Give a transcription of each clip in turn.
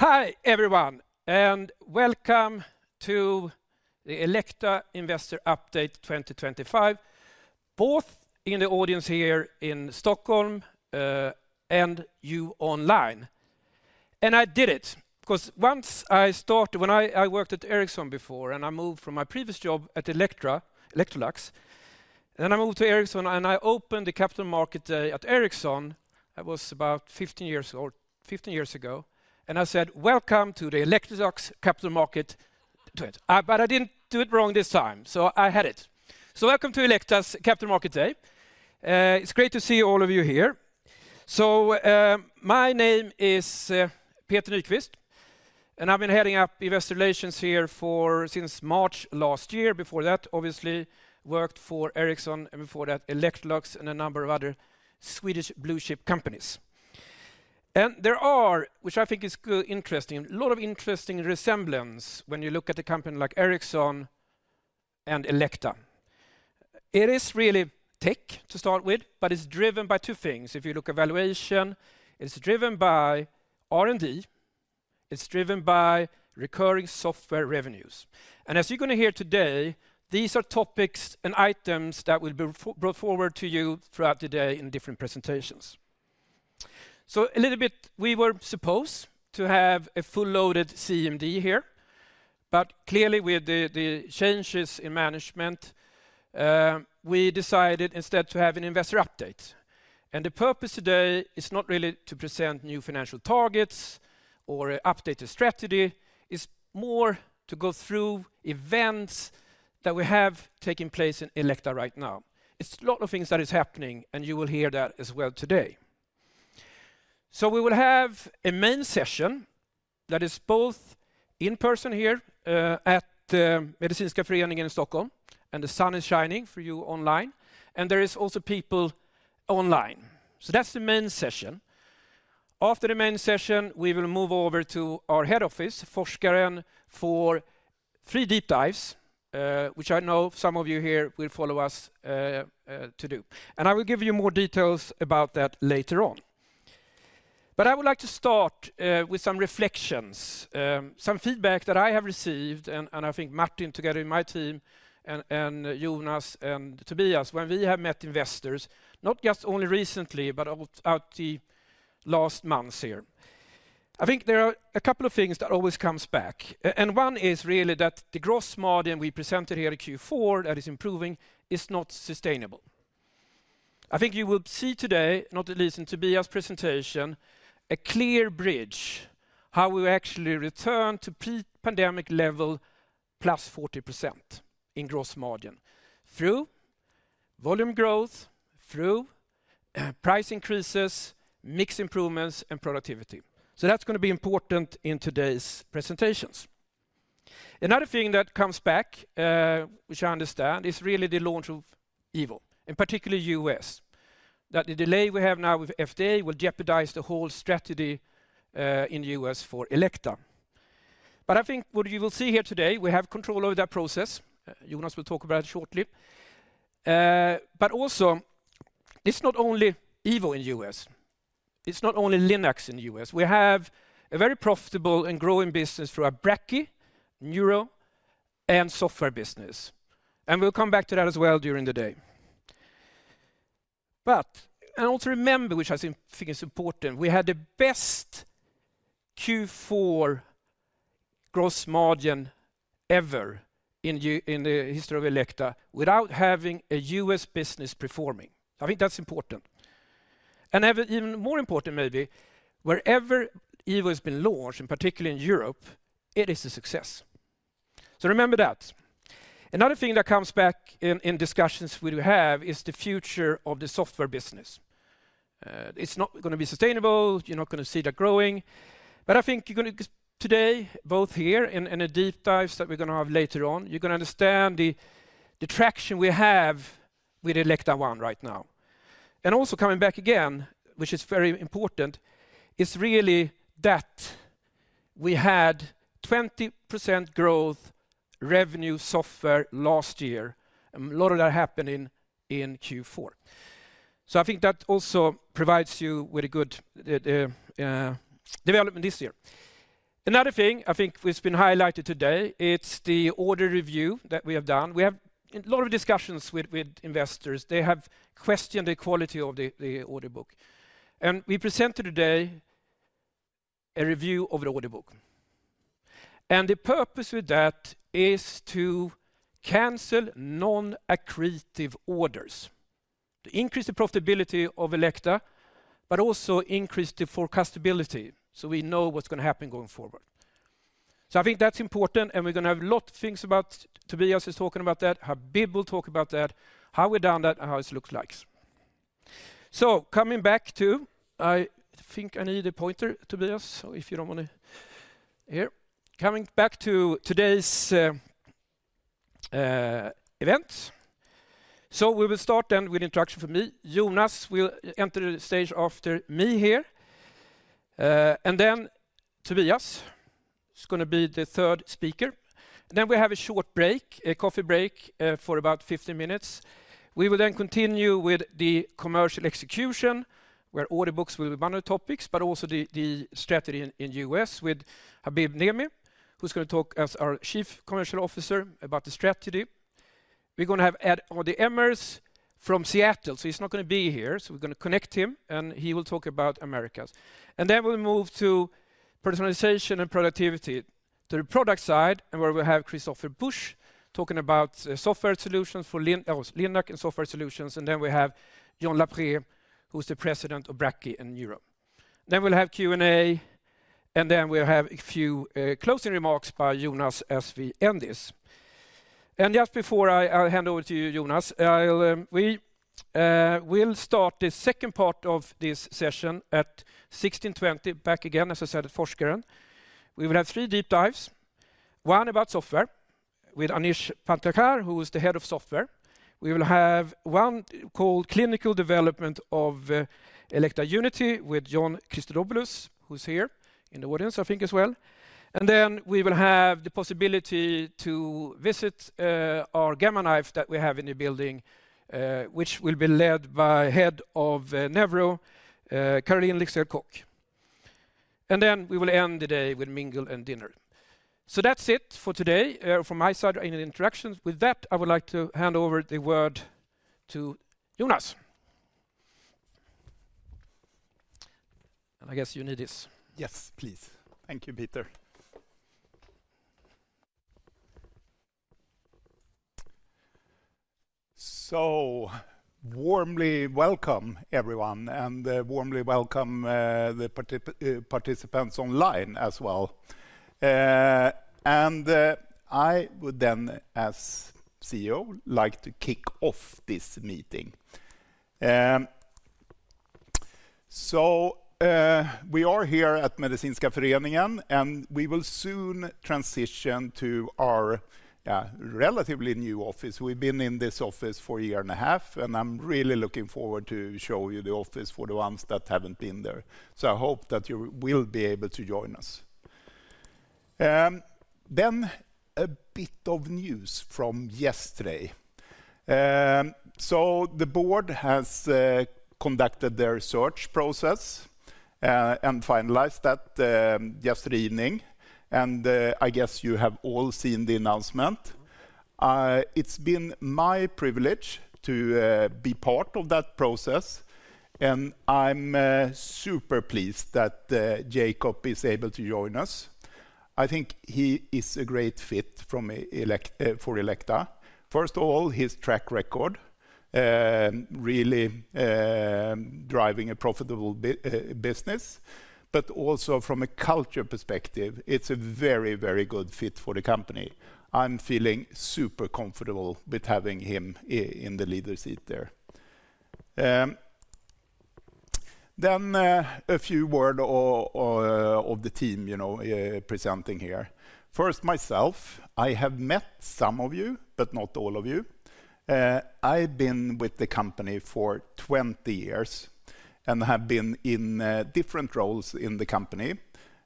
Hi everyone and welcome to the Elekta Investor Update 2025. Both in the audience here in Stockholm and you online. I did it because once I started when I worked at Ericsson before and I moved from my previous job at Electrolux, then I moved to Ericsson and I opened the Capital Market Day at Ericsson. It was about 15 years or 15 years ago, and I said, welcome to the Electrolux Capital Market. I did not do it wrong this time, so I had it. Welcome to Elekta's Capital Market Day. It's great to see all of you here. My name is Peter Nyquist and I've been heading up Investor Relations here since March last year. Before that obviously worked for Ericsson and before that Electrolux and a number of other Swedish blue chip companies. And there are. Which I think is interesting, a lot of interesting resemblance. When you look at a company like Ericsson and Elekta, it is really tech to start with, but it's driven by two things. If you look at valuation, it's driven by R&D, it's driven by recurring software revenues. As you're going to hear today, these are topics and items that will be brought forward to you throughout the day in different presentations. A little bit, we were supposed to have a full loaded CMD here, but clearly with the changes in management, we decided instead to have an investor update. The purpose today is not really to present new financial targets or update. The strategy is more to go through events that we have taking place in Elekta right now. It's a lot of things that is happening and you will hear that as well today. We will have a main session that is both in person here at Medicinska Föreningen in Stockholm. The sun is shining for you online and there is also people online. That's the main session. After the main session we will move over to our head office, Forskaren, for three deep dives, which I know some of you here will follow us to do. I will give you more details about that later on. I would like to start with some reflections, some feedback that I have received and I think Martin together in my team and Jonas and Tobias, when we have met investors, not just only recently, but out the last months here. I think there are a couple of things that always comes back and one is really that the gross margin we presented here in Q4 that is improving is not sustainable. I think you will see today, not at least in Tobias's presentation, a clear bridge how we actually return to pandemic level +40% in gross margin through volume growth, through price increases, mix improvements, and productivity. That is going to be important in today's presentations. Another thing that comes back, which I understand, is really the launch of Evo, in particular in the U.S., that the delay we have now with FDA will jeopardize the whole strategy in the U.S. for Elekta. I think what you will see here today is we have control over that process. Jonas will talk about it shortly. It is also not only Evo in the U.S., it is not only Linacs in the U.S. We have a very profitable and growing business through a brachy, neuro, and software business. We'll come back to that as well during the day. Also remember, which I think is important, we had the best Q4 gross margin ever in the history of Elekta without having a U.S. business performing. I think that's important. Even more important, maybe, wherever Evo has been launched, and particularly in Europe, it is a success. Remember that. Another thing that comes back in discussions we do have is the future of the software business. It's not going to be sustainable. You're not going to see that growing. I think today, both here and in the deep dives that we're going to have later on, you're going to understand the traction we have with Elekta ONE right now. Also coming back again, which is very important, is really that we had 20% growth revenue software last year. A lot of that happened in Q4. I think that also provides you with a good development this year. Another thing I think has been highlighted today is the order review that we have done. We have a lot of discussions with investors. They have questioned the quality of the order book and we present today a review of the order book. The purpose of that is to cancel non-accretive orders to increase the profitability of Elekta, but also increase the forecastability. We know what's going to happen going forward. I think that's important. We're going to have a lot of things about that. Tobias is talking about that, how people talk about that, how we've done that, how it looks like. Coming back to, I think I need a pointer to be honest. If you do not want to hear, coming back to today's event. We will start then with introduction from you. Jonas will enter the stage after me here and then Tobias is going to be the third speaker. Then we have a short break, a coffee break for about 50 minutes. We will then continue with the commercial execution, where order books will be one of the topics, but also the strategy in U.S. with Habib Nehmé, who's going to talk as our Chief Commercial Officer about the strategy. We're going to have Ardie Ermerss from Seattle, so he's not going to be here, so we're going to connect him. He will talk about Americas. Then we'll move to personalization and productivity, to the product side and where we have Christopher Busch talking about software solutions for Linac and software solutions. Then we have John Lapré, who's the President of Brachy and Neuro. Then we'll have Q&A. We will have a few closing remarks by Jonas as we end this. Just before I hand over to you, Jonas, we will start the second part of this session at 16:20. Back again, as I said, at Forskaren, we will have three deep dives. One about software with Anish Patankar, who is the Head of Software. We will have one called Clinical development of Elekta Unity with John Christodouleas, who is here in the audience, I think as well. We will have the possibility to visit our Gamma Knife that we have in the building, which will be led by Head of Neuro, Caroline Leksell Cooke. We will end the day with mingle and dinner. That is it for today from my side. Any interactions with that, I would like to hand over the word to Jonas. I guess you need this. Yes, please. Thank you, Peter. Warmly welcome everyone and warmly welcome the participants online as well. I would then, as CEO, like to kick off this meeting. We are here at Medicinska Föreningen and we will soon transition to our relatively new office. We have been in this office for a year and a half and I am really looking forward to show you the office for the ones that have not been there. I hope that you will be able to join us. A bit of news from yesterday. The Board has conducted their search process and finalized that yesterday evening. I guess you have all seen the announcement. It has been my privilege to be part of that process and I am super pleased that Jakob is able to join us. I think he is a great fit for Elekta. First of all, his track record really driving a profitable business, but also from a culture perspective, it's a very, very good fit for the company. I'm feeling super comfortable with having him in the leader seat. There then, a few words of the team presenting here. First, myself, I have met some of you, but not all of you. I've been with the company for 20 years and have been in different roles in the company.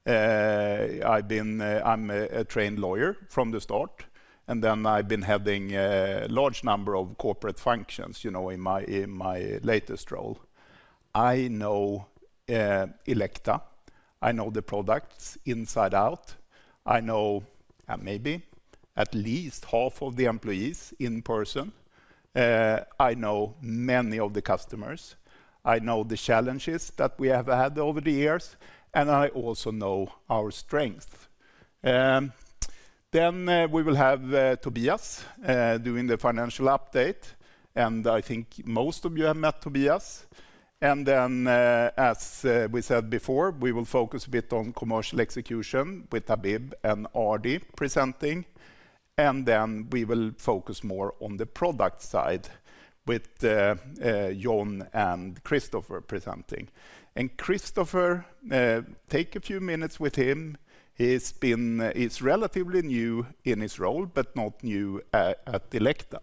I'm a trained lawyer from the start and then I've been having a large number of corporate functions in my latest role. I know Elekta, I know the products inside out. I know maybe at least half of the employees in person. I know many of the customers. I know the challenges that we have had over the years and I also know our strengths. We will have Tobias doing the financial update. I think most of you have met Tobias. As we said before, we will focus a bit on commercial execution with Habib and Ardie presenting. We will focus more on the product side with John and Christopher presenting. Christopher, take a few minutes with him. He is relatively new in his role, but not new at Elekta.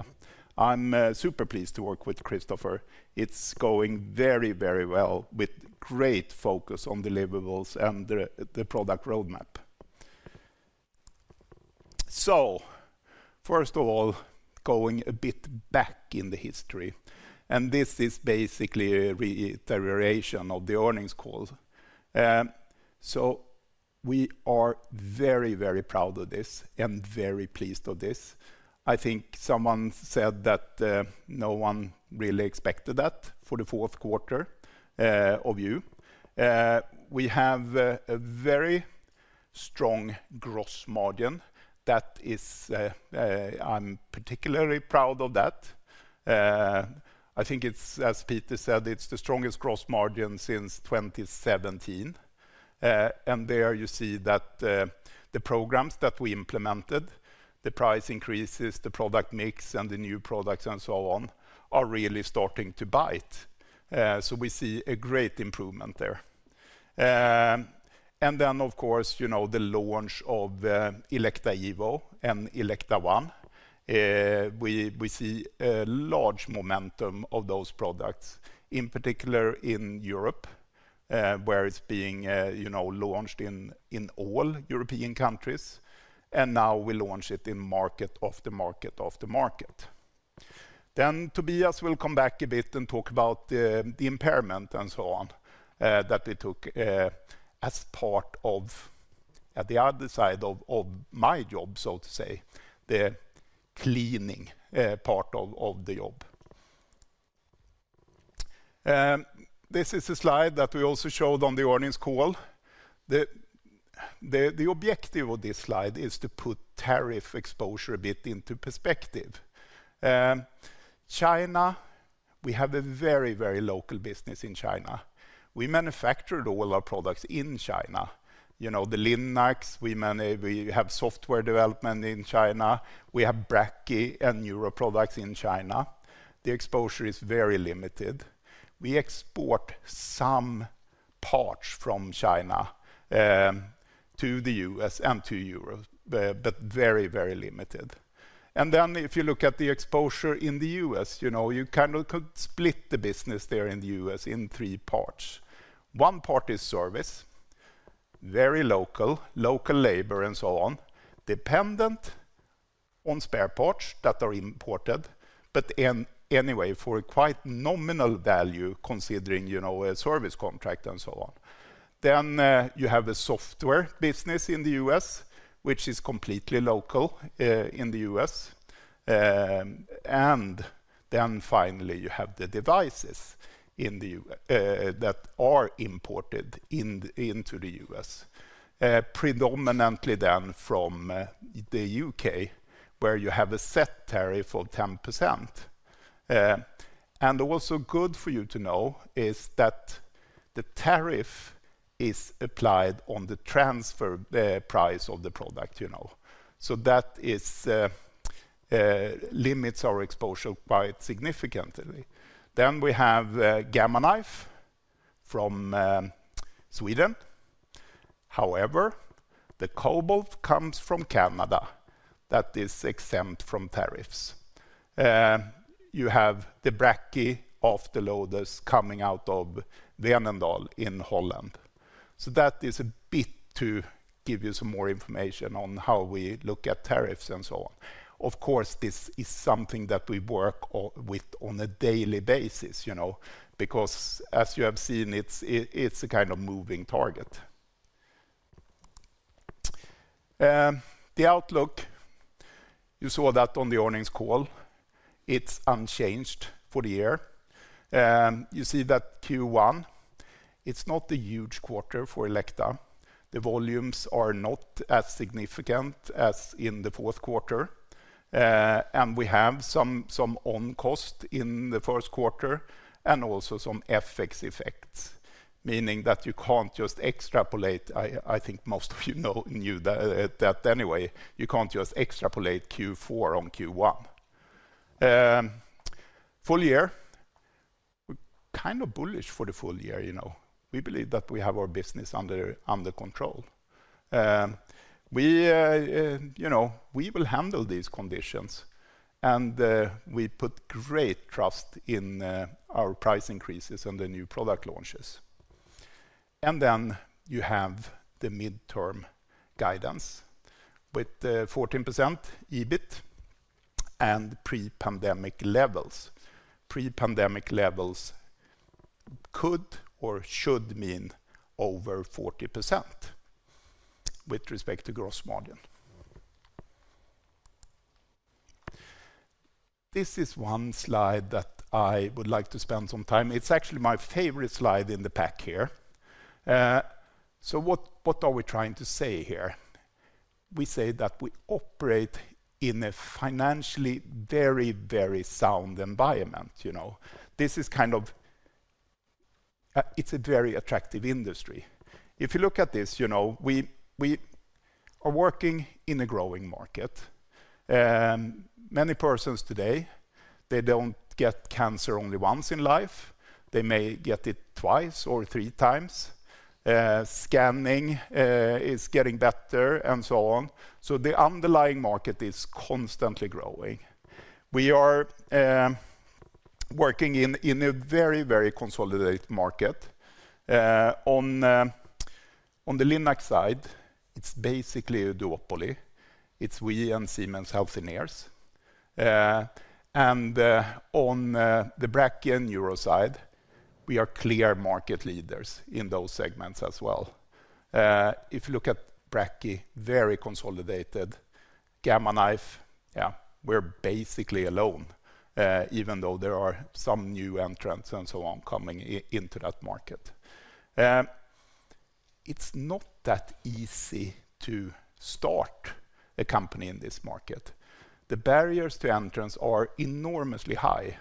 I am super pleased to work with Christopher. It is going very, very well with great focus on deliverables and the product roadmap. First of all, going a bit back in the history, and this is basically a reiteration of the earnings call. We are very, very proud of this and very pleased of this. I think someone said that no one really expected that for the fourth quarter. We have a very strong gross margin. That is, I'm particularly proud of that. I think it's, as Peter said, it's the strongest gross margin since 2017. There you see that the programs that we implemented, the price increases, the product mix, and the new products and so on are really starting to bite. We see a great improvement there. Of course, you know, the launch of Elekta Evo and Elekta ONE, we see a large momentum of those products, in particular in Europe, where it's being launched in all European countries. Now we launch it in market after market after market. Tobias will come back a bit and talk about the impairment and so on that they took as part of, at the other side of my job, so to say, the cleaning part of the job. This is a slide that we also showed on the earnings call. The objective of this slide is to put tariff exposure a bit into perspective. China, we have a very, very local business in China. We manufacture all our products in China. The Linacs, we have software development in China. We have Brachy and Neuro products in China. The exposure is very limited. We export some parts from China to the U.S. and to Europe, but very, very limited. If you look at the exposure in the U.S. you kind of could split the business there in the U.S. in three parts. One part is service, very local, local labor and so on, dependent on spare parts that are imported but anyway for a quite nominal value considering a service contract and so on. You have a software business in the U.S. which is completely local in the U.S. and finally you have the devices that are imported into the U.S. predominantly from the U.K. where you have a set tariff of 10%. Also good for you to know is that the tariff is applied on the transfer price of the product, you know, so that limits our exposure quite significantly. We have Gamma Knife from Sweden. However, the Cobalt comes from Canada. That is exempt from tariffs. You have the Brachy of the loaders coming out of Veenendaal in the Netherlands. That is a bit to give you some more information on how we look at tariffs and so on. Also of course this is something that we work with on a daily basis because as you have seen, it's a kind of moving target. The outlook, you saw that on the earnings call. It's unchanged for the year. You see that Q1, it's not a huge quarter for Elekta. The volumes are not as significant as in the fourth quarter and we have some on cost in the first quarter and also some FX effects. Meaning that you can't just extrapolate. I think most of you knew that anyway. You can't just extrapolate Q4 on Q1. Full year, kind of bullish for the full year. We believe that we have our business under control. We will handle these conditions and we put great trust in our price increases and the new product launches. You have the mid term guidance with 14% EBIT and pre-pandemic levels. Pre-pandemic levels could or should mean over 40% with respect to gross margin. This is one slide that I would like to spend some time. It's actually my favorite slide in the pack here. What are we trying to say here? We say that we operate in a financially very, very sound environment. You know, this is kind of. It's a very attractive industry. If you look at this. You know, we are working in a growing market. Many persons today, they don't get cancer only once in life. They may get it twice or three times. Scanning is getting better and so on. The underlying market is constantly growing. We are working in a very, very consolidated market. On the Linac side it's basically a duopoly. It's we and Siemens Healthineers and on the Brachy and Neuro side, we are clear market leaders in those segments as well. If you look at Brachy, very consolidated Gamma Knife, we're basically alone. Even though there are some new entrants and so on coming into that market. It's not that easy to start a company in this market. The barriers to entrance are enormously high.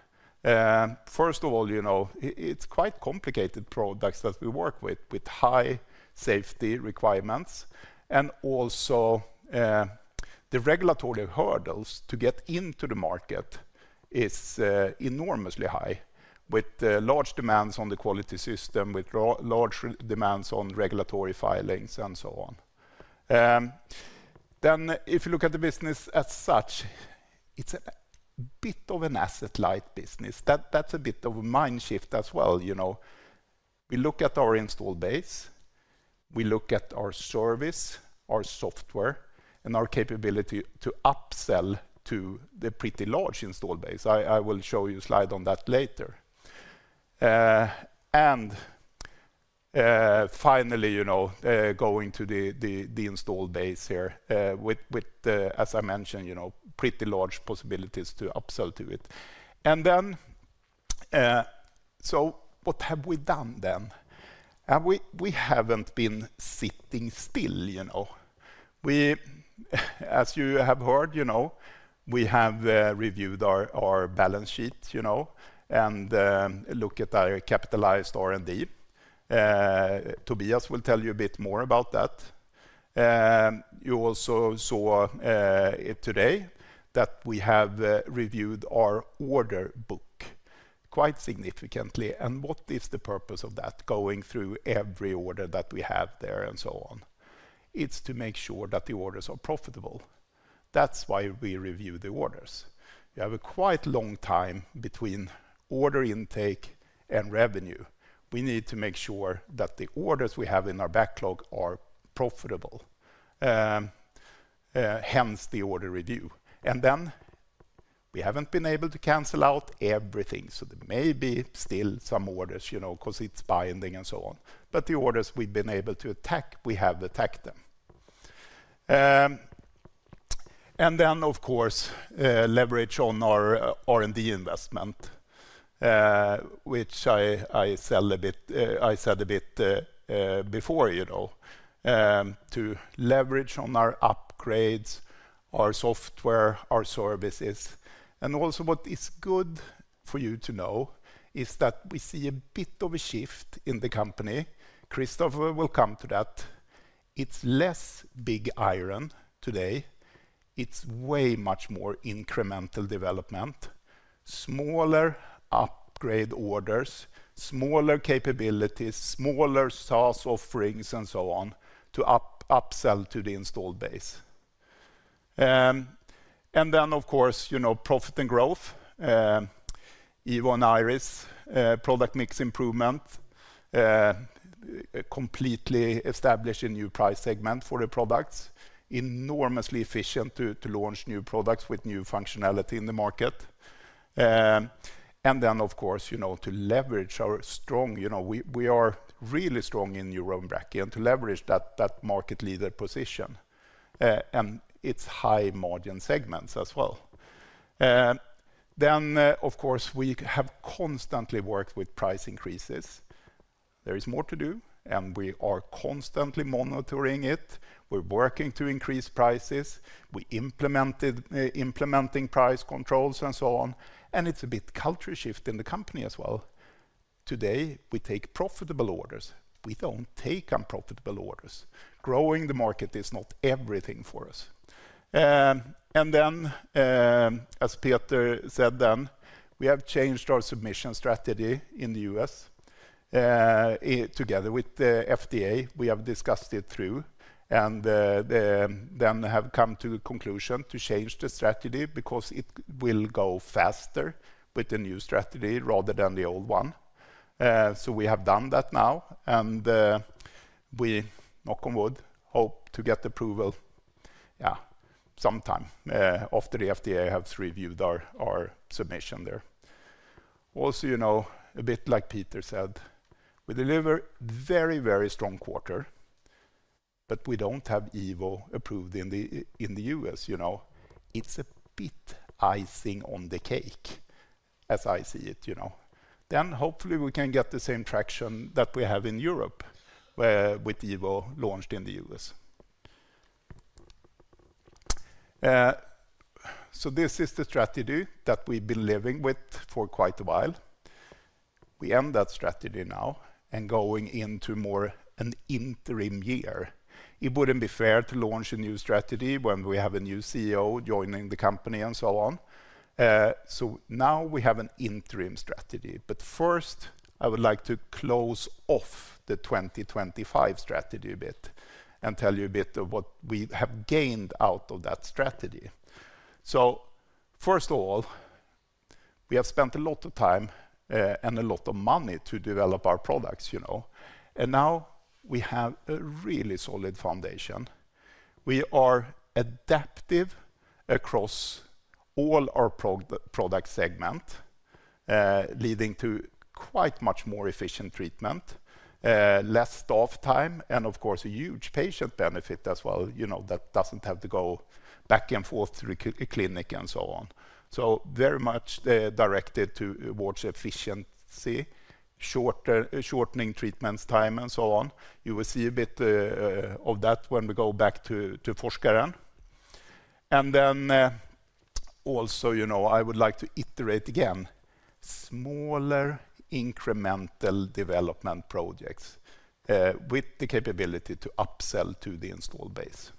First of all, you know, it's quite complicated. Products that we work with with high safety requirements and also the regulatory hurdles to get into the market is enormously high with large demands on the quality system, with large demands on regulatory filings and so on. If you look at the business as such, it's a bit of an asset light business. That's a bit of a mind shift as well. You know, we look at our install base, we look at our service, our software and our capability to upsell to the pretty large install base. I will show you a slide on that later. Finally, going to the install base here with, as I mentioned, pretty large possibilities to upsell to it. Then what have we done? We have not been sitting still, you know, as you have heard, you know, we have reviewed our balance sheet, you know, and looked at our capitalized R&D. Tobias will tell you a bit more about that. You also saw today that we have reviewed our order book quite significantly. What is the purpose of that, going through every order that we have there and so on? It is to make sure that the orders are profitable. That is why we review the orders. We have quite a long time between order intake and revenue. We need to make sure that the orders we have in our backlog are profitable, hence the order review. We have not been able to cancel out everything, so there may still be some orders, you know, because it is binding and so on. The orders we've been able to attack, we have attacked them. Of course, leverage on our R&D investment, which I said a bit before, you know, to leverage on our upgrades, our software, our services. Also, what is good for you to know is that we see a bit of a shift in the company. Christopher will come to that. It's less big iron today. It's way much more incremental development. Smaller upgrade orders, smaller capabilities, smaller SaaS offerings and so on to upsell to the installed base. Of course, you know, profit and growth. Evo and Iris product mix improvement. Completely establish a new price segment for the products. Enormously efficient to launch new products with new functionality in the market. Of course, you know, to leverage our strong, you know, we are really strong in Europe and brachy and to leverage that market leader position and its high margin segments as well. Of course we have constantly worked with price increases. There is more to do and we are constantly monitoring it. We're working to increase prices, we implemented price controls and so on. It's a bit of a cultural shift in the company as well. Today we take profitable orders, we don't take unprofitable orders. Growing the market is not everything for us. As Peter said, we have changed our submission strategy in the U.S. Together with the FDA, we have discussed it through and then have come to a conclusion to change the strategy because it will go faster with the new strategy rather than the old one. We have done that now and we knock on wood, hope to get approval sometime after the FDA has reviewed our submission. There also, you know, a bit like Peter said, we deliver very, very strong quarter, but we do not have Evo approved in the U.S. You know, it is a bit icing on the cake as I see it. You know, then hopefully we can get the same traction that we have in Europe with Evo launched in the U.S. This is the strategy that we have been living with for quite a while. We end that strategy now and going into more an interim year, it would not be fair to launch a new strategy when we have a new CEO joining the company and so on. Now we have an interim strategy. First I would like to close off the 2025 strategy a bit and tell you a bit of what we have gained out of that strategy. First of all, we have spent a lot of time and a lot of money to develop our products, you know, and now we have a really solid foundation. We are adaptive across all our product segment, leading to quite much more efficient treatment, less staff time and of course a huge patient benefit as well. You know, that does not have to go back and forth through clinic and so on. Very much directed towards efficiency, shortening treatments, time and so on. You will see a bit of that when we go back to Forskaren. And then also, you know, I would like to iterate again smaller incremental development projects with the capability to upsell to the installed base.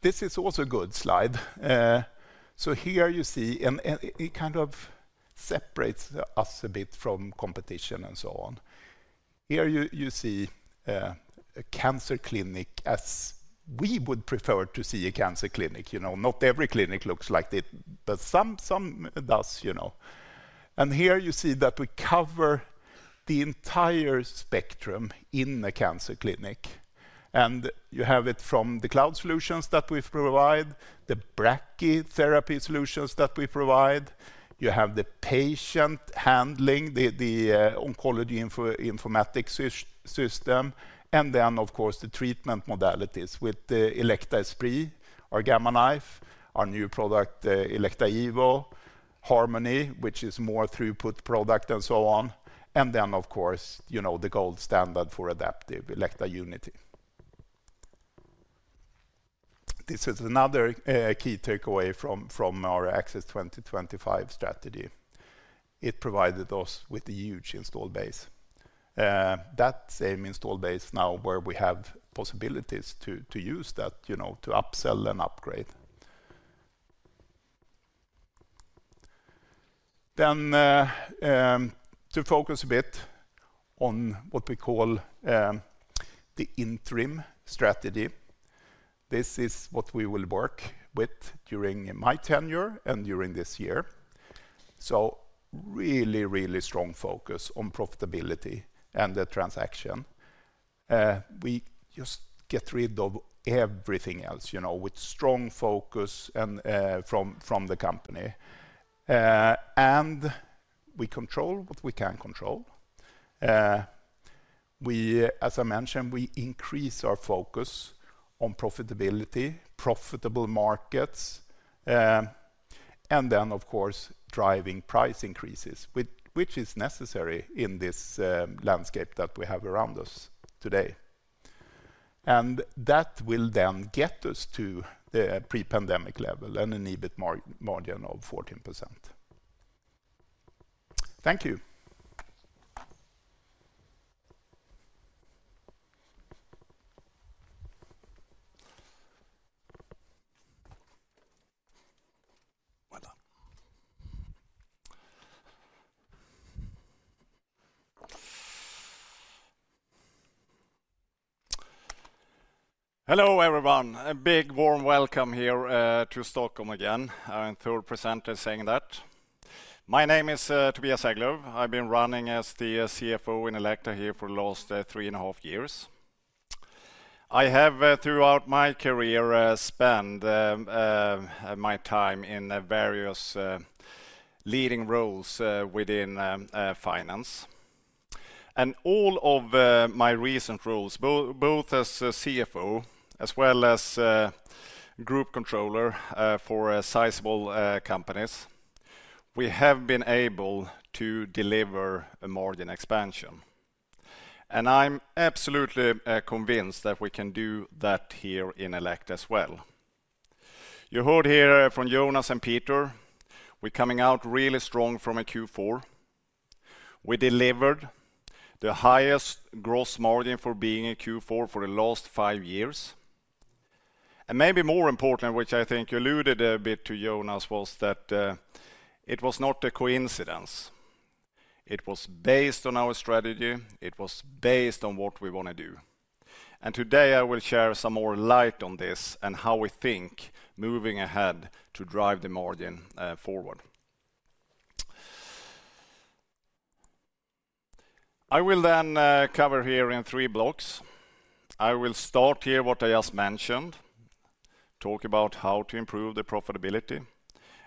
This is also a good slide. Here you see, and it kind of separates us a bit from competition and so on. Here you see a cancer clinic as we would prefer to see a cancer clinic. You know, not every clinic looks like it, but some do. You know, here you see that we cover the entire spectrum in the cancer clinic and you have it from the cloud solutions that we provide, the brachytherapy solutions that we provide. You have the patient handling the oncology informatics system and then of course the treatment modalities with the Elekta Esprit or Gamma Knife. Our new product, Elekta Evo Harmony, which is more throughput product and so on. Of course the gold standard for adaptive Elekta Unity. This is another key takeaway from our Access 2025 strategy. It provided us with a huge install base, that same install base now where we have possibilities to use that, you know, to upsell and upgrade, then to focus a bit on what we call the interim strategy. This is what we will work with during my tenure and during this year. Really, really strong focus on profitability and the transaction. We just get rid of everything else, you know, with strong focus from the company and we control what we can control. We, as I mentioned, we increase our focus on profitability, profitable markets and of course traffic driving price increases, which is necessary in this landscape that we have around us today. That will then get us to the pre-pandemic level and an EBIT margin of 14%. Thank you. Well done. Hello everyone. A big warm welcome here to Stockholm again and third presenter saying that. My name is Tobias Hägglöv. I've been running as the CFO in Elekta here for the last three and a half years. I have throughout my career spent my time in various leading roles within finance and all of my recent roles, both as CFO as well as group controller for sizeable companies. We have been able to deliver margin expansion and I'm absolutely convinced that we can do that here in Elekta as well. You heard here from Jonas and Peter. We're coming out really strong from a Q4. We delivered the highest gross margin for being in Q4 for the last five years. Maybe more important, which I think alluded a bit to Jonas, was that it was not a coincidence. It was based on our strategy, it was based on what we want to do. Today I will share some more light on this and how we think moving ahead to drive the margin forward. I will then cover here in three blocks. I will start here, what I just mentioned, talk about how to improve the profitability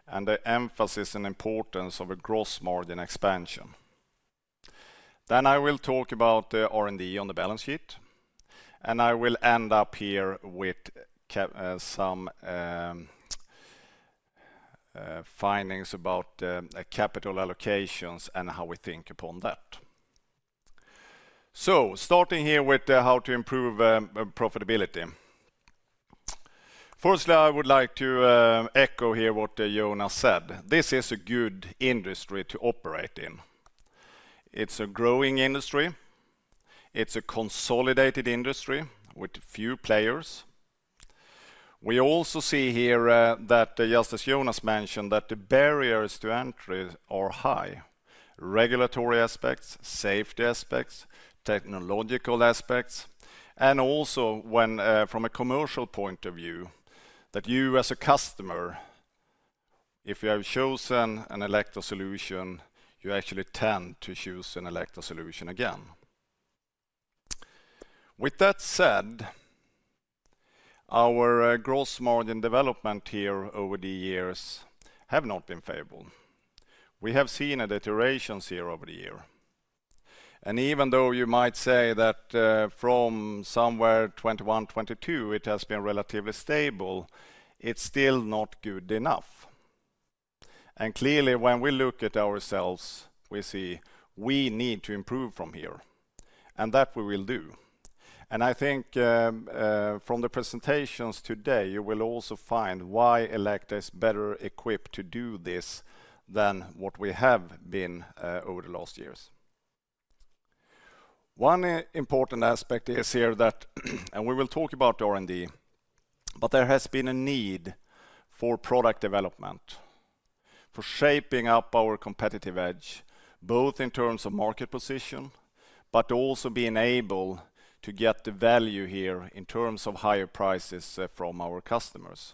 and the emphasis and importance of a gross margin expansion. Then I will talk about R&D on the balance sheet and I will end up here with some findings about capital allocations and how we think upon that. Starting here with how to improve profitability, firstly, I would like to echo here what Jonas said. This is a good industry to operate in. It is a growing industry, it is a consolidated industry with few players. We also see here that just as Jonas mentioned that the barriers to entry are high. Regulatory aspects, safety aspects, technological aspects, and also from a commercial point of view that you as a customer, if you have chosen an Elekta solution, you actually tend to choose an Elekta solution. Again, with that said, our gross margin development here over the years has not been favorable. We have seen a deterioration here over the years and even though you might say that from somewhere 2021, 2022, it has been relatively stable, it is still not good enough. Clearly when we look at ourselves, we see we need to improve from here and that we will do. I think from the presentations today you will also find why Elekta is better equipped to do this than what we have been over the last years. One important aspect is here that and we will talk about R&D, but there has been a need for product development, for shaping up our competitive edge both in terms of market position, but also being able to get the value here in terms of higher prices from our customers.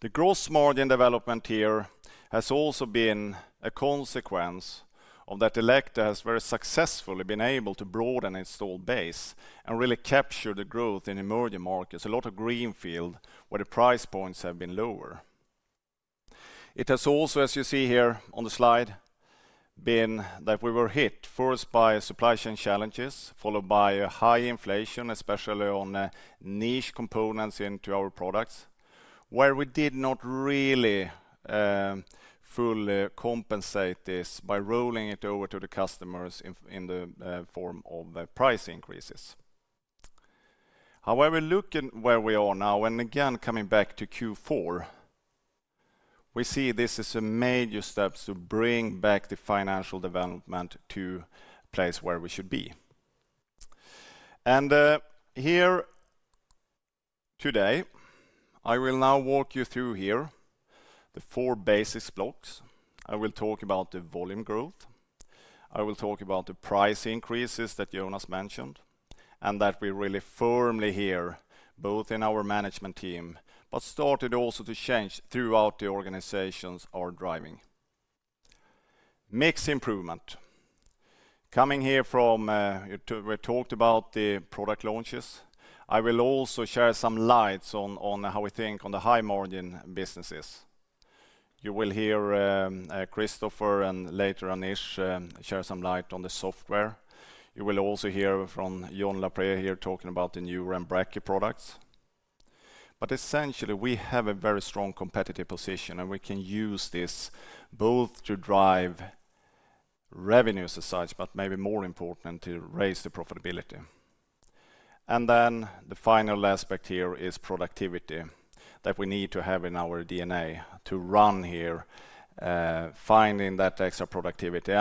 The gross margin development here has also been a consequence of that. Elekta has very successfully been able to broaden its installed base and really capture the growth in emerging markets. A lot of greenfield where the price points have been lower. It has also, as you see here on the slide, been that we were hit first by supply chain challenges followed by high inflation, especially on niche components into our products where we did not really fully compensate this by rolling it over to the customers in the form of price increases. However, looking where we are now and again coming back to Q4, we see this is a major step to bring back the financial development to place where we should be and here today. I will now walk you through here the four basis blocks. I will talk about the volume growth. I will talk about the price increases that Jonas mentioned and that we really firmly hear both in our management team but started also to change throughout the organizations. Our driving mix improvement coming here from we talked about the product launches. I will also share some lights on how we think on the high margin businesses. You will hear Christopher and later Anish share some light on the software. You will also hear John Lapré here talking about the new RemBrachy products. Essentially we have a very strong competitive position and we can use this both to drive revenues as such, but maybe more important to raise the profitability. The final aspect here is productivity that we need to have in our DNA to run here. Finding that extra productivity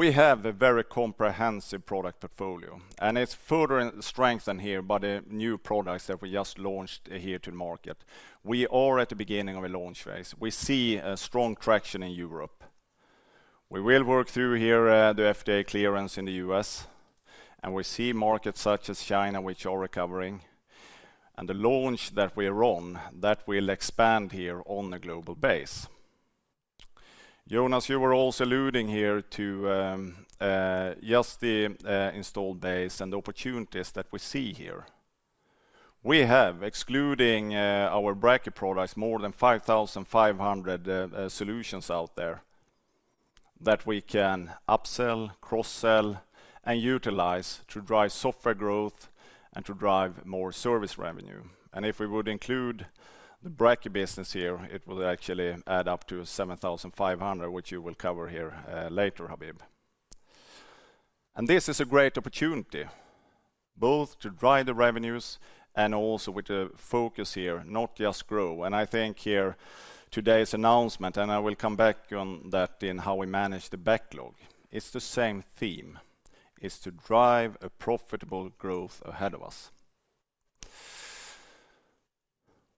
and focus here will change a little bit over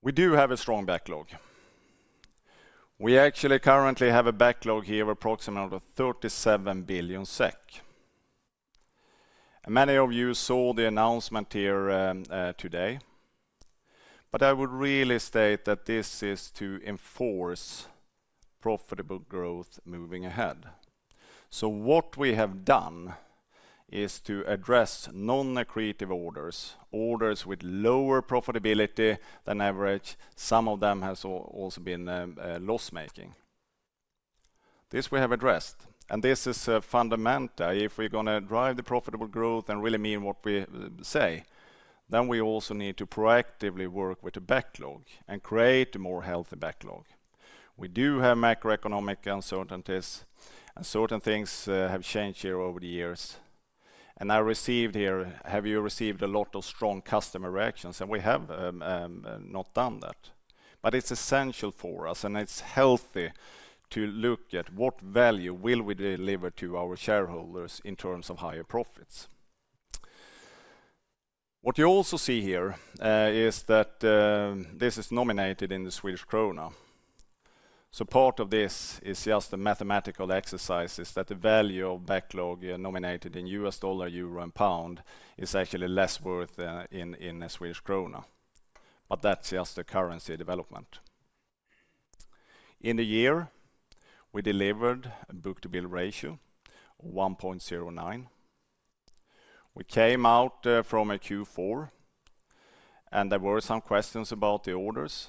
We do have a strong backlog. We actually currently have a backlog here of approximately 37 billion SEK. Many of you saw the announcement here today. I would really state that this is to enforce profitable growth moving ahead. What we have done is to address non-accretive orders, orders with lower profitability than average. Some of them have also been loss making. This we have addressed and this is fundamental. If we're going to drive the profitable growth and really mean what we say, then we also need to proactively work with the backlog and create a more healthy backlog. We do have macroeconomic uncertainties and certain things have changed here over the years. I received here. Have you received a lot of strong customer reactions. We have not done that. It is essential for us and it is healthy to look at what value we will deliver to our shareholders in terms of higher profits. What you also see here is that this is nominated Swedish Krona. part of this is just a mathematical exercise that the value of backlog nominated in U.S. dollar, euro, and pound is actually less worth Swedish Krona. that is just a currency development. In the year we delivered a book-to-bill ratio of 1.09, we came out from a Q4 and there were some questions about the orders.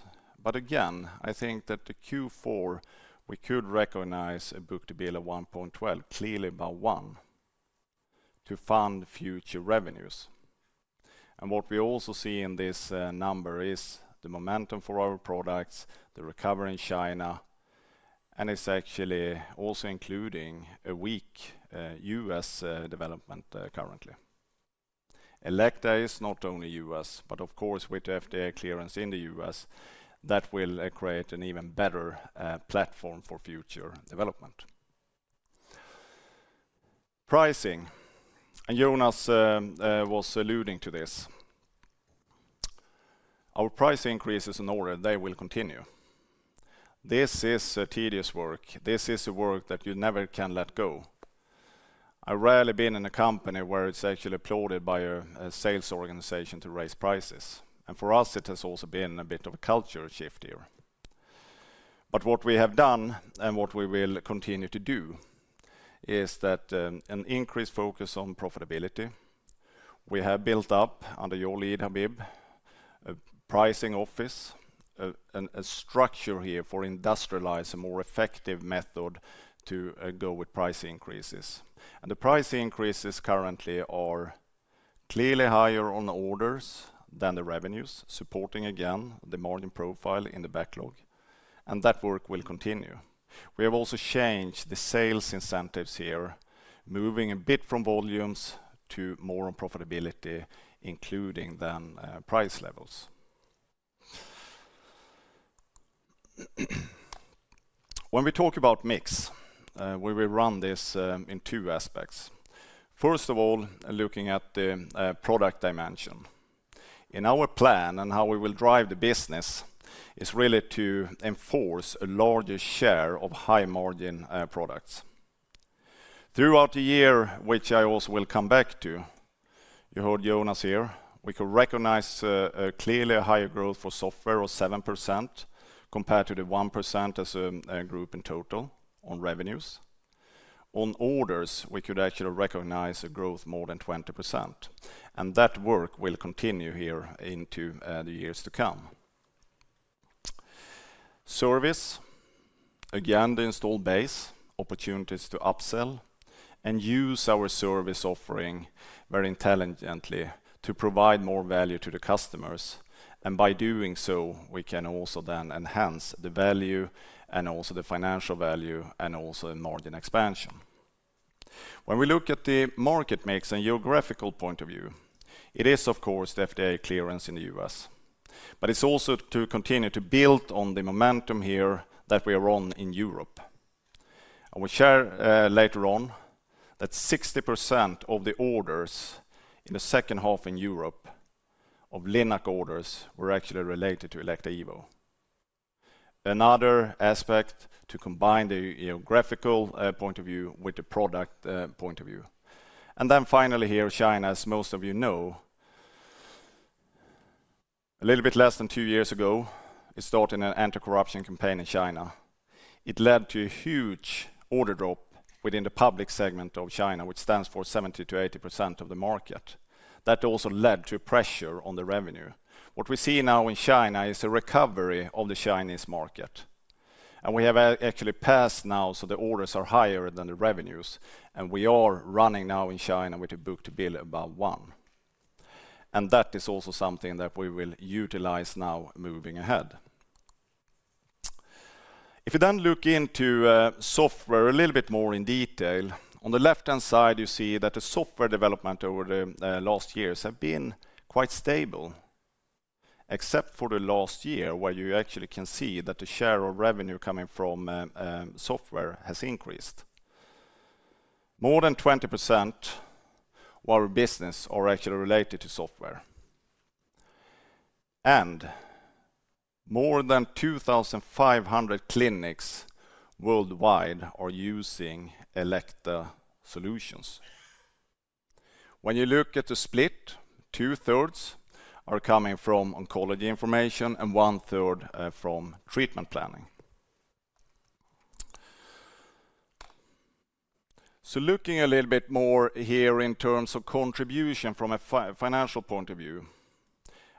Again, I think that in Q4 we could recognize a book-to-bill of 1.12, clearly above 1 to fund future revenues. What we also see in this number is the momentum for our products, the recovery in China, and it is actually also including a weak U.S. development. Currently Elekta is not only us, but of course with FDA clearance in the U.S. that will create an even better platform for future development pricing. Jonas was alluding to this. Our price increases in order they will continue. This is tedious work. This is a work that you never can let go. I rarely been in a company where it's actually applauded by a sales organization to raise prices. For us it has also been a bit of a culture shift here. What we have done and what we will continue to do is that an increased focus on profitability. We have built up under Nehmé Habib a pricing office, a structure here for industrialized a more effective method to go with price increases. The price increases currently are clearly higher on orders than the revenues supporting again the margin profile in the backlog. That work will continue. We have also changed the sales incentives here, moving a bit from volumes to more on profitability, including then price levels. When we talk about mix, we will run this in two aspects. First of all, looking at the product dimension in our plan and how we will drive the business is really to enforce a larger share of high margin products throughout the year, which I also will come back to. You heard Jonas. Here we could recognize clearly a higher growth for software of 7% compared to the 1% as a group in total. On revenues on orders, we could actually recognize a growth more than 20%. That work will continue here into the years to come. Service again, the install base opportunities to upsell and use our service offering very intelligently to provide more value to the customers. By doing so we can also then enhance the value and also the financial value and also margin expansion. When we look at the market mix and geographical point of view, it is of course the FDA clearance in the U.S. but it's also to continue to build on the momentum here that we are on in Europe. I will share later on that 60% of the orders in the second half in Europe of Linac orders were actually related to Elekta Evo. Another aspect to combine the geographical point of view with the product point of view. Finally here, China, as most of you know, a little bit less than two years ago, it started an anti-corruption campaign in China. It led to a huge order drop within the public segment of China, which stands for 70%-80% of the market. That also led to pressure on the revenue. What we see now in China is a recovery of the Chinese market. We have actually passed now. The orders are higher than the revenues. We are running now in China with a book-to-bill above one. That is also something that we will utilize now. Moving ahead, if you then look into software a little bit more in detail, on the left-hand side, you see that the software development over the last years has been quite stable, except for the last year where you actually can see that the share of revenue coming from software has increased. More than 20% of our business is actually related to software. More than 2,500 clinics worldwide are using Elekta solutions. When you look at the split, two-thirds are coming from oncology information and one-third from drug treatment planning. Looking a little bit more here in terms of contribution from a financial point of view,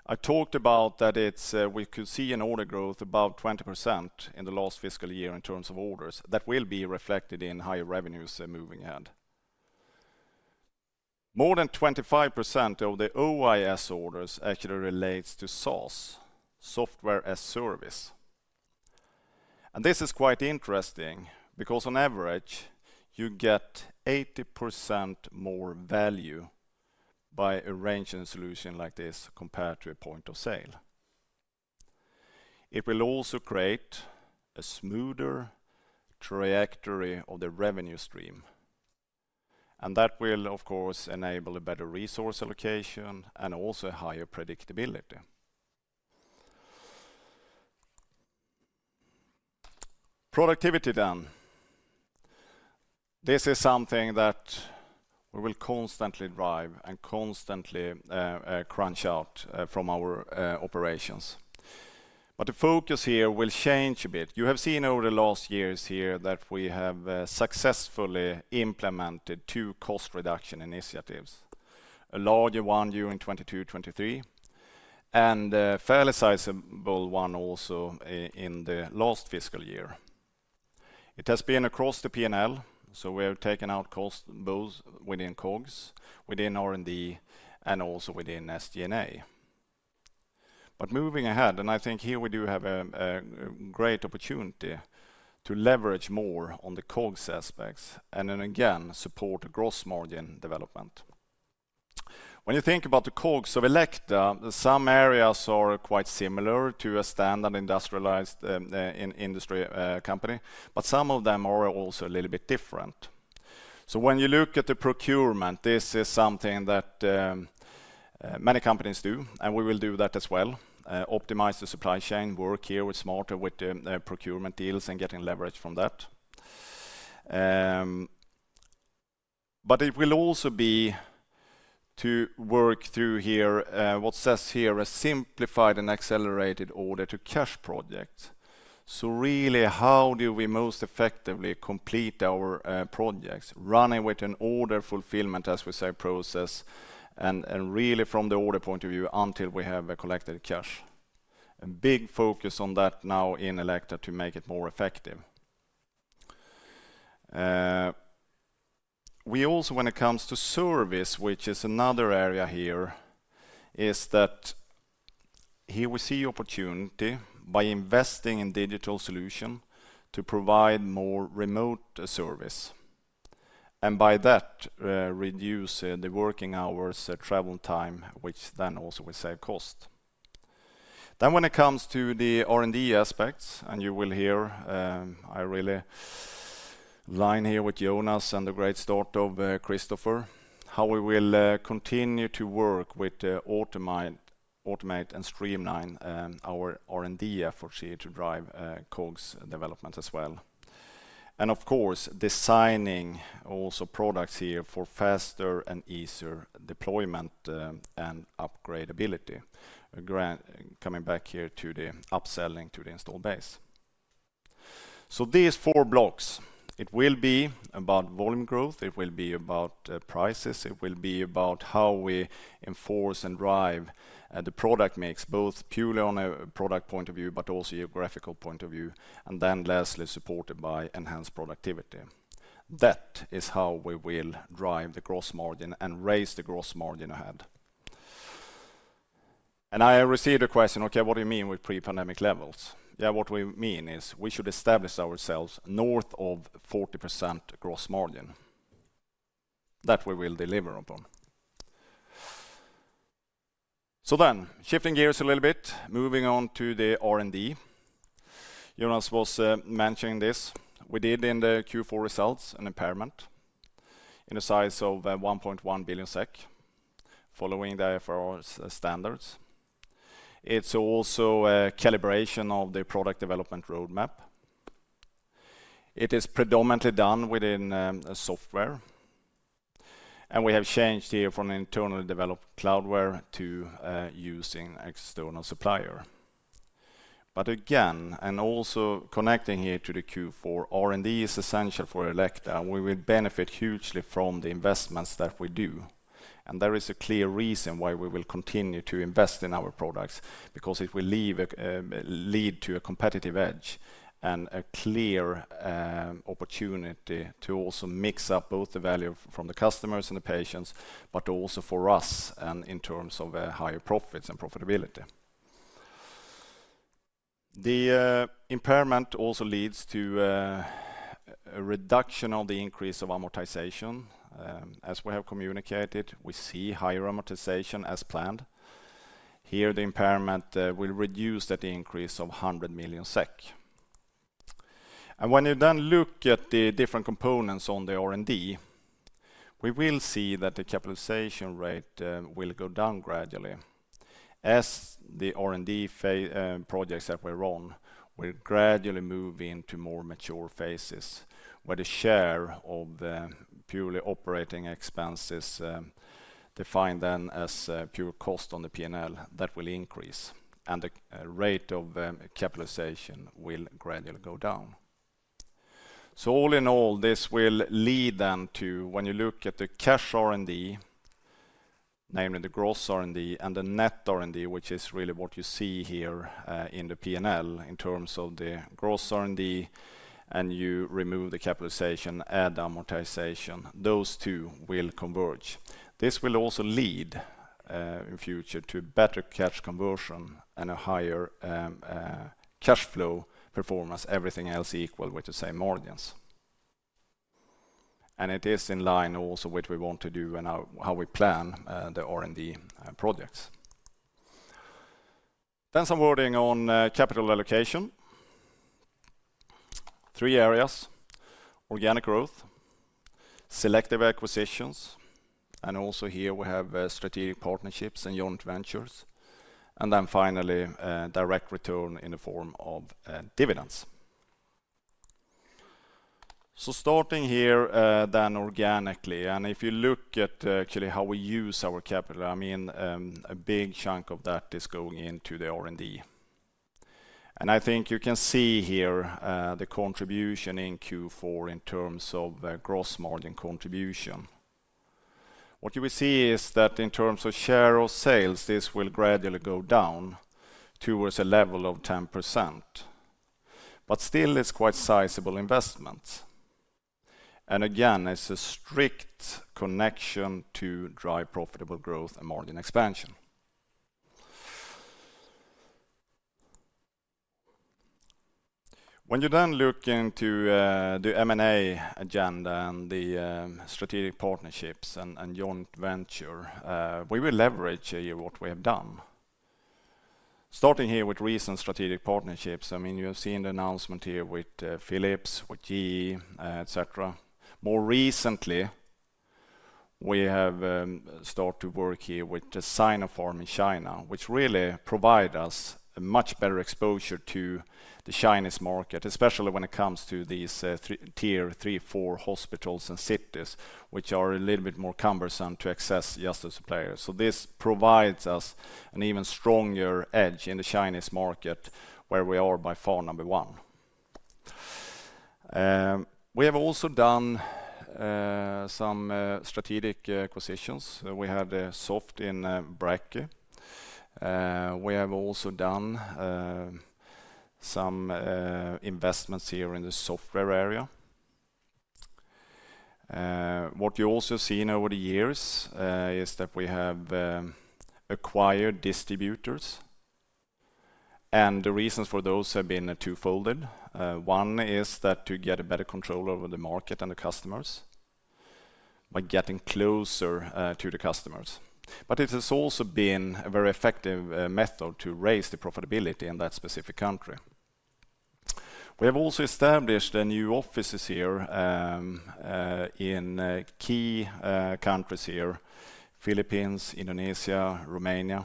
I talked about that we could see an order growth above 20% in the last fiscal year in terms of orders that will be reflected in higher revenues. Moving ahead, more than 25% of the OIS orders actually relates to SaaS software as a service. This is quite interesting because on average you get 80% more value by arranging a solution like this compared to a point of sale. It will also create a smoother trajectory of the revenue stream and that will of course enable a better resource allocation and also higher predictability productivity. This is something that we will constantly drive and constantly crunch out from our operations. The focus here will change a bit. You have seen over the last years here that we have successfully implemented two cost reduction initiatives. A larger one during 2022-2023 and a fairly sizable one also in the last fiscal year. It has been across the P&L. We have taken out costs both within COGS, within R&D, and also within SG&A. Moving ahead, I think here we do have a great opportunity to leverage more on the COGS aspects and then again support gross margin development. When you think about the COGS of Elekta, some areas are quite similar to a standard industrialized industry company, but some of them are also a little bit different. When you look at the procurement, this is something that many companies do and we will do that as well. Optimize the supply chain work here with smarter procurement deals and getting leverage from that. It will also be to work through here what says here a simplified and accelerated order to cash projects. Really, how do we most effectively complete our projects running with an order fulfillment, as we say, process. Really from the order point of view until we have collected cash, a big focus on that now in Elekta to make it more effective. We also, when it comes to service, which is another area here, see opportunity by investing in digital solutions to provide more remote service and by that reduce the working hours, travel time, which then also will save cost. When it comes to the R&D aspects, and you will hear I really line here with Jonas and the great start of Christopher, how we will continue to work with, automate and streamline our R&D effort to drive COGS development as well. Of course, designing also products here for faster and easier development, deployment and upgradability. Coming back here to the upselling to the install base. These four blocks, it will be about volume growth, it will be about prices, it will be about how we enforce and drive the product mix, both purely on a product point of view, but also geographical point of view. Lastly, supported by enhanced productivity. That is how we will drive the gross margin and raise the gross margin ahead. I received a question. Okay, what do you mean with pre-pandemic levels? What we mean is we should establish ourselves north of 40% gross margin that we will deliver upon. Shifting gears a little bit, moving on to the R&D, Jonas was mentioning this. We did in the Q4 results an impairment in a size of SEK 1.1 billion following the IFR standards. It is also a calibration of the product development roadmap. It is predominantly done within software and we have changed here from internally developed cloudware to using external supplier. Again, also connecting here to the Q4, R&D is essential for Elekta. We will benefit hugely from the investments that we do. There is a clear reason why we will continue to invest in our products. Because it will lead to a competitive edge and a clear opportunity to also mix up both the value from the customers and the patients, but also for us in terms of higher profits and profitability. Profitability, the impairment also leads to a reduction of the increase of amortization. As we have communicated, we see higher amortization as planned here. The impairment will reduce that increase of SEK 100 million. When you then look at the different components on the R&D, we will see that the capitalization rate will go down gradually as the R&D projects that we run will gradually move into more mature phases where the share of the purely operating expense is defined then as pure cost on the P&L that will increase and the rate of capitalization will gradually go down. All in all, this will lead then to when you look at the cash R&D, namely the gross R&D and the net R&D, which is really what you see here in the P&L in terms of the gross R&D, and you remove the capitalization, add amortization, those two will converge. This will also lead in future to better cash conversion and a higher cash flow performance, everything else equal with the same margins. It is in line also with what we want to do and how we plan the R&D projects. Some wording on capital allocation. Three areas: organic growth, selective acquisitions, and also here we have strategic partnerships and joint ventures, and finally direct return in the form of dividends. Starting here, then, organically. If you look at actually how we use our capital, I mean a big chunk of that is going into the R&D. I think you can see here the contribution in Q4 in terms of gross margin contribution. What you will see is that in terms of share of sales, this will gradually go down towards a level of 10%. Still, it is quite a sizable investment. Again, it is a strict connection to drive profitable growth and margin expansion. When you look into the M&A agenda and the strategic partnerships and joint venture, we will leverage what we have done starting here with recent strategic partnerships. I mean you have seen the announcement here with Philips, with GE, etc. More recently we have started to work here with Sinopharm in China, which really provides us a much better exposure to the Chinese market, especially when it comes to these tier 3-4 hospitals and cities which are a little bit more cumbersome to access just as a player. This provides us an even stronger edge in the Chinese market where we are by far number one. We have also done some strategic acquisitions. We had soft in brekkie. We have also done some investments here in the software area. What you have also seen over the years is that we have acquired distributors and the reasons for those have been twofold. One is to get a better control over the market and the customers by getting closer to the customers. It has also been a very effective method to raise the profitability in that specific country. We have also established new offices here in key countries here, Philippines, Indonesia, Romania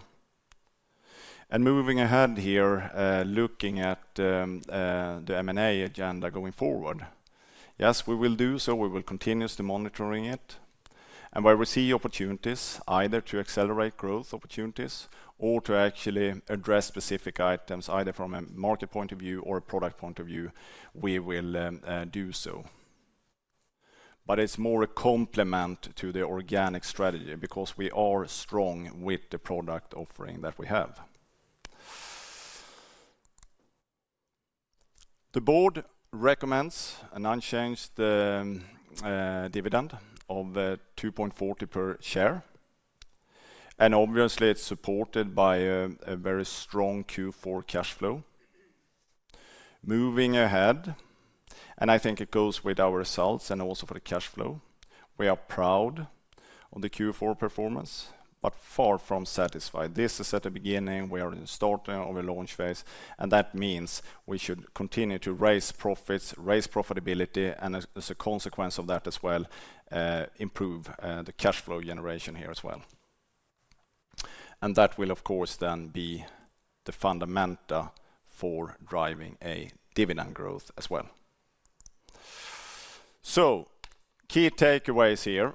and moving ahead here, looking at the M&A agenda going forward, yes, we will do so. We will continuously monitor it and where we see opportunities, either to accelerate growth opportunities or to actually address specific items, either from a market point of view or a product point of view, we will do so. It is more a complement to the organic strategy because we are strong with the product offering that we have. The board recommends an unchanged dividend of 2.40 per share. It is supported by a very strong Q4 cash flow moving ahead. I think it goes with our results. Also for the cash flow, we are proud of the Q4 performance, but far from satisfied. This is at the beginning, we are in the start of a launch phase and that means we should continue to raise profits, raise profitability and as a consequence of that as well, improve the cash flow generation here as well. That will of course then be the fundamental for driving a dividend growth as well. Key takeaways here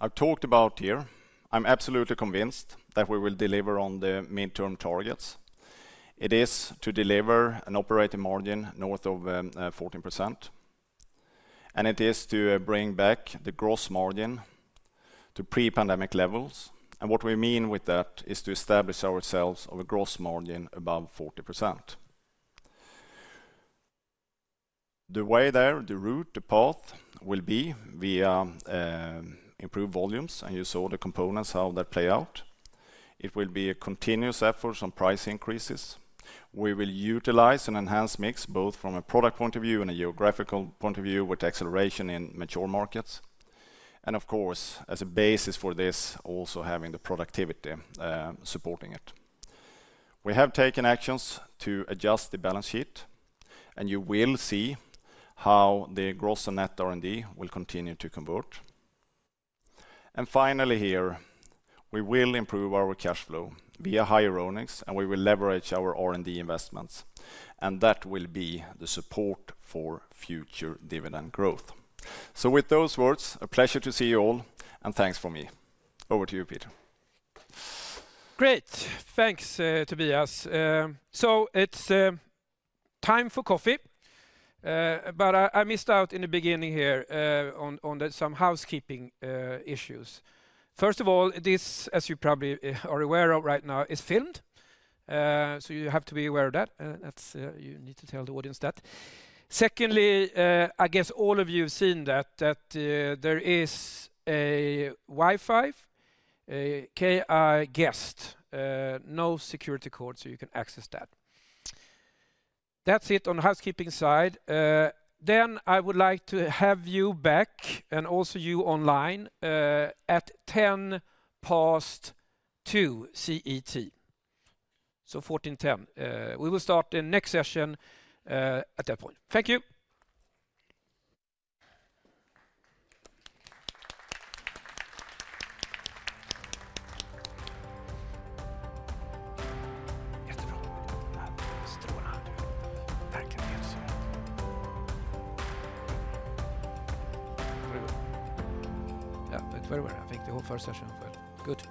I've talked about here, I'm absolutely convinced that we will deliver on the mid term targets. It is to deliver an operating margin north of 14% and it is to bring back the gross margin to pre pandemic levels. What we mean with that is to establish ourselves of a gross margin above 40%. The way there, the route, the path will be via improved volumes. You saw the components how that play out. It will be a continuous effort on price increases. We will utilize an enhanced mix both from a product point of view and a geographical point of view with acceleration in mature markets of course as a basis for this, also having the productivity supporting it. We have taken actions to adjust the balance sheet and you will see how the gross and net R&D will continue to convert. Finally, here we will improve our cash flow via higher earnings and we will leverage our R&D investments and that will be the support for future dividend growth. With those words, a pleasure to see you all. Thanks for me, over to you Peter. Great, thanks Tobias. It is time for coffee. I missed out in the beginning here on some housekeeping issues. First of all, this, as you probably are aware of right now, is filmed. You have to be aware of that. You need to tell the audience that. Secondly, I guess all of you have seen that there is a Wi-Fi key guest, no security code, so you can access that. That is it on housekeeping side. I would like to have you back and also you online at 2:10 P.M. CET, so 14:10. We will start the next session at that point. Thank you. I think the whole first session was good.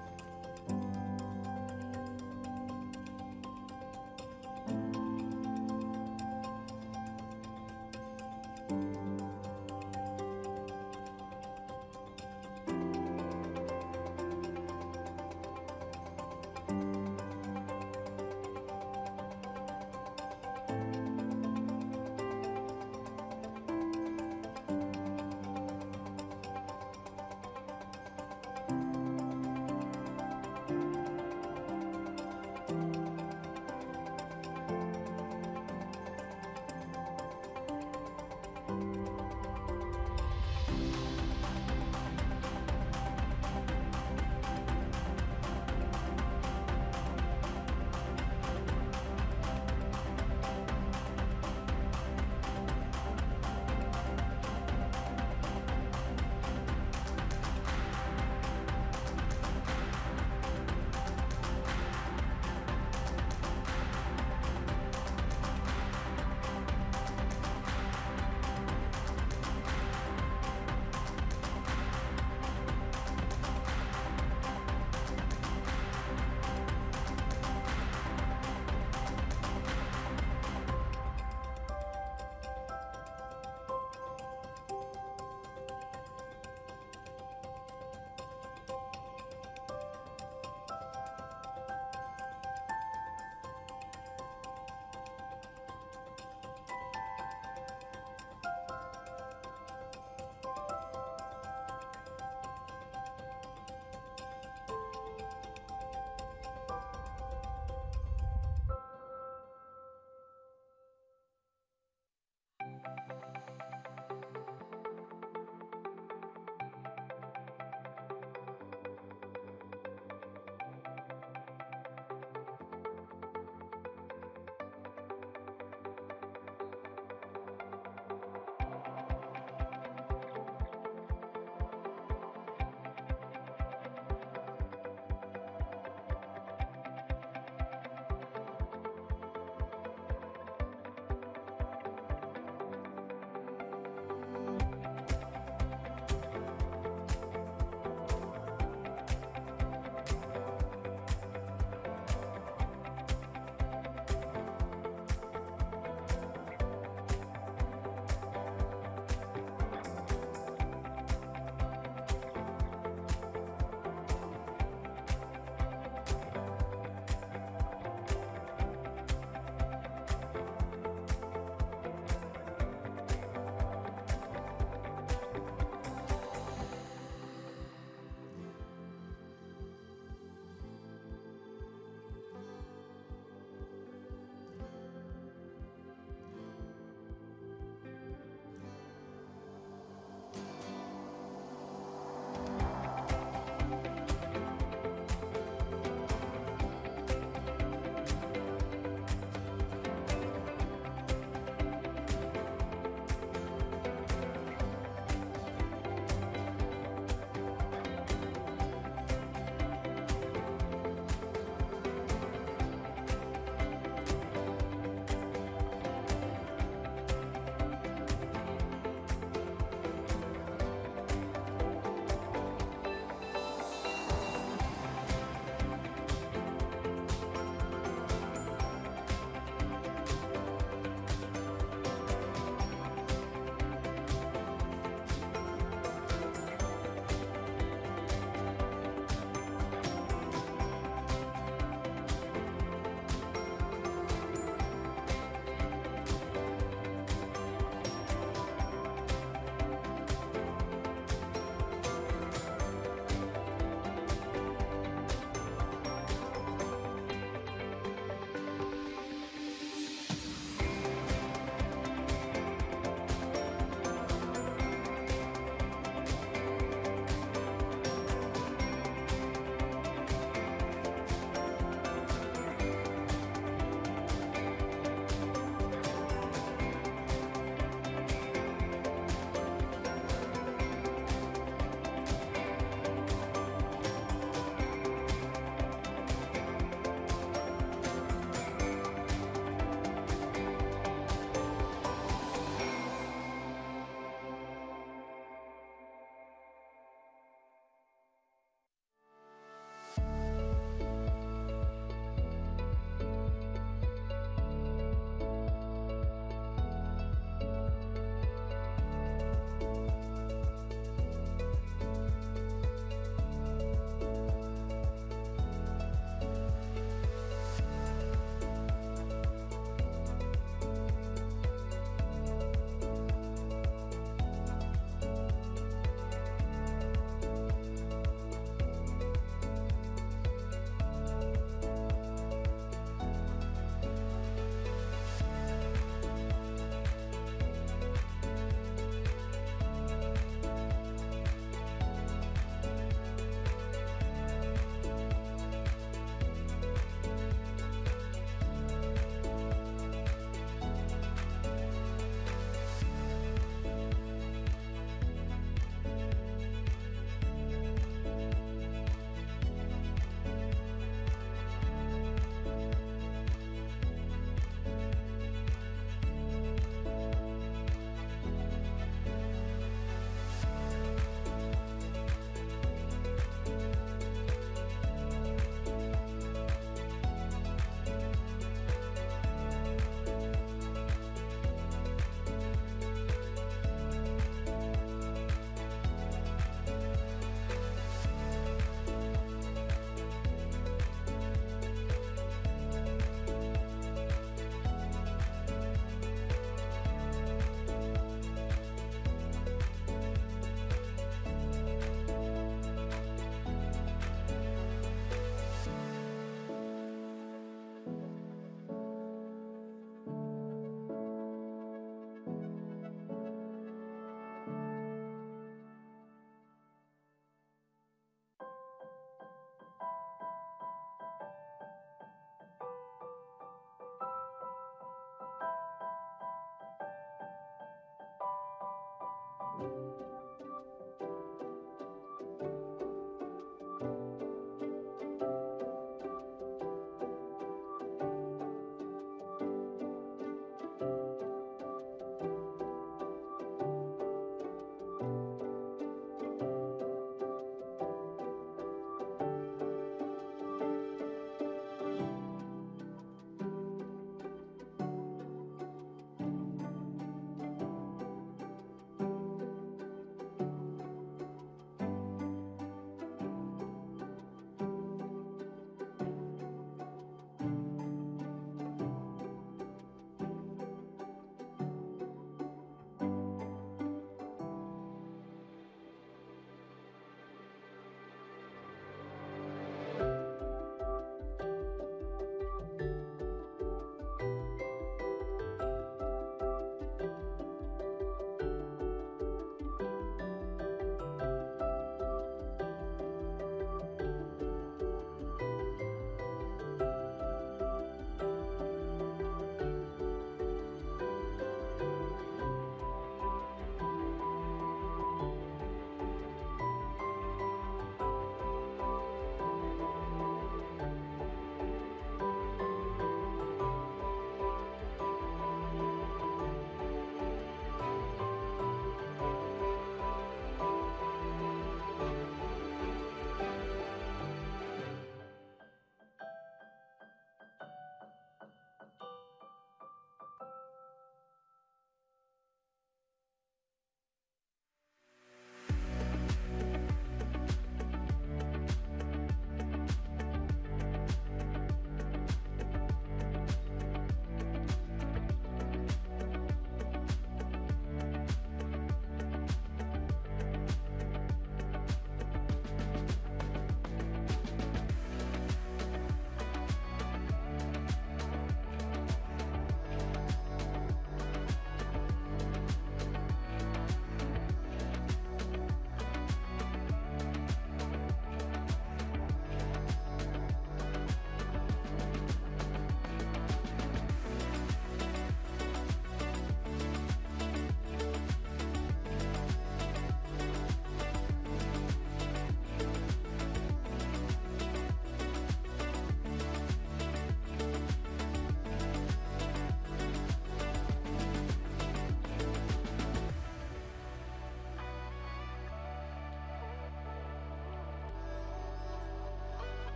Welcome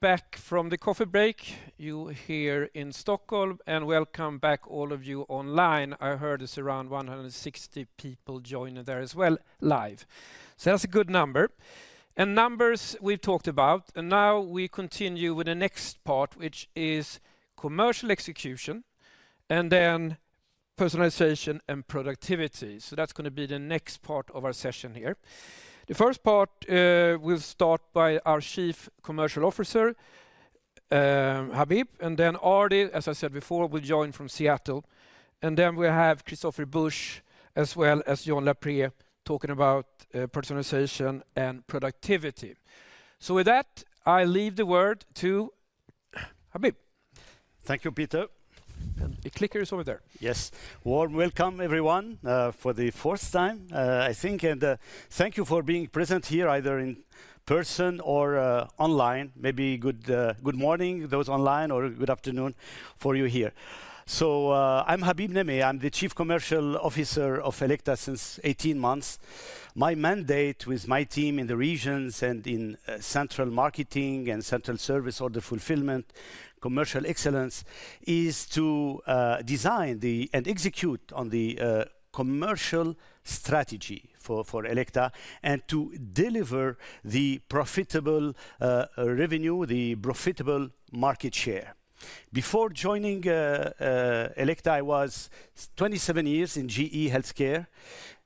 back from the coffee break, you here in Stockholm. And welcome back all of you online. I heard it's around 160 people joining there as well live. That's a good number and numbers we've talked about. Now we continue with the next part, which is commercial execution and then personalization and productivity. That's going to be the next part of our session here. The first part will start by our Chief Commercial Officer, Habib, and then Ardie, as I said before, will join from Seattle. Then we have Christopher Busch as well John Lapré talking about personalization and productivity. With that, I leave the word to Habib. Thank you, Peter. Clicker is over there. Yes, warm welcome everyone for the fourth time I think. Thank you for being present here either in person or online. Maybe good morning those online or good afternoon for you here. I'm Habib Nehmé. I'm the Chief Commercial Officer of Elekta since 18 months. My mandate with my team in the regions and in central marketing and central service order fulfillment, commercial excellence is to design and execute on the commercial strategy for Elekta and to deliver the profitable revenue, the profitable market share. Before joining Elekta, I was 27 years in GE Healthcare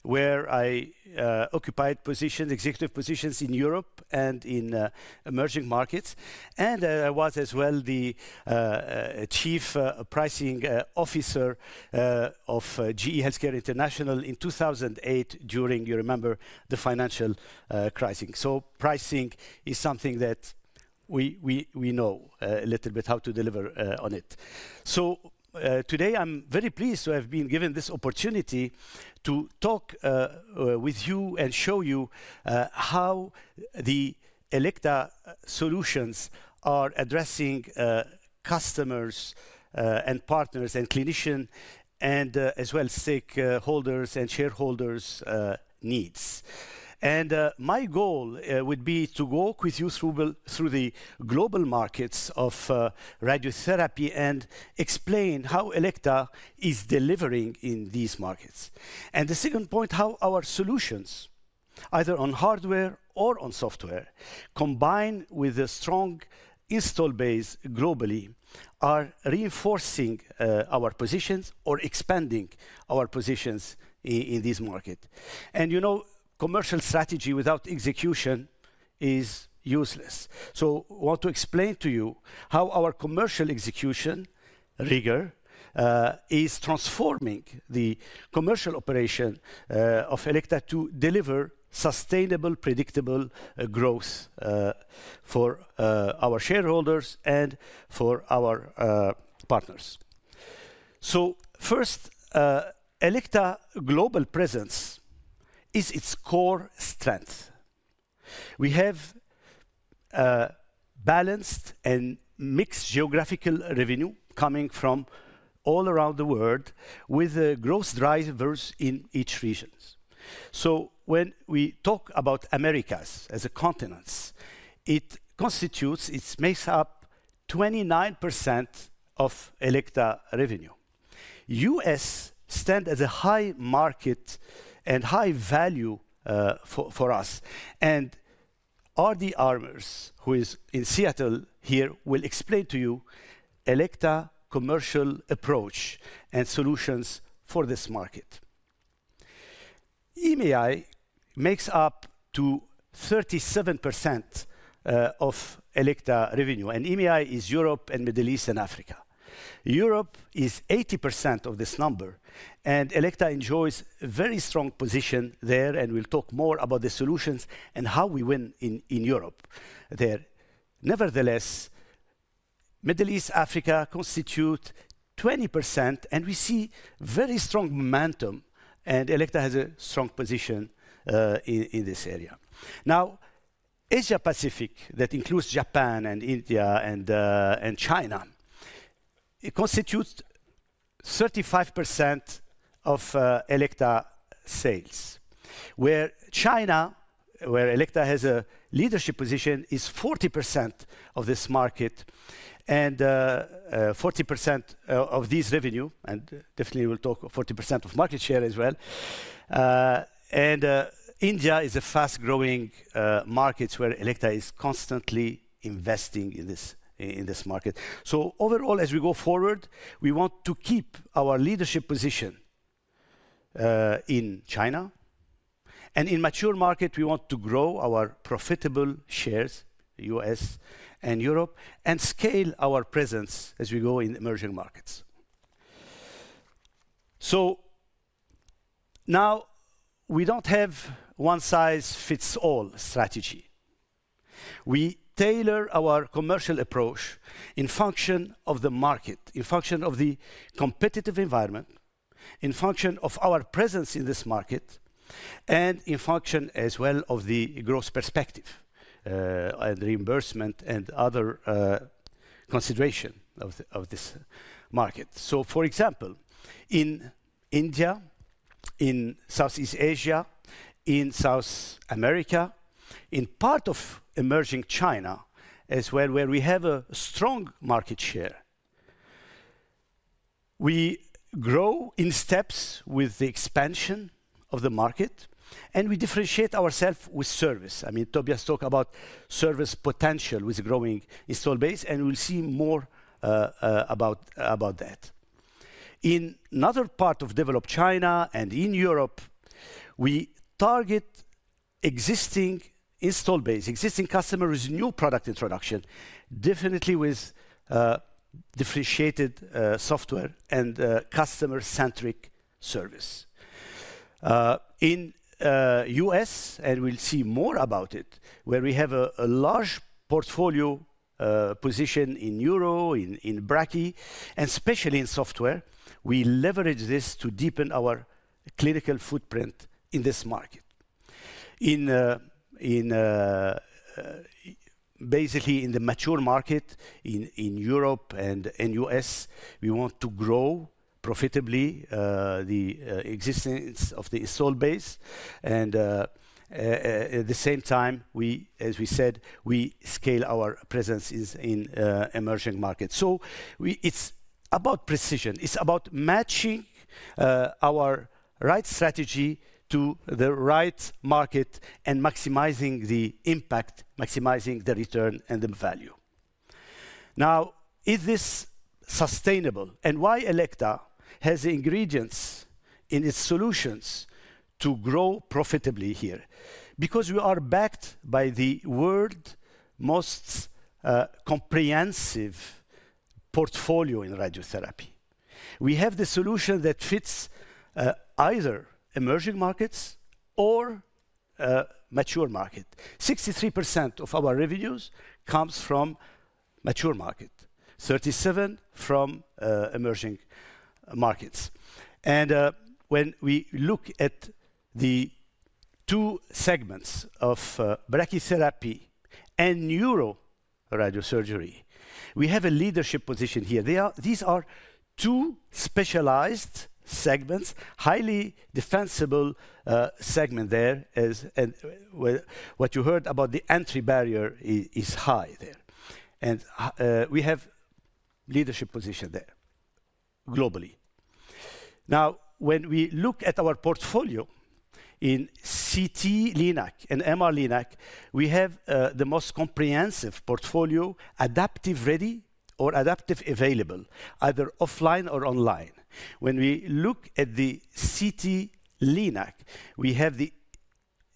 where I occupied positions, executive positions in Europe and in emerging markets. I was as well the Chief Pricing Officer of GE Healthcare International in 2008 during, you remember, the financial crisis. Pricing is something that we know a little bit how to deliver on it. Today I'm very pleased to have been given this opportunity to talk with you and show you how the Elekta solutions are addressing customers and partners and clinicians as well as stakeholders and shareholders needs. My goal would be to walk with you through the global markets of radiotherapy and explain how Elekta is delivering in these markets. The second point, how our solutions, either on hardware or on software, combined with a strong install base globally, are reinforcing our positions or expanding our positions in this market. You know, commercial strategy without execution is useless. I want to explain to you how our commercial execution rigor is transforming the commercial operation of Elekta to deliver sustainable, predictable growth for our shareholders and for our partners. First, Elekta global presence is its core strength. We have balanced and mixed geographical revenue coming from all around the world with gross drivers in each region. When we talk about Americas as a continent, it constitutes, it makes up 29% of Elekta revenue. U.S. stands as a high market and high value for us. And Ardie Ermers, who is in Seattle here, will explain to you Elekta commercial approach and solutions for this market. EMEA makes up to 37% of Elekta revenue, and EMEA is Europe and Middle East and Africa. Europe is 80% of this number, and Elekta enjoys very strong position there. We will talk more about the solutions and how we win in Europe there. Nevertheless, Middle East, Africa constitute 20%, and we see very strong momentum. Elekta has a strong position in this area. Now Asia Pacific, that includes Japan and India and China, it constitutes 35% of Elekta sales. Where China, where Elekta has a leadership position, is 40% of this market and 40% of this revenue. We will talk 40% of market share as well. India is a fast growing market where Elekta is constantly investing in this market. Overall, as we go forward, we want to keep our leadership position in China and in mature markets. We want to grow our profitable shares in the U.S. and Europe and scale our presence as we go in emerging markets. We do not have a one size fits all strategy. We tailor our commercial approach in function of the market, in function of the competitive environment, in function of our presence in this market, and in function as well of the growth perspective and reimbursement and other consideration of this market. For example, in India, in Southeast Asia, in South America, in part of emerging China as well, where we have a strong market share, we grow in steps with the expansion of the market and we differentiate ourselves with service. I mean, Tobias, talk about service potential with growing install base. We'll see more about that in another part of developed China and in Europe. We target existing install base, existing customers, new product introduction, definitely with differentiated software and customer-centric service in the U.S., and we'll see more about it where we have a large portfolio position in Euro, in Brachy, and especially in software. We leverage this to deepen our clinical footprint in this market. Basically, in the mature market in Europe and U.S., we want to grow profitably the existence of the install base. At the same time, as we said, we scale our presence in emerging markets. It's about precision, it's about matching our right strategy to the right market and maximizing the impact, maximizing the return and the value. Now is this sustainable and why Elekta has ingredients in its solutions to grow profitably here because we are backed by the world's most comprehensive portfolio in radiotherapy. We have the solution that fits either emerging markets or mature market. 63% of our revenues comes from mature market, 37% from emerging markets. When we look at the two segments of brachytherapy and neuroradiosurgery, we have a leadership position here. These are two specialized segments, highly defensible segment there. What you heard about the entry barrier is high there and we have leadership position there globally. When we look at our portfolio in CT-Linac and MR-Linac. We have the most comprehensive portfolio, adaptive ready or adaptive available, either offline or online. When we look at the CT-Linac, we have the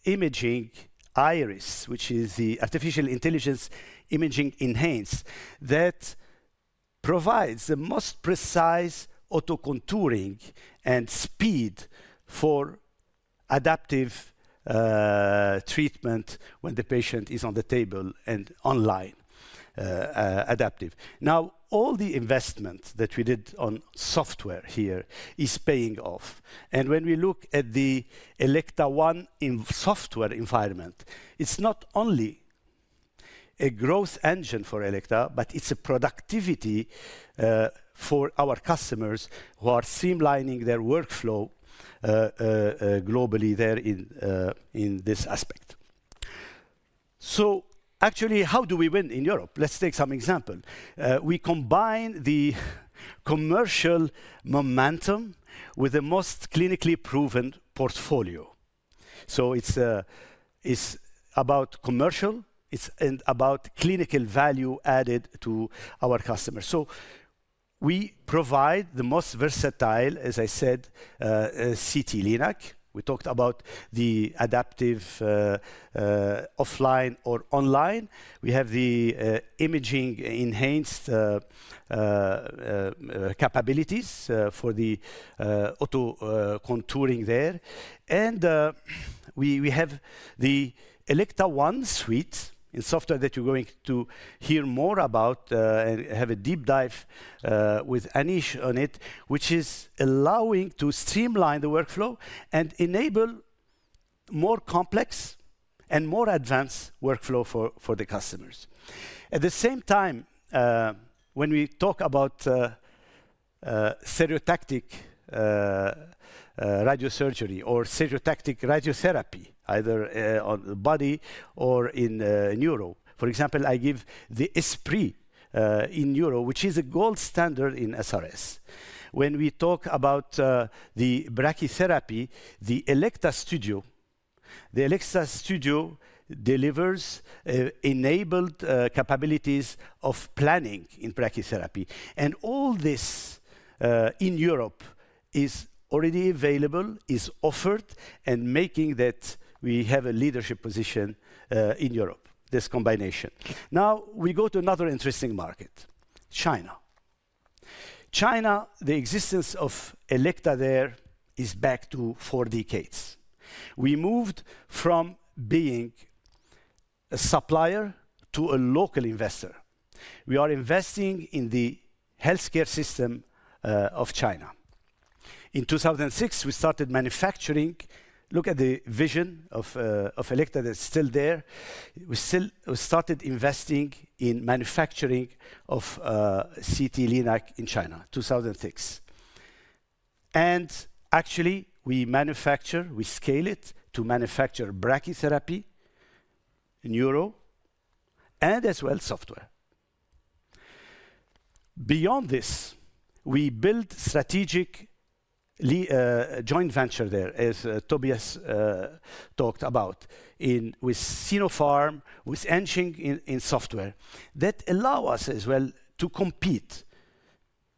imaging Iris, which is the artificial intelligence imaging enhance that provides the most precise auto contouring and speed for adaptive treatment when the patient is on the table and online adaptive. Now, all the investment that we did on software here is paying off. When we look at the Elekta ONE software environment, it is not only a growth engine for Elekta, but it is a productivity for our customers who are streamlining their workflow globally there in this aspect. Actually, how do we win in Europe? Let's take some example. We combine the commercial momentum with the most clinically proven portfolio. It is about commercial and about clinical value added to our customers. We provide the most versatile, as I said, CT-Linac. We talked about the adaptive offline or online. We have the imaging-enhanced capabilities for the auto contouring there. We have the Elekta ONE suite in software that you're going to hear more about and have a deep dive with Anish on it, which is allowing to streamline the workflow and enable more complex and more advanced workflow for the customers. At the same time, when we talk about stereotactic radiosurgery or stereotactic radiotherapy either on the body or in Neuro, for example, I give the Esprit in Europe, which is a gold standard in SRS. When we talk about the brachytherapy, the Elekta Studio delivers enabled capabilities of planning in practice therapy. All this in Europe is already available, is offered, and making that we have a leadership position in Europe, this combination. Now we go to another interesting market. China. The existence of Elekta there is back to four decades. We moved from being a supplier to a local investor. We are investing in the healthcare system of China. In 2006 we started manufacturing, look at the vision of Elekta, that's still there. We started investing in manufacturing of CT-Linac in China 2006 and actually we manufacture, we scale it to manufacture brachytherapy, neuro and as well, software. Beyond this we build strategic joint venture there, as Tobias talked about with Sinopharm, with engine in software that allow us as well to compete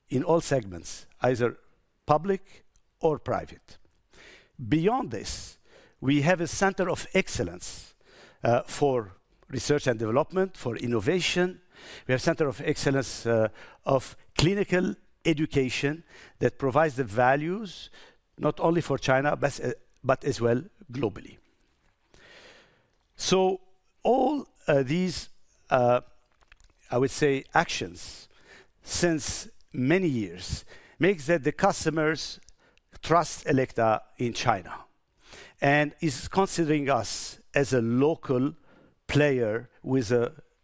in all segments, either public or private. Beyond this we have a center of excellence for research and development, for innovation. We have center of excellence of clinical education that provides the values not only for China, but as well globally. All these, I would say, actions since many years make that the customers trust Elekta in China and consider us as a local player with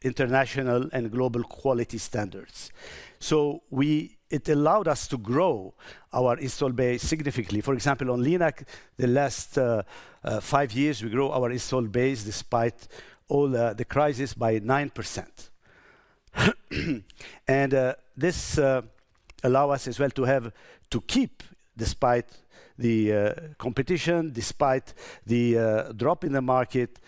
international and global quality standards. It allowed us to grow our install base significantly. For example, on Linac, in the last five years we grew our install base despite all the crisis by 9%. This allows us as well to keep, despite the competition, despite the drop in the market,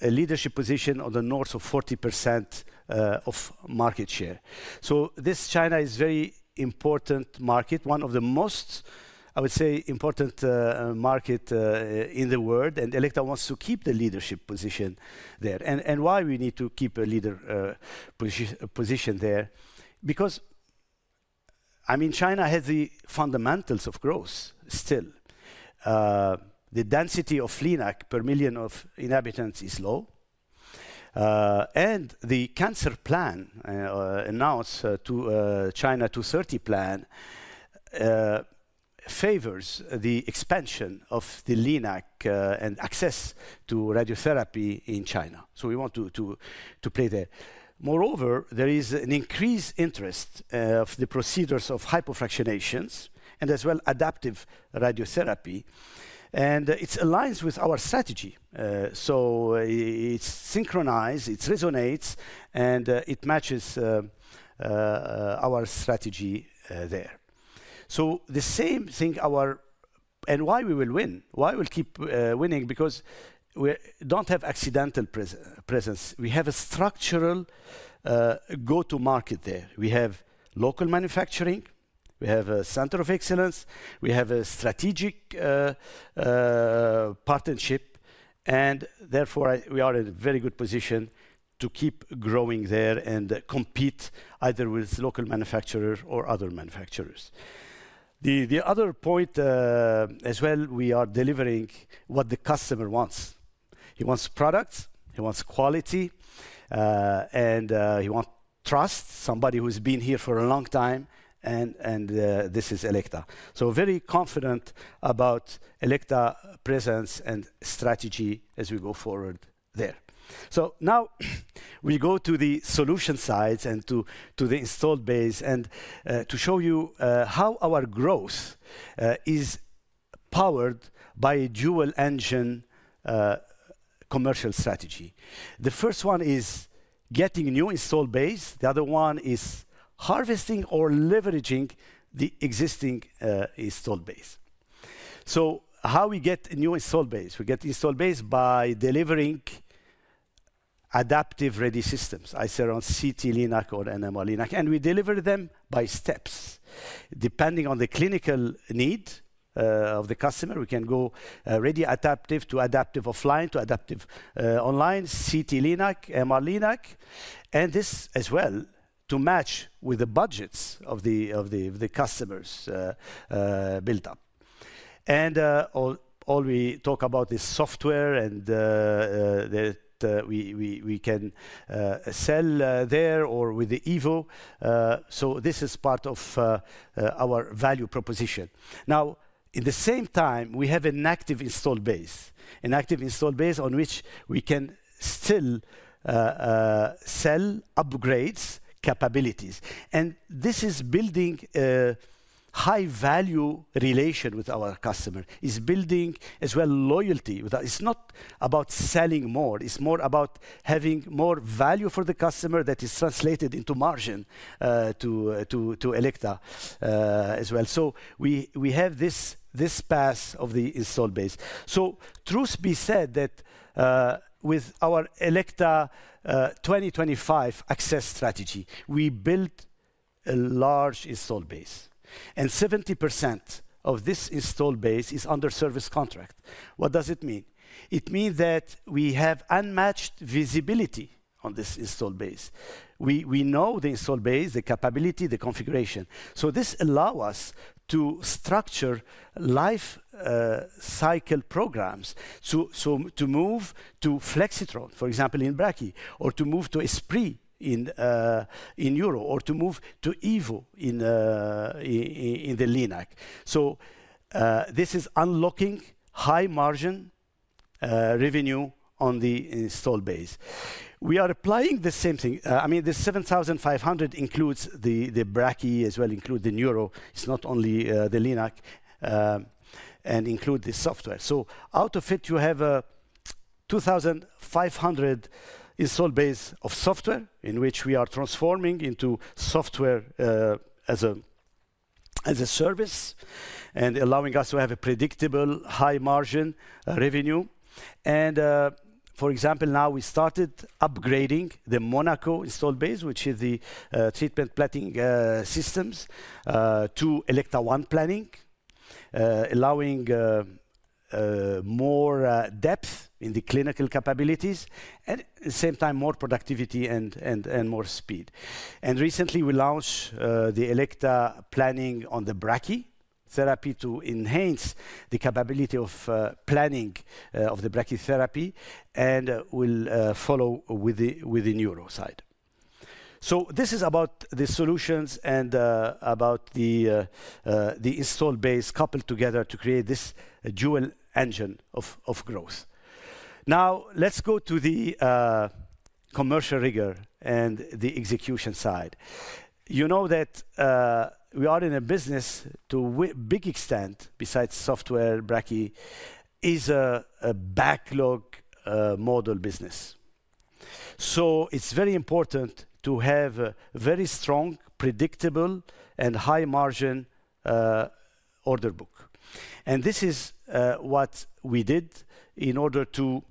a leadership position north of 40% of market share. China is a very important market, one of the most, I would say, important markets in the world. Elekta wants to keep the leadership position there. Why do we need to keep a leader position there? Because, I mean, China has the fundamentals of growth. Still, the density of Linac per million of inhabitants is low. The cancer plan announced to China 230 plan favors the expansion of the Linac and access to radiotherapy in China. We want to play there. Moreover, there is an increased interest in the procedures of hypofractionations and as well adaptive radiotherapy. It aligns with our strategy, it is synchronized, it resonates and it matches our strategy there. The same thing, our and why we will win, why we'll keep winning? We do not have accidental presence. We have a structural go to market there, we have local manufacturing, we have a center of excellence, we have a strategic partnership. Therefore, we are in a very good position to keep growing there and compete either with local manufacturer or other manufacturers. The other point as well, we are delivering what the customer wants. He wants products, he wants quality and he wants trust. Somebody who's been here for a long time. This is Elekta, so very confident about Elekta presence and strategy as we go forward there. Now we go to the solution sides and to the installed base. To show you how our growth is powered by a dual engine commercial strategy. The first one is getting new installed base, the other one is harvesting or leveraging the existing installed base. How do we get new installed base? We get installed base by delivering adaptive ready systems. I say on CT-Linac or MR-Linac and we deliver them by steps, depending on the clinical need of the customer. We can go ready adaptive to adaptive offline to adaptive online, CT-Linac, MR-Linac. This as well to match with the budgets of the customers built up. All we talk about is software and that we can sell there or with the Evo. This is part of our value proposition. At the same time, we have an active install base. An active install base on which we can still sell upgrades, capabilities. This is building a high value relation with our customer, is building as well loyalty. It is not about selling more, it is more about having more value for the customer. That is translated into margin to Elekta as well. We have this path of the install base. Truth be said, with our Elekta 2025 Access strategy, we built a large installed base and 70% of this installed base is under service contract. What does it mean? It means that we have unmatched visibility on this install base. We know the install base, the capability, the configuration. This allows us to structure life cycle programs to move to Flexitron, for example, in brachy, or to move to Esprit in neuro, or to move to Evo in the Linac. This is unlocking high margin revenue on the installed base. We are applying the same thing. I mean, the 7,500 includes the brachy as well, includes the neuro, it's not only the Linac, and includes the software. Out of it, you have 2,500 installed base of software, in which we are transforming into software as a service and allowing us to have a predictable high margin revenue. For example, now we started upgrading the Monaco installed base, which is the treatment planning systems, to Elekta ONE Planning, allowing more depth in the clinical capabilities and at the same time more productivity and more speed. Recently we launched the Elekta ONE Planning on the brachytherapy to enhance the capability of planning of the brachytherapy and will follow with the neuro side. This is about the solutions and about the installed base coupled together to create this dual engine of growth. Now let's go to the commercial rigor and the execution side. You know that we are in a business to big extent besides software. Brachy is a backlog model business. It is very important to have very strong predictable and high margin order book. This is what we did in order to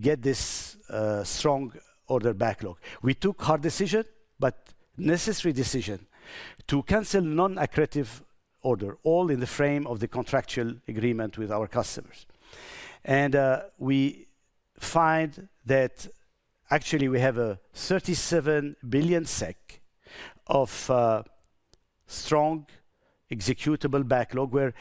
get this strong order backlog. We took hard decision but necessary decision to cancel non-accretive order. All in the frame of the contractual agreement with our customers. We find that actually we have a 37 billion SEK. Of strong executable backlog where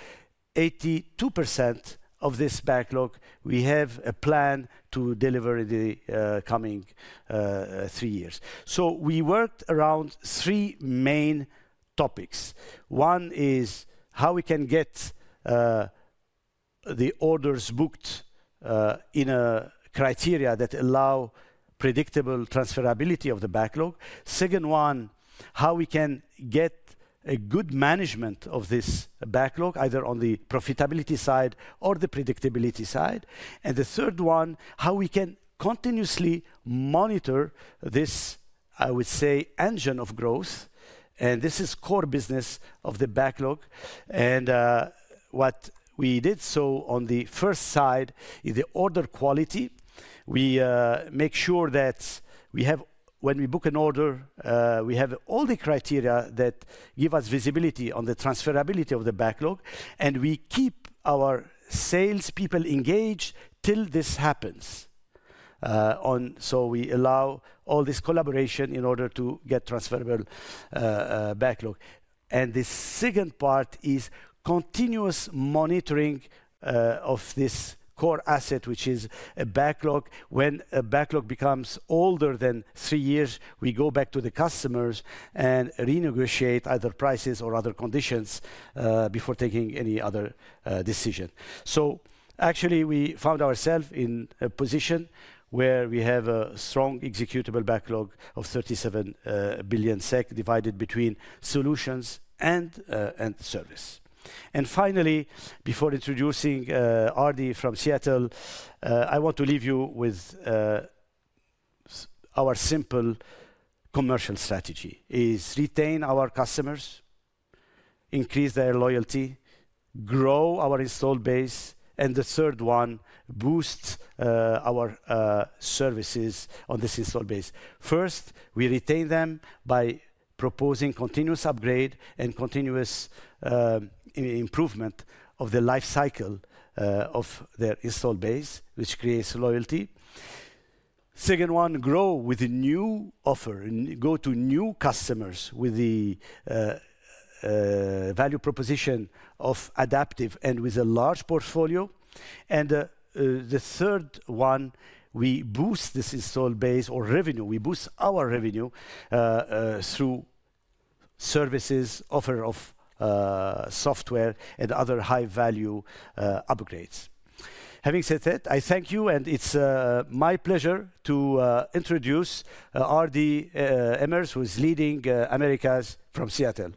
82% of this backlog we have a plan to deliver in the coming three years. We worked around three main topics. One is how we can get the orders booked in a criteria that allow predictable transferability of the backlog. Second one, how we can get a good management of this backlog either on the profitability side or the predictability side. The third one, how we can continuously monitor this, I would say engine of growth and this is core business of the backlog and what we did. On the first side is the order quality. We make sure that we have when we book an order, we have all the criteria that give us visibility on the transferability of the backlog and we keep our salespeople engaged till this happens. We allow all this collaboration in order to get transferable backlog. The second part is continuous monitoring of this core asset, which is a backlog. When a backlog becomes older than three years, we go back to the customers and renegotiate either prices or other conditions before taking any other decision. Actually, we found ourselves in a position where we have a strong executable backlog of 37 billion SEK divided between solutions and service. Finally, before introducing Ardie from Seattle, I want to leave you with our simple commercial strategy: retain our customers, increase their loyalty, grow our installed base. The third one boosts our services on this installed base. First, we retain them by proposing continuous upgrade and continuous improvement of the life cycle of their installed base, which creates loyalty. Second one, grow with a new offer, go to new customers with the value proposition of adaptive and with a large portfolio. The third one, we boost this installed base or revenue. We boost our revenue through services, offer of software and other high value upgrades. Having said that, I thank you and it's my pleasure to introduce Ardie Ermers who is leading Americas from Seattle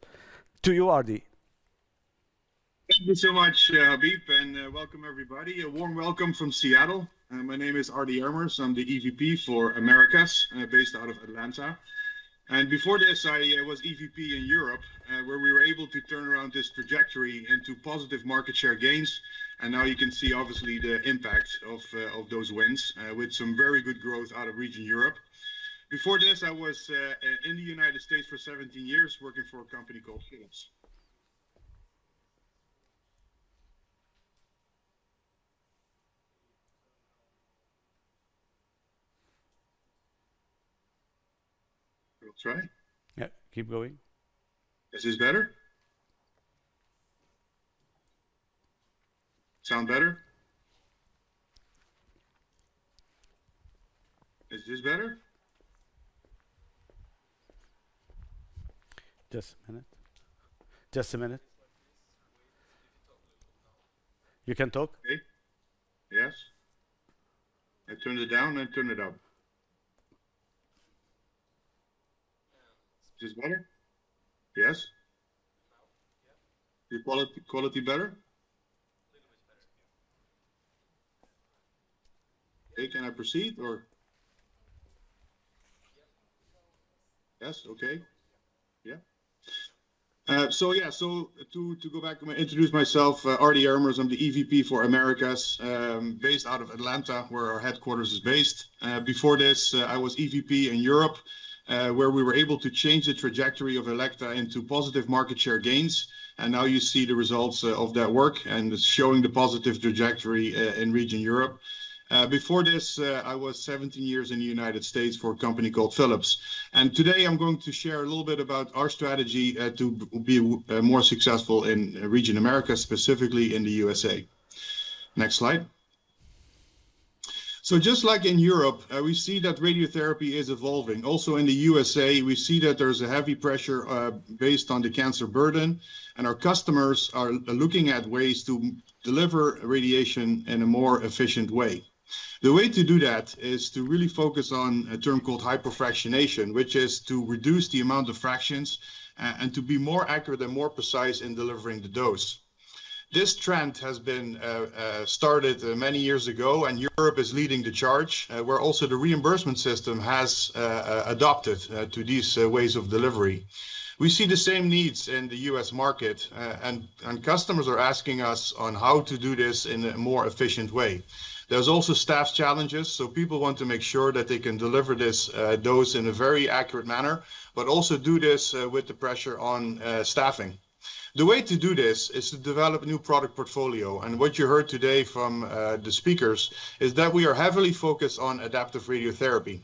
to you, Ardie. Thank you so much, Habib, and welcome everybody. A warm welcome from Seattle. My name is Ardie Ermers, I'm the EVP for Americas based out of Atlanta. Before this, I was EVP in Europe where we were able to turn around this trajectory into positive market share gains. Now you can see obviously the impact of those wins with some very good growth out of region Europe. Before this, I was in the United States for 17 years working for a company called. Keep going. This is better. Sound better? Is this better? Just a minute, just a minute. You can talk? Yes. Turn it down. Turn it up. Is this better? Yes. The quality better. Hey, can I proceed? Yes. Okay. Yeah. Yeah. To go back, introduce myself, Ardie Ermers. I'm the EVP for Americas, based out of Atlanta, where our headquarters is based. Before this I was EVP in Europe, where we were able to change the trajectory of Elekta into positive market share gains. You see the results of that work and it's showing the positive trajectory in region Europe. Before this I was 17 years in the United States for a company called Philips. Today I'm going to share a little bit about our strategy to be more successful in region America, specifically in the U.S.A. Next slide. Just like in Europe, we see that radiotherapy is evolving, also in the U.S.A. we see that there's a heavy pressure based on the cancer burden. Our customers are looking at ways to deliver radiation in a more efficient way. The way to do that is to really focus on a term called hyperfractionation, which is to reduce the amount of fractions and to be more accurate and more precise in delivering the dose. This trend has been started many years ago and Europe is leading the charge where also the reimbursement system has adopted to these ways of delivery. We see the same needs in the U.S. market and customers are asking us on how to do this in a more efficient way. There's also staff challenges, so people want to make sure that they can deliver this dose in a very accurate manner, but also do this with the pressure on staffing. The way to do this is to develop a new product portfolio. What you heard today from the speakers is that we are heavily focused on adaptive radiotherapy,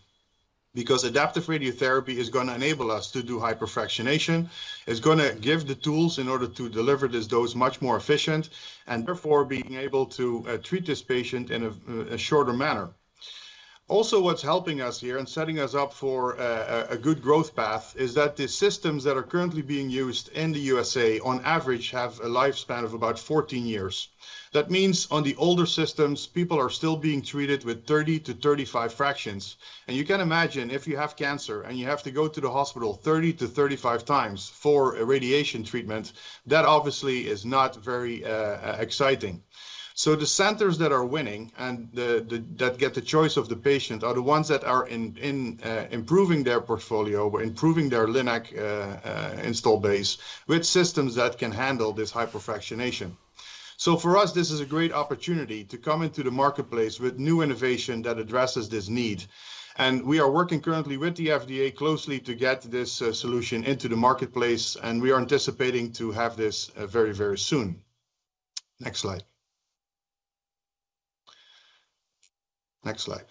because adaptive radiotherapy is going to enable us to do hyperfractionation. It is going to give the tools in order to deliver this dose much more efficient and therefore being able to treat this patient in a shorter manner. Also, what is helping us here and setting us up for a good growth path is that the systems that are currently being used in the U.S. on average have a lifespan of about 14 years. That means on the older systems, people are still being treated with 30-35 fractions. You can imagine if you have cancer and you have to go to the hospital 30x-35x for radiation treatment, that obviously is not very exciting. The centers that are winning and that get the choice of the patient are the ones that are improving their portfolio, improving their Linac install base with systems that can handle this hyperfractionation. For us this is a great opportunity to come into the marketplace with new innovation that addresses this need. We are working currently with the FDA closely to get this solution into the marketplace and we are anticipating to have this very, very soon. Next slide, next slide.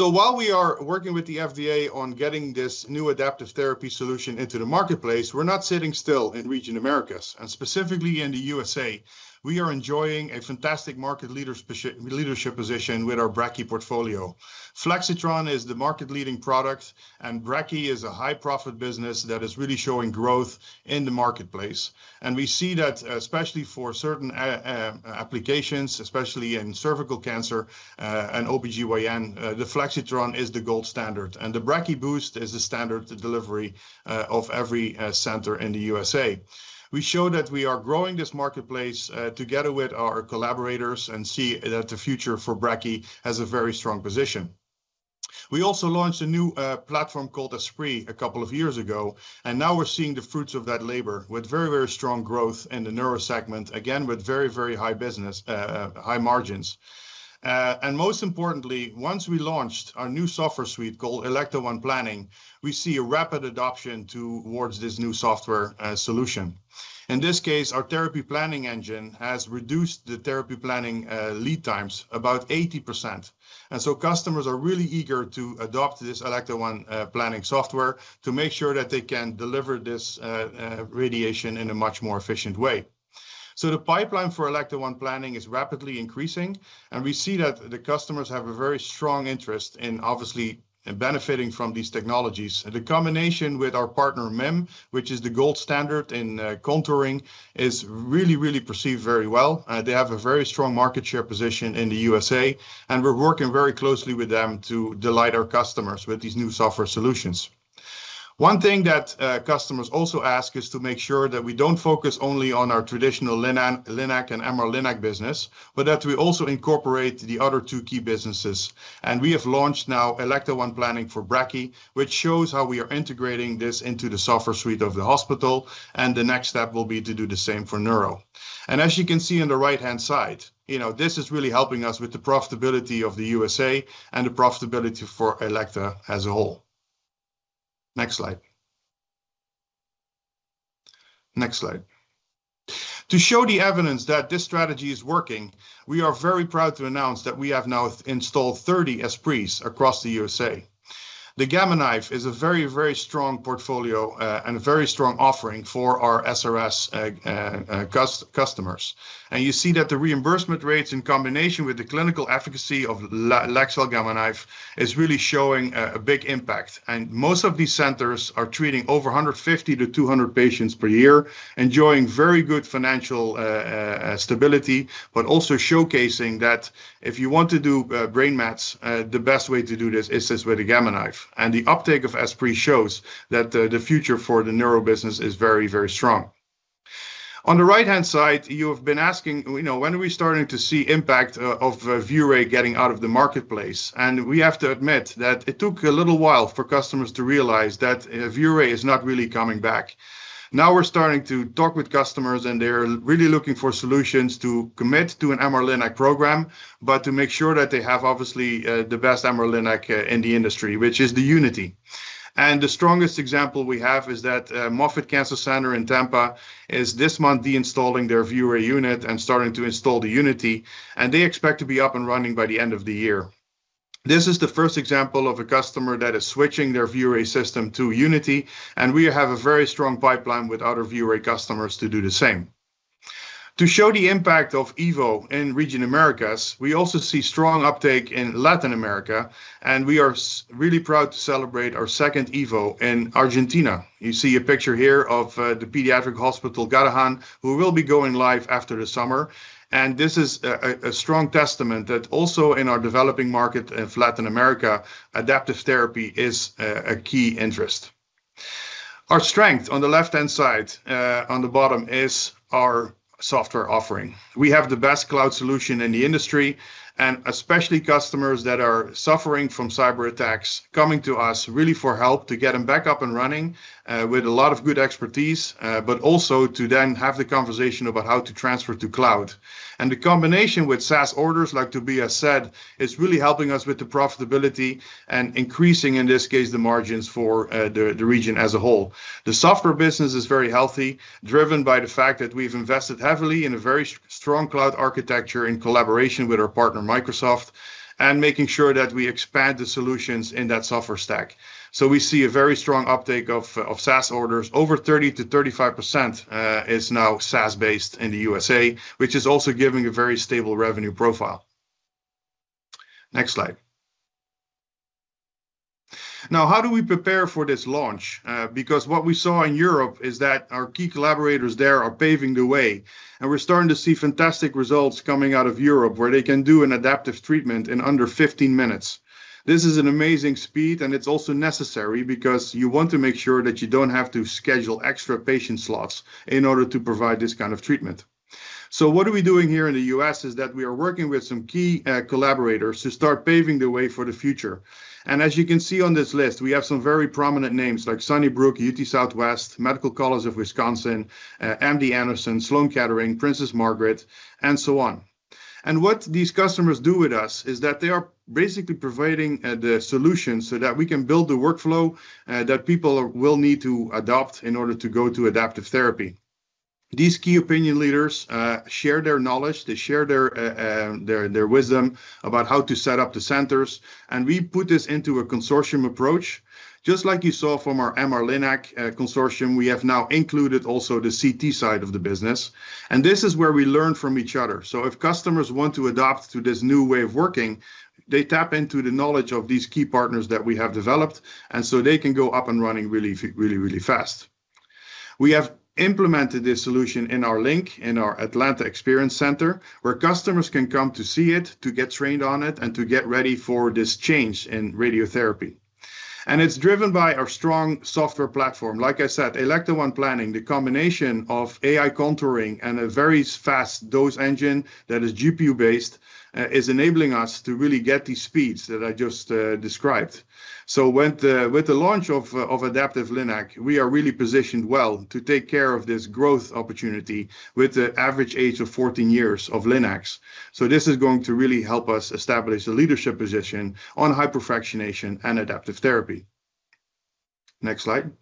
While we are working with the FDA on getting this new adaptive therapy solution into the marketplace, we're not sitting still in region Americas and specifically in the U.S. We are enjoying a fantastic market leadership position with our Brachy portfolio. Flexitron is the market leading product and Brachy is a high profit business that is really showing growth in the marketplace. We see that especially for certain applications, especially in cervical cancer and OB-GYN. The Flexitron is the gold standard and the Brachy Boost is the standard delivery of every center in the U.S.A. We show that we are growing this marketplace together with our collaborators and see that the future for Brachy has a very strong position. We also launched a new platform called Esprit a couple of years ago and now we're seeing the fruits of that labor with very, very strong growth in the Neuro segment. Again with very, very high business, high margins. Most importantly, once we launched our new software suite called Elekta ONE Planning, we see a rapid adoption towards this new software solution. In this case, our therapy planning engine has reduced the therapy planning lead times about 80%. Customers are really eager to adopt this Elekta ONE Planning software to make sure that they can deliver this radiation in a much more efficient way. The pipeline for Elekta ONE Planning is rapidly increasing and we see that the customers have a very strong interest in obviously benefiting from these technologies. The combination with our partner MIM, which is the gold standard in contouring, is really, really perceived very well. They have a very strong market share position in the U.S. and we're working very closely with them to delight our customers with these new software solutions. One thing that customers also ask is to make sure that we don't focus only on our traditional Linac and MR-Linac business, but that we also incorporate the other two key businesses. We have launched now Elekta ONE Planning for brachy, which shows how we are integrating this into the software suite of the hospital. The next step will be to do the same for Neuro. As you can see on the right-hand side, this is really helping us with the profitability of the U.S.A. and the profitability for Elekta as a whole. Next slide, next slide. To show the evidence that this strategy is working, we are very proud to announce that we have now installed 30 Esprit across the U.S.A. The Gamma Knife is a very, very strong portfolio and a very strong offering for our SRS customers, and you see that the reimbursement rates in combination with the clinical efficacy of Leksell Gamma Knife is really showing a big impact. Most of these centers are treating over 150-200 patients per year, enjoying very good financial stability, but also showcasing that if you want to do brain mets, the best way to do this is with a Gamma Knife. The uptake of Esprit shows that the future for the neuro business is very, very strong. On the right-hand side you have been asking when are we starting to see impact of ViewRay getting out of the marketplace? We have to admit that it took a little while for customers to realize that ViewRay is not really coming back. Now we are starting to talk with customers and they are really looking for solutions to commit to an MR-Linac program, but to make sure that they have obviously the best MR-Linac in the industry, which is the Unity. The strongest example we have is that Moffitt Cancer Center in Tampa is this month deinstalling their ViewRay unit and starting to install the Unity and they expect to be up and running by the end of the year. This is the first example of a customer that is switching their ViewRay system to Unity. We have a very strong pipeline with other ViewRay customers to do the same. To show the impact of Evo in region Americas, we also see strong uptake in Latin America and we are really proud to celebrate our second Evo in Argentina. You see a picture here of the pediatric hospital Garrahan who will be going live after the summer. This is a strong testament that also in our developing market of Latin America, adaptive therapy is a key interest. Our strength on the left hand side, on the bottom is our software offering. We have the best cloud solution in the industry, and especially customers that are suffering from cyber attacks coming to us really for help to get them back up and running with a lot of good expertise, but also to then have the conversation about how to transfer to cloud. The combination with SaaS orders, like to be said, is really helping us with the profitability and increasing in this case the margins for the region as a whole. The software business is very healthy, driven by the fact that we've invested heavily in a very strong cloud architecture in collaboration with our partner Microsoft and making sure that we expand the solutions in that software stack. We see a very strong uptake of SaaS orders. Over 30%-35% is now SaaS based in the U.S.A., which is also giving a very stable revenue profile. Next slide. Now, how do we prepare for this launch? Because what we saw in Europe is that our key collaborators there are paving the way, and we're starting to see fantastic results coming out of Europe where they can do an adaptive treatment in under 15 minutes. This is an amazing speed, and it's also necessary because you want to make sure that you don't have to schedule extra patient slots in order to provide this kind of treatment. What we are doing here in the U.S. is that we are working with some key collaborators to start paving the way for the future. As you can see on this list, we have some very prominent names like Sunnybrook, UT Southwestern, Medical College of Wisconsin, MD Anderson, Sloan Kettering, Princess Margaret, and so on. What these customers do with us is that they are basically providing the solution so that we can build the workflow that people will need to adopt in order to go to adaptive therapy. These key opinion leaders share their knowledge, they share their wisdom about how to set up the centers. We put this into a consortium approach just like you saw from our MR-Linac consortium. We have now included also the CT side of the business, and this is where we learn from each other. If customers want to adopt to this new way of working, they tap into the knowledge of these key partners that we have developed, and they can go up and running really, really fast. We have implemented this solution in our link in our Atlanta Experience Center where customers can come to see it, to get trained on it, and to get ready for this change in radiotherapy. It is driven by our strong software platform. Like I said, Elekta ONE Planning, the combination of AI contouring and a very fast dose engine that is GPU based is enabling us to really get these speeds that I just described. With the launch of Adaptive Linac, we are really positioned well to take care of this growth opportunity. With the average age of 14 years of Linacs, this is going to really help us establish a leadership position on hyperfractionation and adaptive therapy. Next slide.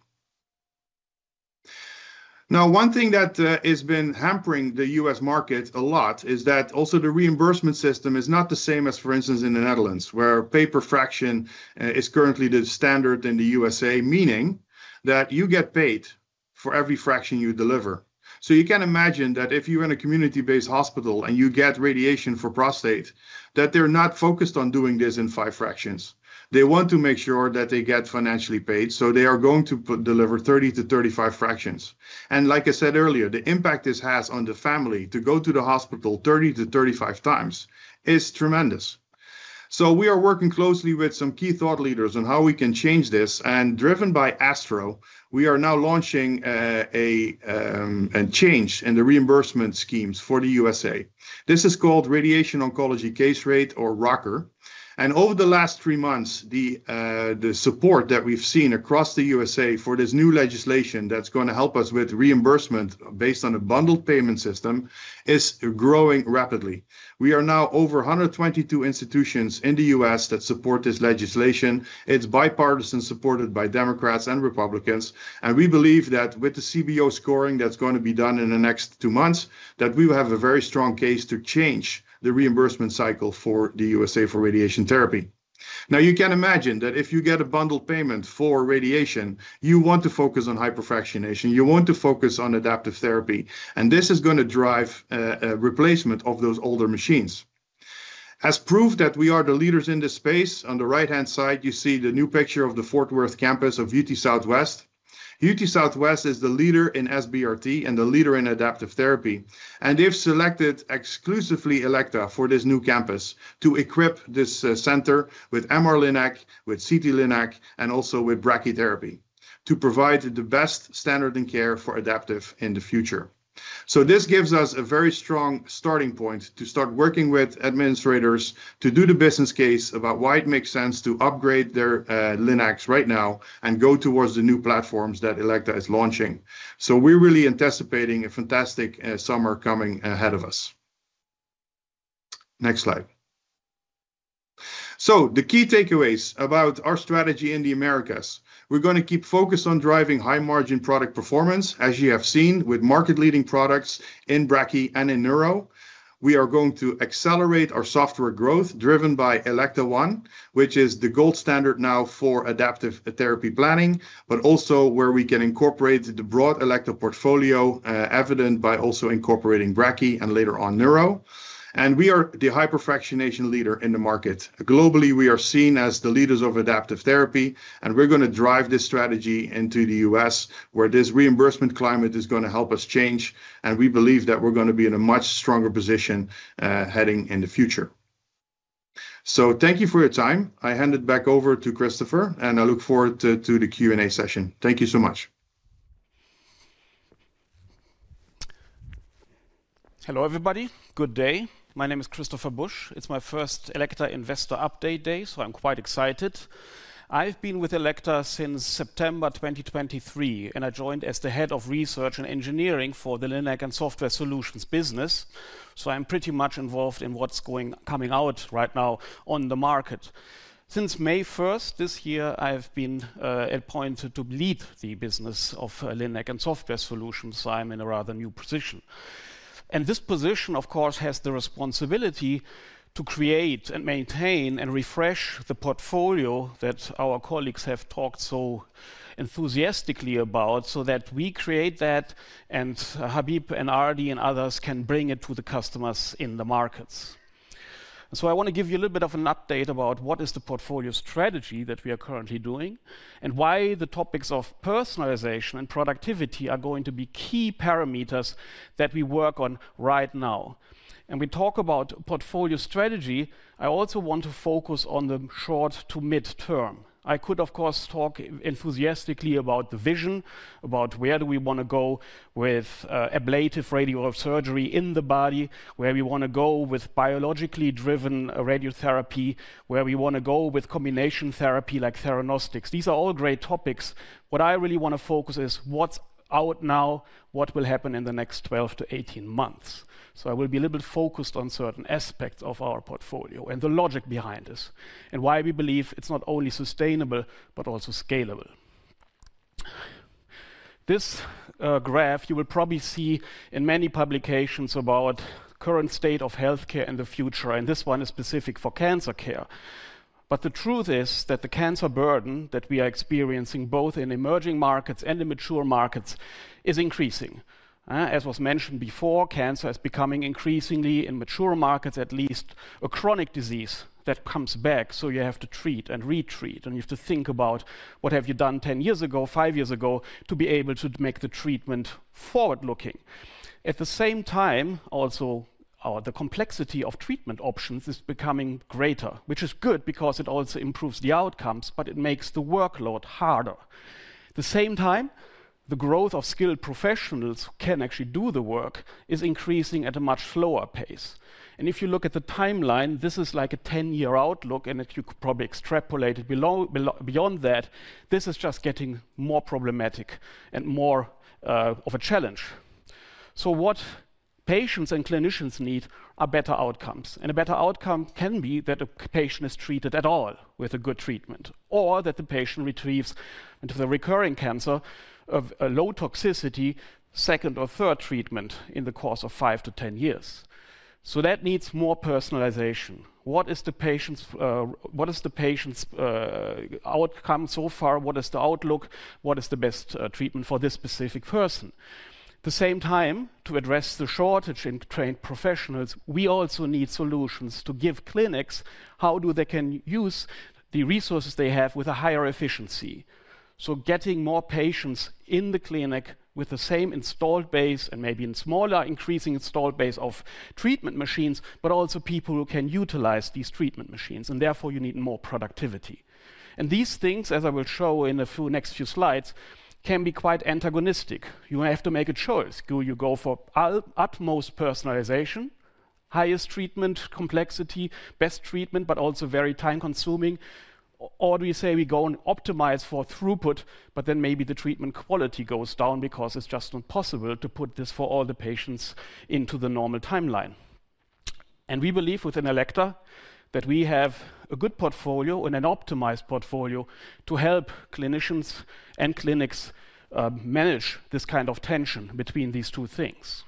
Now one thing that has been hampering the U.S. market a lot is that also the reimbursement system is not the same as for instance in the Netherlands where per fraction is currently the standard in the U.S.A., meaning that you get paid for every fraction you deliver. You can imagine that if you're in a community-based hospital and you get radiation for prostate, that they're not focused on doing this in five fractions. They want to make sure that they get financially paid. They are going to deliver 30-35 fractions. Like I said earlier, the impact this has on the family to go to the hospital 30x-35x is tremendous. We are working closely with some key thought leaders on how we can change this. Driven by ASTRO, we are now launching a change in the reimbursement schemes for the U.S.A. This is called Radiation Oncology Case Rate or ROCR. Over the last three months, the support that we've seen across the U.S.A. for this new legislation that's going to help us with reimbursement based on a bundled payment system is growing rapidly. We are now over 122 institutions in the U.S. that support this legislation. It's bipartisan, supported by Democrats and Republicans, and we believe that with the CBO scoring that's going to be done in the next two months, that we will have a very strong case to change the reimbursement cycle for the U.S.A. for radiation therapy. Now you can imagine that if you get a bundled payment for radiation, you want to focus on hyperfractionation, you want to focus on adaptive therapy and this is going to drive replacement of those older machines as proof that we are the leaders in this space. On the right hand side you see the new picture of the Fort Worth campus of UT Southwest. UT Southwest is the leader in SBRT and the leader in adaptive therapy. They've selected exclusively Elekta for this new campus to equip this center with MR-Linac, with CT-Linac and also with brachytherapy to provide the best standard in care for adaptive in the future. This gives us a very strong starting point to start working with administrators to do the business case about why it makes sense to upgrade their Linac right now and go towards the new platforms that Elekta is launching. We are really anticipating a fantastic summer coming ahead of us. Next slide. The key takeaways about our strategy in the Americas, we are going to keep focused on driving high margin product performance. As you have seen with market leading products in Brachy and in Neuro, we are going to accelerate our software growth driven by Elekta ONE, which is the gold standard now for adaptive therapy planning, but also where we can incorporate the broad Elekta portfolio evident by also incorporating Brachy and later on Neuro. We are the hyperfractionation leader in the market. Globally we are seen as the leaders of adaptive therapy and we're going to drive this strategy into the U.S. where this reimbursement climate is going to help us change and we believe that we're going to be in a much stronger position heading in the future. Thank you for your time. I hand it back over to Christopher and I look forward to the Q&A session. Thank you so much. Hello everybody. Good day. My name is Christopher Busch. It's my first Elekta Investor Update day, so I'm quite excited. I've been with Elekta since September 2023 and I joined as the head of research and engineering for the Linac and software solutions business. So I'm pretty much involved in what's going, coming out right now on the market. Since May 1st this year, I have been appointed to lead the business of Linac and Software Solutions. I'm in a rather new position and this position of course has the responsibility to create and maintain and refresh the portfolio that our colleagues have talked so enthusiastically about so that we create that and Habib and Ardie and others can bring it to the customers in the markets. I want to give you a little bit of an update about what is the portfolio strategy that we are currently doing and why the topics of personalization and productivity are going to be key parameters that we work on right now when we talk about portfolio strategy. I also want to focus on the short to midterm. I could of course talk enthusiastically about the vision about where do we want to go with ablative radiosurgery in the body, where we want to go with biologically driven radiotherapy, where we want to go with combination therapy like theranostics. These are all great topics. What I really want to focus on is what's out now, what will happen in the next 12-18 months. I will be a little bit focused on certain aspects of our portfolio and the logic behind it and why we believe it's not only sustainable, but also scalable. This graph you will probably see in many publications about current state of health care in the future, and this one is specific for cancer care. The truth is that the cancer burden that we are experiencing both in emerging markets and in mature markets is increasing. As was mentioned before, cancer is becoming increasingly in mature markets, at least a chronic disease that comes back. You have to treat and retreat and you have to think about what have you done 10 years ago, five years ago to be able to make the treatment forward. Looking at the same time, also the complexity of treatment options is becoming greater, which is good because it also improves the outcomes, but it makes the workload harder. At the same time, the growth of skilled professionals who can actually do the work is increasing at a much slower pace. If you look at the timeline, this is like a 10 year outlook. You could probably extrapolate it beyond that. This is just getting more problematic and more of a challenge. What patients and clinicians need are better outcomes. A better outcome can be that a patient is treated at all with a good treatment, or that the patient retrieves into the recurring cancer of a low toxicity second or third treatment in the course of five to 10 years. That needs more personalization. What is the patient's outcome so far? What is the outlook? What is the best treatment for this specific person? At the same time, to address the shortage in trained professionals, we also need solutions to give clinics how do they can use the resources they have with a higher efficiency. Getting more patients in the clinic with the same installed base and maybe in smaller increasing installed base of treatment machines, but also people who can utilize these treatment machines. Therefore you need more productivity. These things, as I will show in a few next few slides, can be quite antagonistic. You have to make a choice. Do you go for utmost personalization, highest treatment complexity, best treatment, but also very time consuming, or do we say we go and optimize for throughput, but then maybe the treatment quality goes down because it's just impossible to put this for all the patients into the normal timeline. We believe within Elekta that we have a good portfolio and an optimized portfolio to help clinicians and clinics manage this kind of tension between these two things.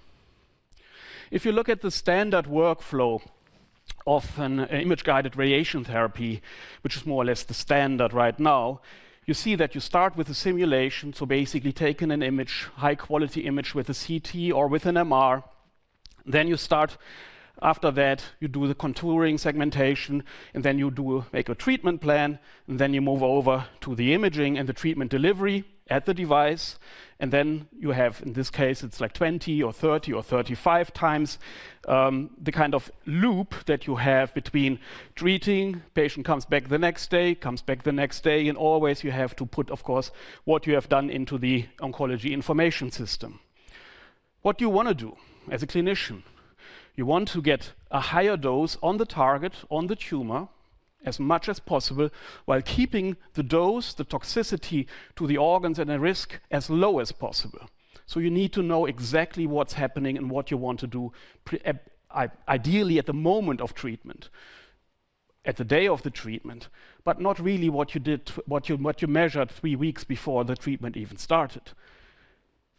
If you look at the standard workflow of an image guided radiation therapy, which is more or less the standard right now, you see that you start with a simulation, so basically taking an image, high quality image, with a CT or with an MR. After that you do the contouring, segmentation, and then you do make a treatment plan. You move over to the imaging and the treatment delivery at the device. Then you have, in this case, it's like 20x or 30x or 35x the kind of loop that you have between treating patient comes back the next day, comes back the next day. Always you have to put, of course, what you have done into the oncology information system. What do you want to do as a clinician? You want to get a higher dose on the target, on the tumor as much as possible, while keeping the dose, the toxicity to the organs at risk, as low as possible. You need to know exactly what's happening and what you want to do, ideally at the moment of treatment, at the day of the treatment, but not really what you did, what you measured three weeks before the treatment even started.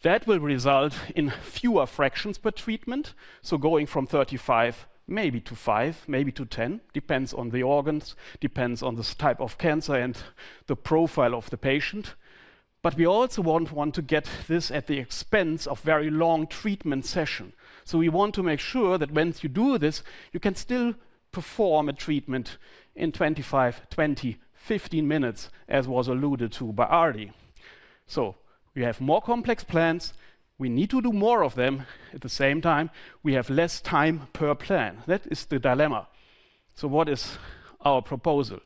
That will result in fewer fractions per treatment. Going from 35, maybe to 5, maybe to 10, depends on the organs, depends on this type of cancer and the profile of the patient. We also want to get this not at the expense of very long treatment sessions. We want to make sure that when you do this, you can still perform a treatment in 25, 20, 15 minutes, as was alluded to by Ardie. We have more complex plans, we need to do more of them. At the same time, we have less time per plan. That is the dilemma. What is our proposal?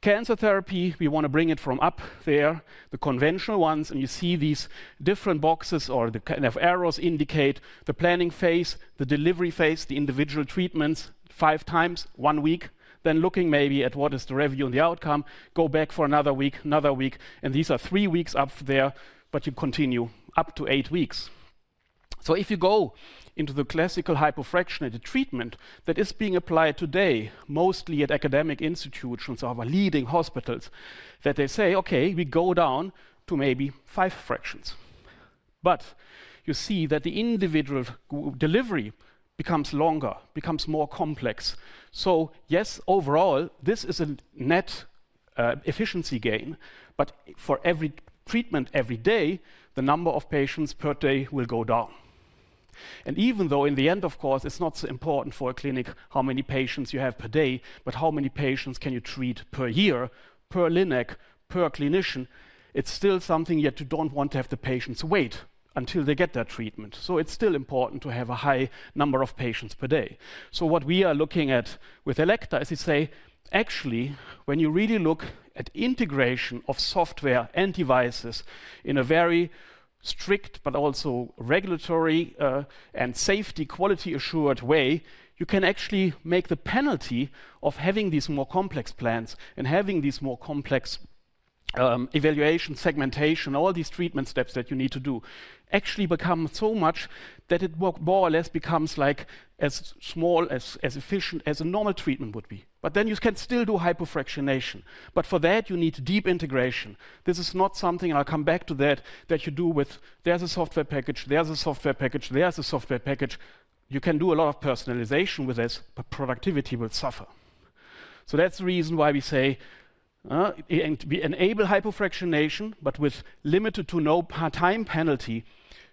Cancer therapy. We want to bring it from up there, the conventional ones. You see these different boxes or the kind of arrows indicate the planning phase, the delivery phase, the individual treatments five times one week. Then looking maybe at what is the revenue and the outcome, go back for another week, another week, and these are three weeks up there, but you continue up to eight weeks. If you go into the classical hypofractionated treatment that is being applied today mostly at academic institutions of our leading hospitals, they say, okay, we go down to maybe five fractions, but you see that the individual delivery becomes longer, becomes more complex. Yes, overall this is a net efficiency gain. For every treatment every day, the number of patients per day will go down. Even though in the end, of course, it's not so important for a clinic how many patients you have per day, but how many patients can you treat per year per Linac, per clinician? It's still something. Yet you don't want to have the patients wait until they get their treatment. It's still important to have a high number of patients per day. What we are looking at with Elekta is to say actually when you really look at integration of software and devices in a very strict, but also regulatory and safety quality assured way, you can actually make the penalty of having these more complex plans and having these more complex evaluation, segmentation, all these treatment steps that you need to do actually become so much that it more or less becomes as small, as efficient as a normal treatment would be. You can still do hypofractionation, but for that you need deep integration. This is not something, I'll come back to that, that you do with a software package. You can do a lot of personalization with this, but productivity will suffer. That is the reason why we say we enable hypofractionation, but with limited to no part-time penalty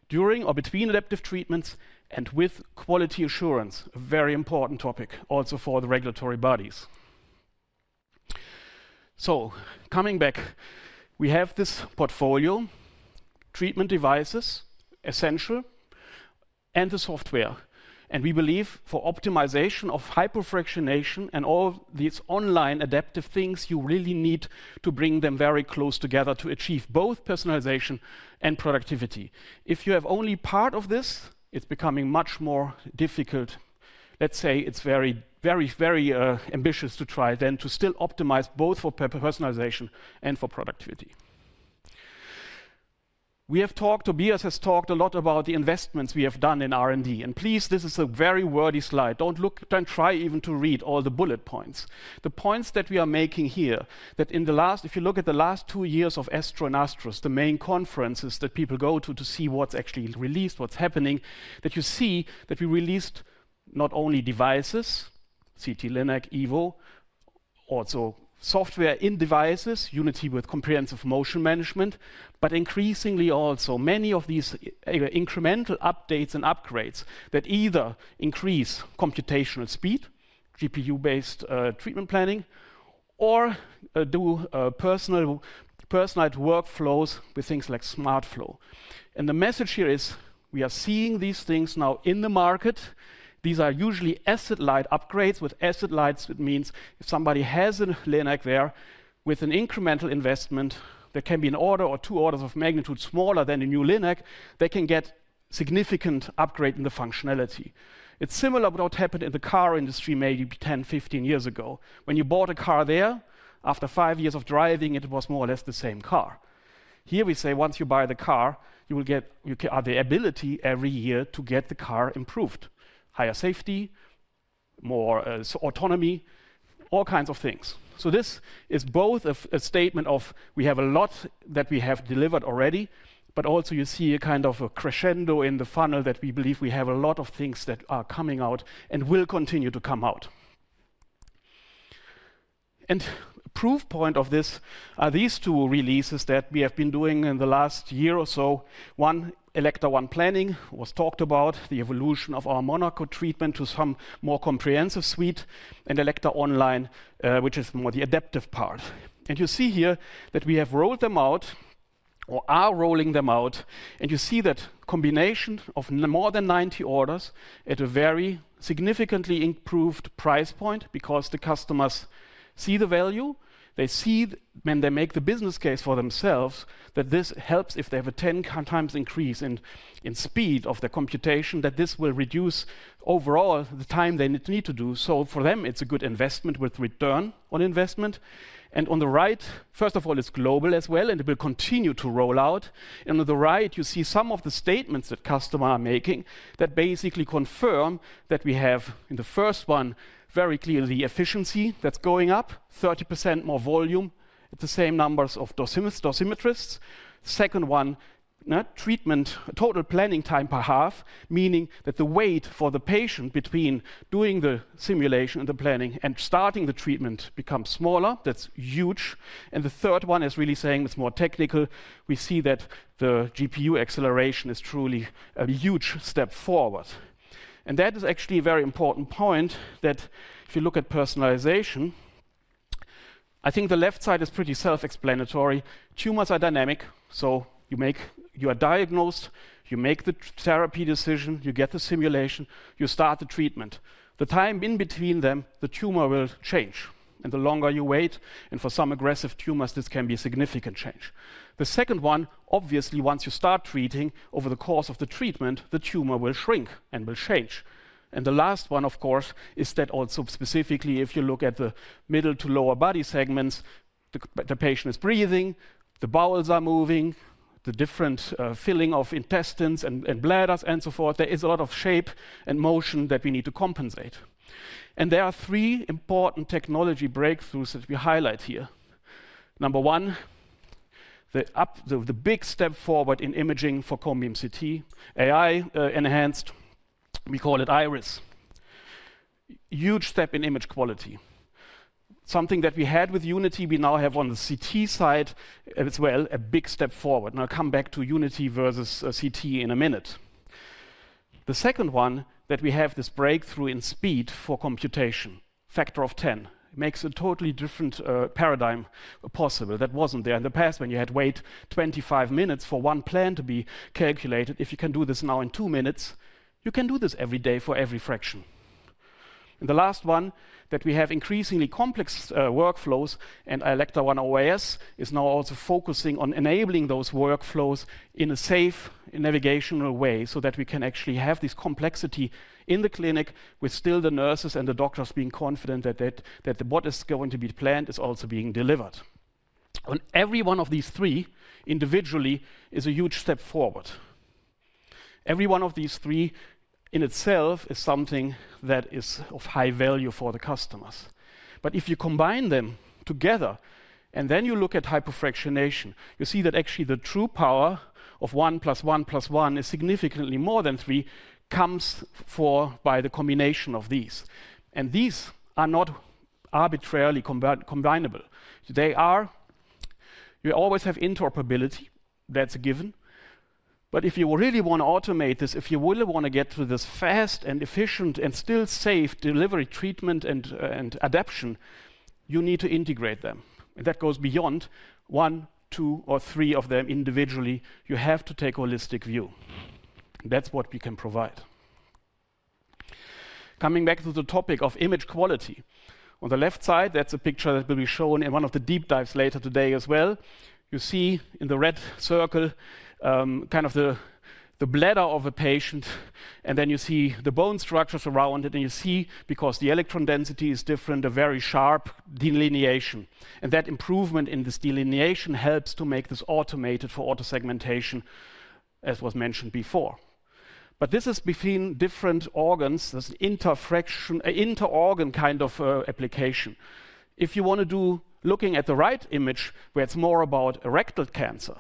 during or between adaptive treatments and with quality assurance, a very important topic also for the regulatory bodies. Coming back, we have this portfolio of treatment devices, essential, and the software, and we believe for optimization of hypofractionation and all these online adaptive things, you really need to bring them very close together to achieve both personalization and productivity. If you have only part of this, it is becoming much more difficult. Let's say it's very, very, very ambitious to try then to still optimize both for personalization and for productivity. We have talked, Tobias has talked a lot about the investments we have done in R&D. Please, this is a very wordy slide. Do not look, do not try even to read all the bullet points. The points that we are making here are that if you look at the last two years of ASTRO, the main conferences that people go to to see what is actually released, what is happening, you see that we released not only devices, CT-Linac, Evo, also software in devices, Unity with comprehensive motion management, but increasingly also many of these incremental updates and upgrades that either increase computational speed, GPU-based treatment planning, or do personalized workflows with things like Smart Flow. The message here is we are seeing these things now in the market. These are usually asset-light upgrades. With asset-light, it means if somebody has a Linac there, with an incremental investment that can be an order or two orders of magnitude smaller than a new Linac, they can get significant upgrade in the functionality. It is similar to what happened in the car industry maybe 10-15 years ago when you bought a car there. After five years of driving, it was more or less the same car. Here we say once you buy the car, you will get the ability every year to get the car improved. Higher safety, more autonomy, all kinds of things. This is both a statement of we have a lot that we have delivered already, but also you see a kind of a crescendo in the funnel that we believe we have a lot of things that are coming out and will continue to come out. A proof point of this are these two releases that we have been doing in the last year or so. One Elekta ONE Planning was talked about, the evolution of our Monaco treatment to some more comprehensive suite, and Elekta Online, which is more the adaptive part. You see here that we have rolled them out or are rolling them out. You see that combination of more than 90 orders at a very significantly improved price point because the customers see the value. They see when they make the business case for themselves that this helps if they have a 10 times increase in speed of the computation, that this will reduce overall the time they need to do so. For them it's a good investment with return on investment. On the right, first of all, it's global as well, and it will continue to roll out. On the right you see some of the statements that customers are making that basically confirm that we have in the first one very clearly efficiency that's going up 30%, more volume at the same numbers of dosimetrists. Second one, treatment total planning time per half, meaning that the wait for the patient between doing the simulation and the planning and starting the treatment becomes smaller. That's huge. The third one is really saying it's more technical. We see that the GPU acceleration is truly a huge step forward. That is actually a very important point that if you look at personalization, I think the left side is pretty self-explanatory. Tumors are dynamic. You are diagnosed, you make the therapy decision, you get the simulation, you start the treatment. The time in between them, the tumor will change and the longer you wait and for some aggressive tumors this can be a significant change. The second one, obviously once you start treating, over the course of the treatment, the tumor will shrink and will change. The last one of course is that also specifically if you look at the middle to lower body segments, the patient is breathing, the bowels are moving, the different filling of intestines and bladders and so forth, there is a lot of shape and motion that we need to compensate. There are three important technology breakthroughs that we highlight here. Number one, the big step forward in imaging for cone beam CT AI-enhanced, we call it Iris, huge step in image quality, something that we had with Unity, we now have on the CT side as well. A big step forward. I'll come back to Unity versus CT in a minute. The second one that we have this breakthrough in speed for computation, factor of 10 makes a totally different paradigm possible that was not there in the past when you had to wait 25 minutes for one plan to be calculated. If you can do this now in two minutes, you can do this every day for every fraction. The last one, that we have increasingly complex workflows. Elekta ONE OAS is now also focusing on enabling those workflows in a safe navigational way so that we can actually have this complexity in the clinic with still the nurses and the doctors being confident that what is going to be planned is also being delivered on. Every one of these three individually is a huge step forward. Every one of these three in itself is something that is of high value for the customers. If you combine them together and then you look at hyperfractionation, you see that actually the true power of one plus one plus one is significantly more than three, comes for by the combination of these. These are not arbitrarily combinable. They are. You always have interoperability, that's a given. If you really want to automate this, if you really want to get through this fast and efficient and still safe delivery, treatment and adaption, you need to integrate them. That goes beyond one, two or three of them individually. You have to take a holistic view. That's what we can provide. Coming back to the topic of image quality, on the left side, that's a picture that will be shown in one of the deep dives later today as well. You see in the red circle, kind of the bladder of a patient and then you see the bone structures around it. You see because the electron density is different, a very sharp delineation. That improvement in this delineation helps to make this automated for autosegmentation, as was mentioned before. This is between different organs. There is an interfraction, inter organ kind of application. If you want to do looking at the right image, where it is more about rectal cancer.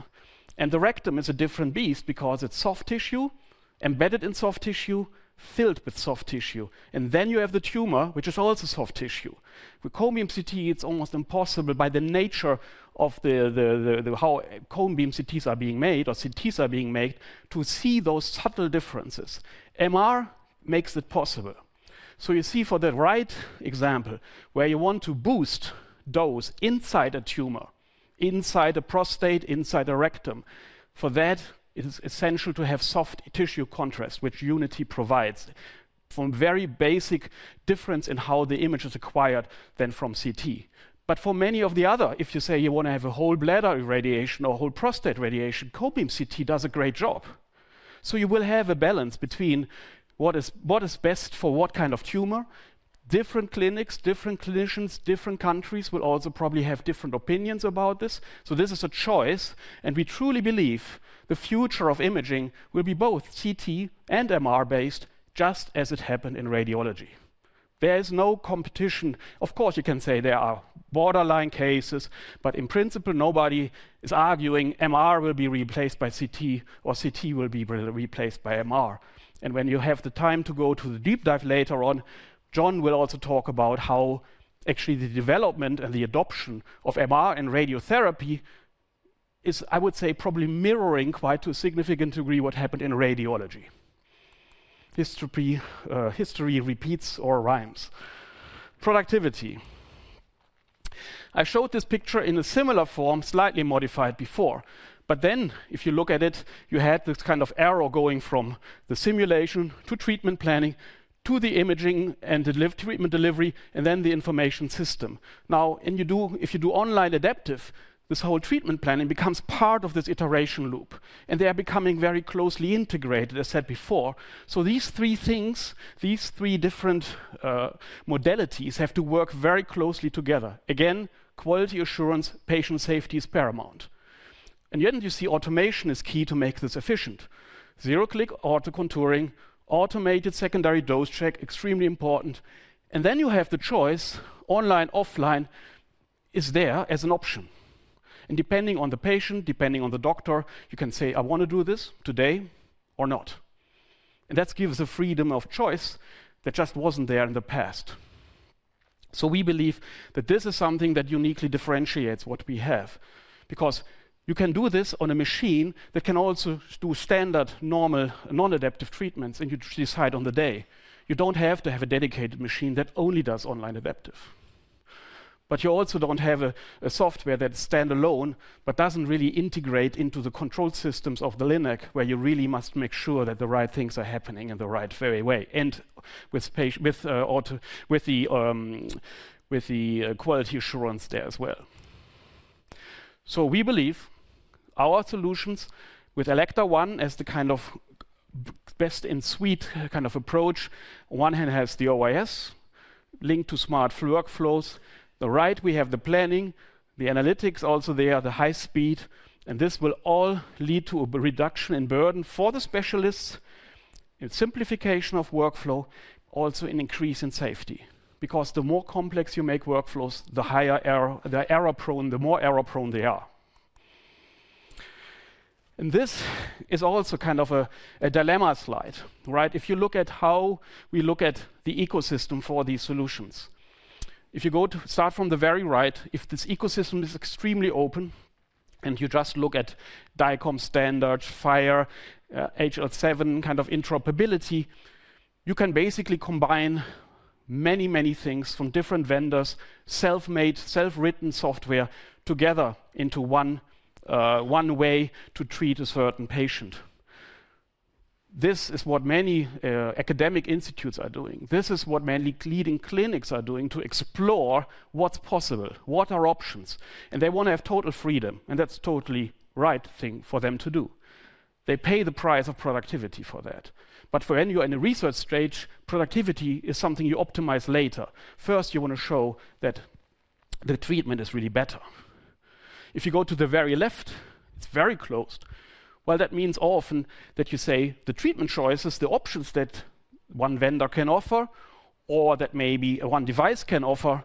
The rectum is a different beast because it is soft tissue embedded in soft tissue, filled with soft tissue. Then you have the tumor, which is also soft tissue. With cone beam CT, it is almost impossible by the nature of how cone beam CTs are being made or CTs are being made, to see those subtle differences. MR makes it possible. You see for the right example, where you want to boost dose inside a tumor, inside a prostate, inside a rectum, for that it is essential to have soft tissue contrast, which Unity provides from very basic difference in how the image is acquired than from CT. For many of the other, if you say you want to have a whole bladder irradiation or whole prostate radiation, cone beam CT does a great job. You will have a balance between what is best for what kind of tumor. Different clinics, different clinicians, different countries will also probably have different opinions about this. This is a choice. We truly believe the future of imaging will be both CT and MR based, just as it happened in radiology. There is no competition. Of course you can say there are borderline cases, but in principle nobody is arguing MR. Will be replaced by CT or CT will be replaced by MR. When you have the time to go to the deep dive, later on John will also talk about how actually the development and the adoption of MR and radiotherapy is, I would say, probably mirroring quite to a significant degree what happened in radiology. History repeats or rhymes. Productivity. I showed this picture in a similar form, slightly modified before, but then if you look at it, you had this kind of arrow going from the simulation to treatment planning to the imaging and treatment delivery and then the information system. Now if you do online adaptive, this whole treatment planning becomes part of this iteration loop and they are becoming very closely integrated as said before. These three things, these three different modalities have to work very closely together again. Quality assurance, patient safety is paramount. Yet you see automation is key to make this efficient. Zero click auto contouring, automated secondary dose check, extremely important. Then you have the choice, online offline is there as an option. Depending on the patient, depending on the doctor, you can say I want to do this today or not. That gives a freedom of choice that just was not there in the past. We believe that this is something that uniquely differentiates what we have because you can do this on a machine that can also do standard normal non-adaptive treatments and you decide on the day. You do not have to have a dedicated machine that only does online adaptive, but you also do not have a software that is standalone but does not really integrate into the control systems of the Linac where you really must make sure that the right things are happening in the right very way and with the quality assurance there as well. We believe our solutions with Elekta ONE as the kind of best-in-suite kind of approach. On one hand, it has the OIS linked to smart workflows. On the right, we have the planning, the analytics also there, the high speed. This will all lead to a reduction in burden for the specialists and simplification of workflow. Also an increase in safety because the more complex you make workflows, the more error prone they are. This is also kind of a dilemma slide, right. If you look at how we look at the ecosystem for these solutions, if you start from the very right, if this ecosystem is extremely open and you just look at DICOM standards, FHIR, HL7 kind of interoperability, you can basically combine many, many things from different vendors, self-made, self-written software together into one way to treat a certain patient. This is what many academic institutes are doing, this is what many leading clinics are doing to explore what's possible, what are options, and they want to have total freedom and that's totally the right thing for them to do. They pay the price of productivity for that. For when you are in the research stage, productivity is something you optimize later. First you want to show that the treatment is really better. If you go to the very left, it is very closed. That means often that you say the treatment choices, the options that one vendor can offer or that maybe one device can offer,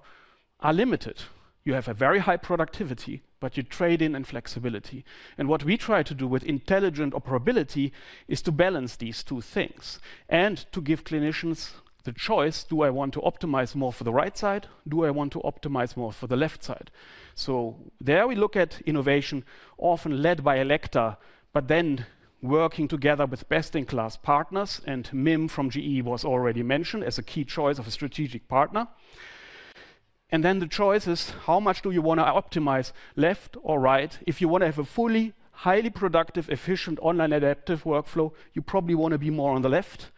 are limited. You have a very high productivity, but you trade in flexibility. What we try to do with intelligent operability is to balance these two things and to give clinicians the choice: do I want to optimize more for the right side? Do I want to optimize more for the left side? There we look at innovation, often led by Elekta, but then working together with best-in-class partners. MIM from GE was already mentioned as a key choice of a strategic partner. The choice is how much do you want to optimize left or right? If you want to have a fully, highly productive, efficient, online adaptive workflow, you probably want to be more on the left.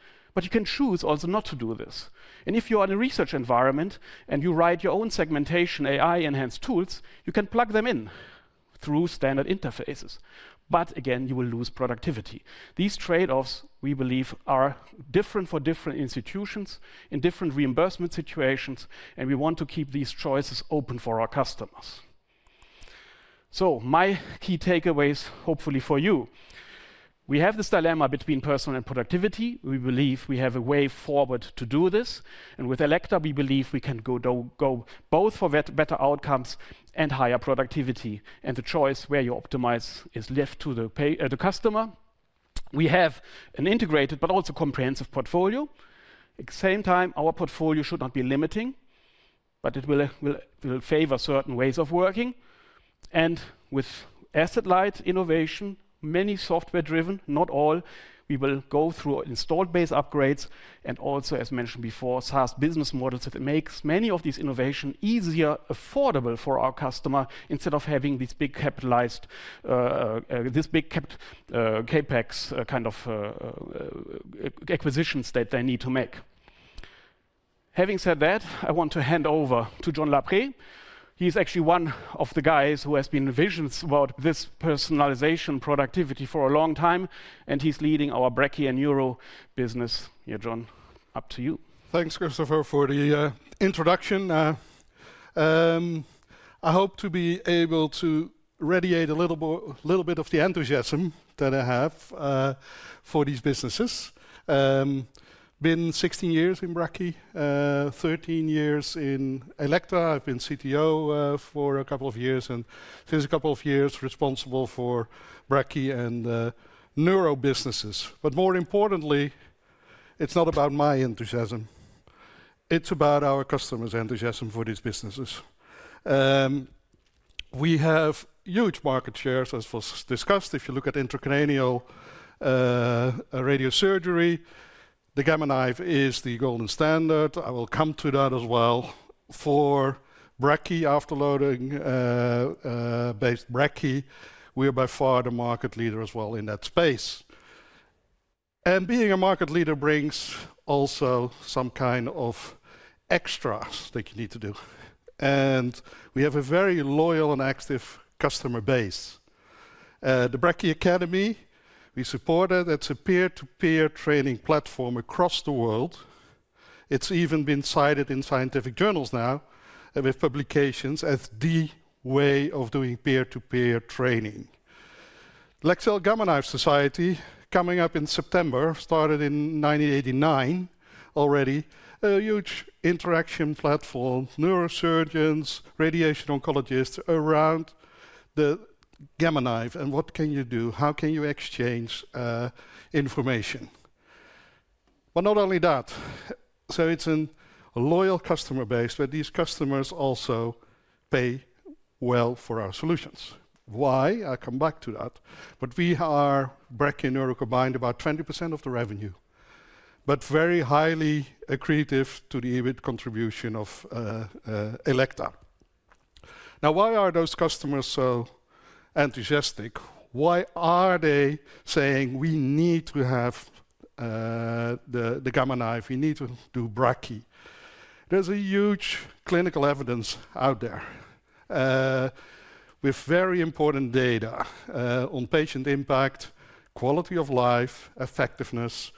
You can choose also not to do this. If you are in a research environment and you write your own segmentation AI enhanced tools, you can plug them in through standard interfaces. Again, you will lose productivity. These trade offs, we believe, are different for different institutions in different reimbursement situations. We want to keep these choices open for our customers. My key takeaways, hopefully for you, are that we have this dilemma between personal and productivity. We believe we have a way forward to do this. With Elekta, we believe we can go both for better outcomes and higher productivity. The choice where you optimize is left to the customer. We have an integrated but also comprehensive portfolio. At the same time, our portfolio should not be limiting, but it will favor certain ways of working. With asset light innovation, many software driven, not all. We will go through installed base upgrades. Also, as mentioned before, SaaS business models make many of these innovation easier, affordable for our customer instead of having these big capitalized, this big CapEx kind of acquisitions that they need to make. Having said that, I want to hand over John Lapré. He is actually one of the guys who has been visions about this personalization productivity for a long time and he is leading our Brachy and Neuro business. John, up to you. Thanks Christopher for the introduction. I hope to be able to radiate a little bit of the enthusiasm that I have for these businesses. Been 16 years in Brachy, 13 years in Elekta. I've been CTO for a couple of years and since a couple of years responsible for Brachy and Neuro businesses. More importantly, it's not about my enthusiasm, it's about our customers' enthusiasm for these businesses. We have huge market shares as was discussed. If you look at intracranial radiosurgery, the Gamma Knife is the golden standard. I will come to that as well for brachy afterloading-based brachy. We are by far the market leader as well in that space. Being a market leader brings also some kind of extras that you need to do. We have a very loyal and active customer base, the Brachy Academy. We support it as a peer to peer training platform across the world. It's even been cited in scientific journals now with publications as the way of doing peer to peer training. Leksell Gamma Knife Society coming up in September. Started in 1989. Already a huge interaction platform. Neurosurgeons, radiation oncologists, around the Gamma Knife and what can you do? How can you exchange information? Not only that. It's a loyal customer base where these customers also pay well for our solutions. Why I come back to that. We are brachy and neuro combined, about 20% of the revenue. Very highly accretive to the EBIT contribution of Elekta. Now why are those customers so enthusiastic? Why are they saying we need to have the Gamma Knife, we need to do brachy. There's a huge clinical evidence out there with very important data on patient impact, quality of life, effectiveness,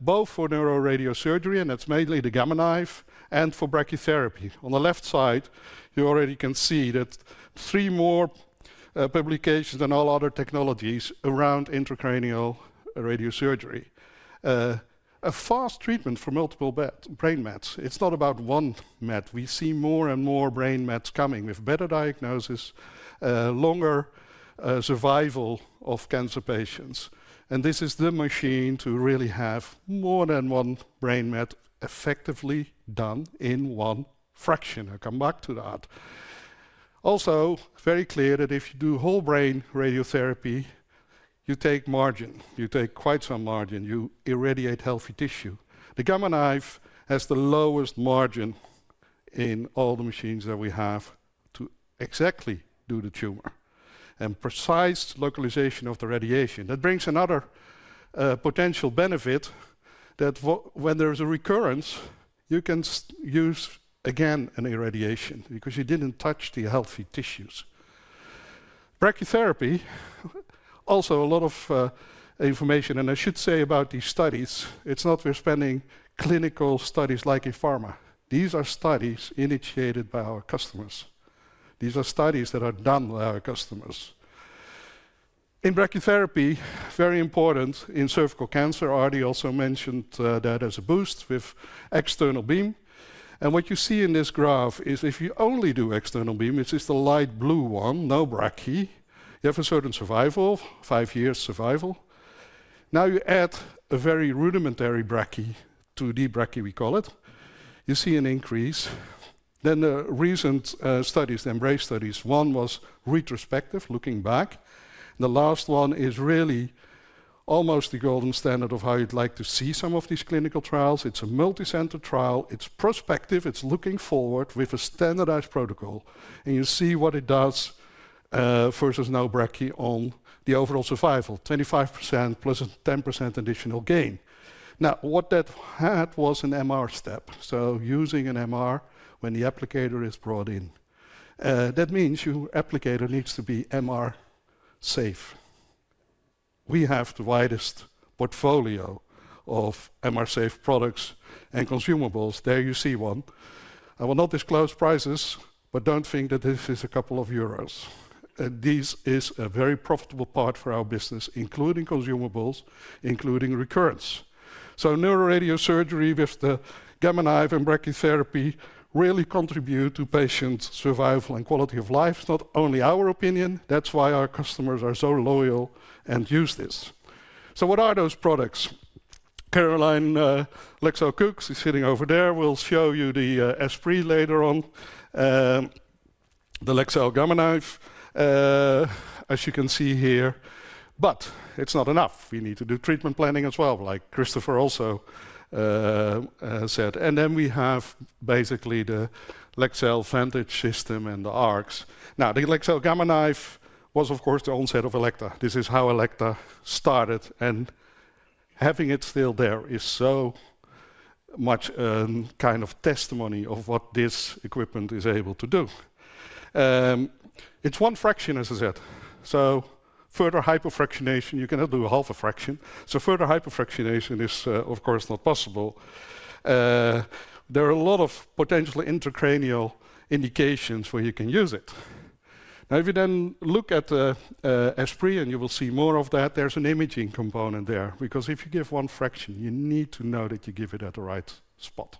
both for neuroradiosurgery and that's mainly the Gamma Knife. And for brachytherapy on the left side you already can see that three more publications than all other technologies around. Intracranial radiosurgery, a fast treatment for multiple brain mets. It's not about one met. We see more and more brain mets coming with better diagnosis, longer survival of cancer patients. And this is the machine to really have more than one brain met effectively done in one fraction. I'll come back to that. Also very clear that if you do whole brain radiotherapy, you take margin, you take quite some margin, you irradiate healthy tissue. The Gamma Knife has the lowest margin in all the machines that we have to exactly do the tumor and precise localization of the radiation. That brings another potential benefit that when there is a recurrence, you can use again an irradiation because you didn't touch the healthy tissues. Brachytherapy also, a lot of information, and I should say about these studies, it's not. We're spending clinical studies like in pharma. These are studies initiated by our customers. These are studies that are done by our customers in brachytherapy, very important in cervical cancer. Ardie also mentioned that as a boost with external beam. What you see in this graph is if you only do external beam, it's just a light blue one, no brachy, you have a certain survival, five years survival. Now you add a very rudimentary brachy, 2D brachy, we call it. You see an increase. The recent studies, the EMBRACE studies. One was retrospective. Looking back, the last one is really almost the golden standard of how you'd like to see some of these clinical trials. It's a multicenter trial, it's prospective, it's looking forward with a standardized protocol. You see what it does versus now brachy on the overall survival, 25%+10% additional gain. Now what that had was an MR step. Using an MR, when the applicator is brought in, that means your applicator needs to be MR safe. We have the widest portfolio of MR safe products and consumables. There you see one. I will not disclose prices, but do not think that this is a couple of euros. This is a very profitable part for our business, including consumables, including recurrence. Neuroradiosurgery with the Gamma Knife and brachytherapy really contribute to patient survival and quality of life. Not only our opinion. That is why our customers are so loyal and use this. What are those products? Caroline Leksell Cooke is sitting over there. We will show you the Esprit later on the Leksell Gamma Knife, as you can see here. It is not enough. We need to do treatment planning as well, like Christopher also said. Then we have basically the Leksell Vantage system and the arcs. Now the Leksell Gamma Knife was of course the onset of Elekta. This is how Elekta started. Having it still, there is so much kind of testimony of what this equipment is able to do. It is one fraction as I said. Further hyperfractionation, you cannot do half a fraction. Further hypofractionation is of course not possible. There are a lot of potentially intracranial indications where you can use it. Now if you then look at Esprit and you will see more of that. There is an imaging component there because if you give one fraction, you need to know that you give it at the right spot.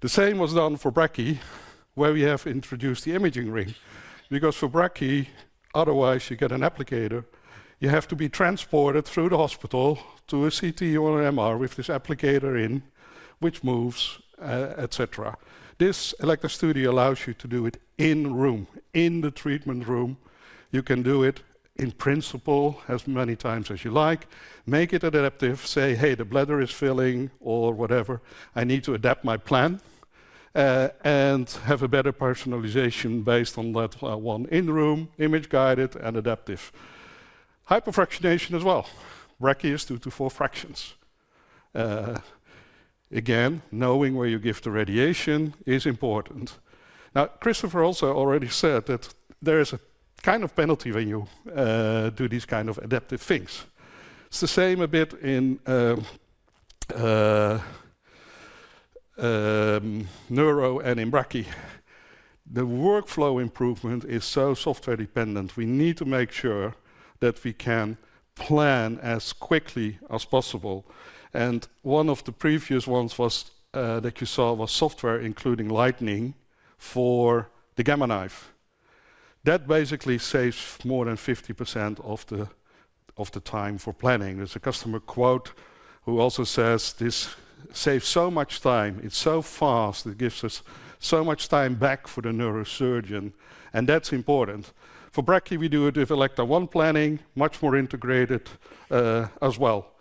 The same was done for brachy where we have introduced the imaging ring because for brachy otherwise you get an applicator. You have to be transported through the hospital to a CT or an MR. With this applicator, which moves, etc. This Elekta Studio allows you to do it in room. In the treatment room, you can do it in principle as many times as you like. Make it adaptive, say hey, the bladder is filling or whatever. I need to adapt my plan and have a better personalization based on that one in room. Image guided and adaptive hypofractionation as well. Brachy is two to four fractions. Again, knowing where you give the radiation is important. Now, Christopher also already said that there is a kind of penalty when you do these kind of adaptive things. It's the same a bit in Neuro and in Brachy. The workflow improvement is so software dependent. We need to make sure that we can plan as quickly as possible. One of the previous ones that you saw was software including Lightning for the Gamma Knife. That basically saves more than 50% of the time for planning. There's a customer quote who also says this saves so much time, it's so fast. It gives us so much time back for the neurosurgeon and that's important for Brachy. We do it with Elekta ONE Planning, much more integrated as well.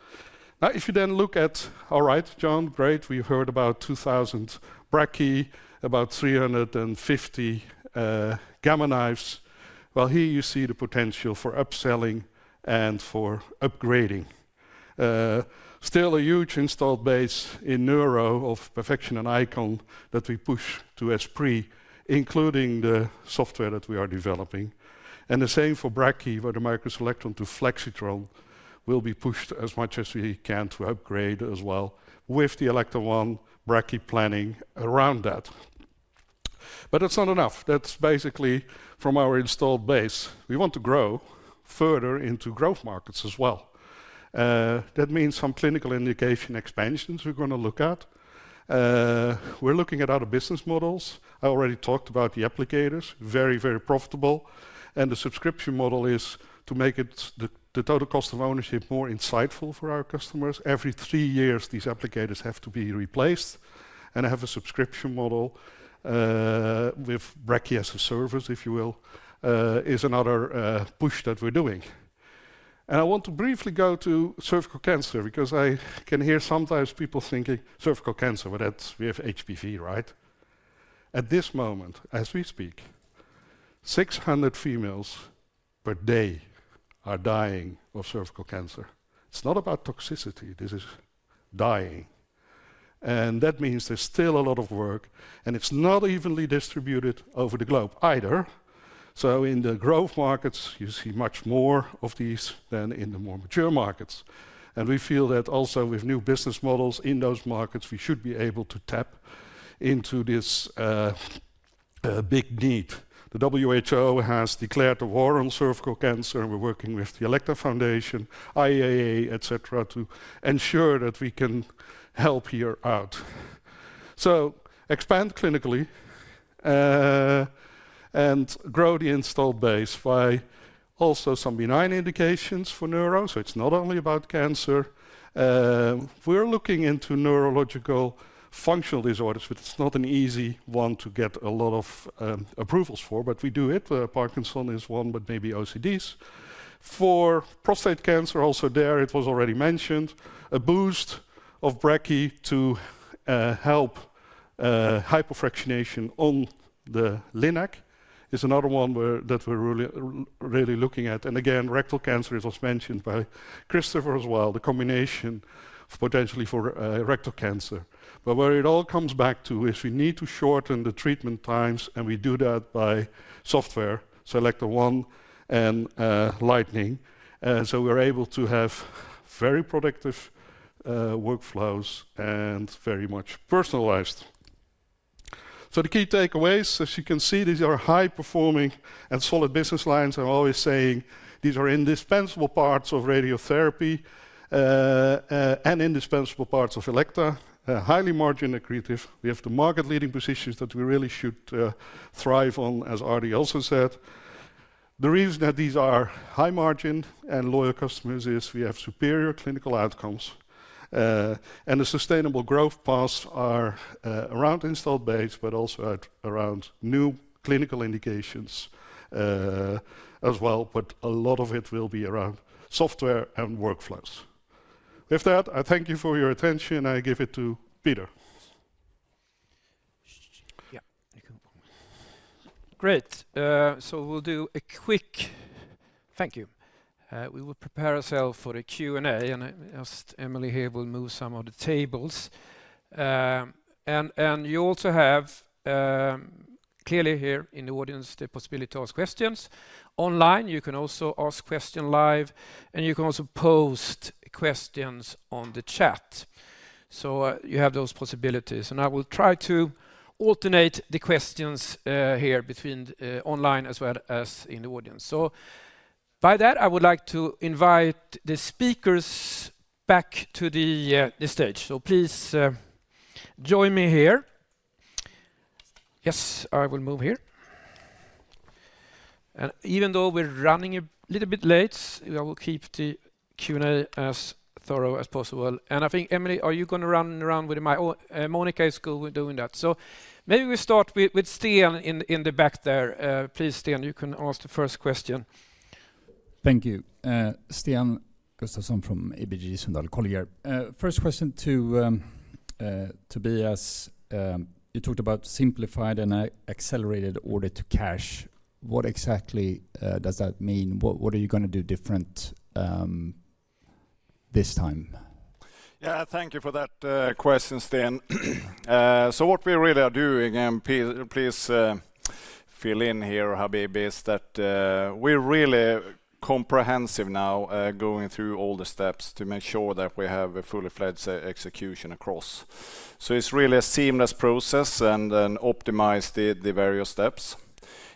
Now if you then look at, all right, John, great, we heard about 2,000 Brachy, about 350 Gamma Knives. Here you see the potential for upselling and for upgrading. Still a huge installed base in Neuro of Perfection and Icon that we push to Esprit, including the software that we are developing. The same for Brachy, where the MicroSelectron to Flexitron will be pushed as much as we can to upgrade as well, with the Elekta ONE Brachy Planning around that. That's not enough. That's basically from our installed base. We want to grow further into growth markets as well. That means some clinical indication expansions we're going to look at. We're looking at other business models. I already talked about the applicators. Very, very profitable. The subscription model is to make the total cost of ownership more insightful for our customers. Every three years these applicators have to be replaced and having a subscription model with Brachy as a service, if you will, is another push that we're doing. I want to briefly go to cervical cancer because I can hear sometimes people thinking cervical cancer. We have HPV right at this moment. As we speak, 600 females per day are dying of cervical cancer. It's not about toxicity. This is dying and that means there's still a lot of work and it's not evenly distributed over the globe either. In the growth markets you see much more of these than in the more mature markets. We feel that also with new business models in those markets we should be able to tap into this big need. The WHO has declared a war on cervical cancer and we're working with the Elekta Foundation, IAEA et cetera to ensure that we can help here out. Expand clinically and grow the installed base by also some benign indications for neuro. It's not only about cancer. We're looking into neurological functional disorders, but it's not an easy one to get a lot of approvals for, but we do it. Parkinson's is one, but maybe OCDs for prostate cancer also there. It was already mentioned a boost of brachy to help hypofractionation on the Linac is another one that we're really looking at. Again, rectal cancer was mentioned by Christopher as well. The combination potentially for rectal cancer, but where it all comes back to is we need to shorten the treatment times and we do that by software Selector 1 and Lightning. We are able to have very productive workflows and very much personalized. The key takeaways, as you can see, these are high performing and solid business lines. We are always saying these are indispensable parts of radiotherapy and indispensable parts of Elekta. Highly margin accretive. We have the market leading positions that we really should thrive on. As Ardie also said, the reason that these are high margin and loyal customers is we have superior clinical outcomes and the sustainable growth paths are around installed base but also around new clinical indications as well. A lot of it will be around software and workflows. With that I thank you for your attention. I give it to Peter. Yeah, great. We will do a quick thank you. We will prepare ourselves for a Q&A and Emily here will move some of the tables and you also have clearly here in the audience the possibility to ask questions online. You can also ask questions live and you can also post questions on the chat. You have those possibilities. I will try to alternate the questions here between online as well as in the audience. By that I would like to invite the speakers back to the stage. Please join me here. Yes, I will move here and even though we're running a little bit late, I will keep the Q&A as thorough as possible. I think Emily, are you going to run around with my own Monica school doing that? Maybe we start with Sten in the back there, please. Sten, you can ask the first question. Thank you. Sten Gustafsson from ABG Sundal Collier, first question to Tobias you talked about simplified and accelerated order to cash. What exactly does that mean? What are you going to do different this time? Yeah, thank you for that question, Sten. What we really are doing, please fill in here, Habib, is that we're really comprehensive now going through all the steps to make sure that we have a fully-fledged execution across. It is really a seamless process and optimize the various steps.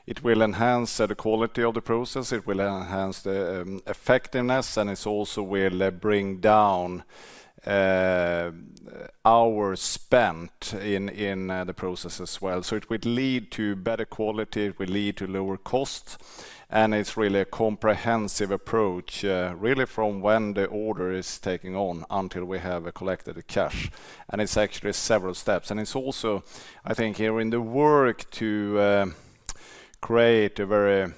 It will enhance the quality of the process, it will enhance the effectiveness and it also will bring down hours spent in the process as well. It would lead to better quality, it will lead to lower cost. It is really a comprehensive approach really from when the order is taking on until we have collected the cash. It is actually several steps and it is also I think here in the work to create a very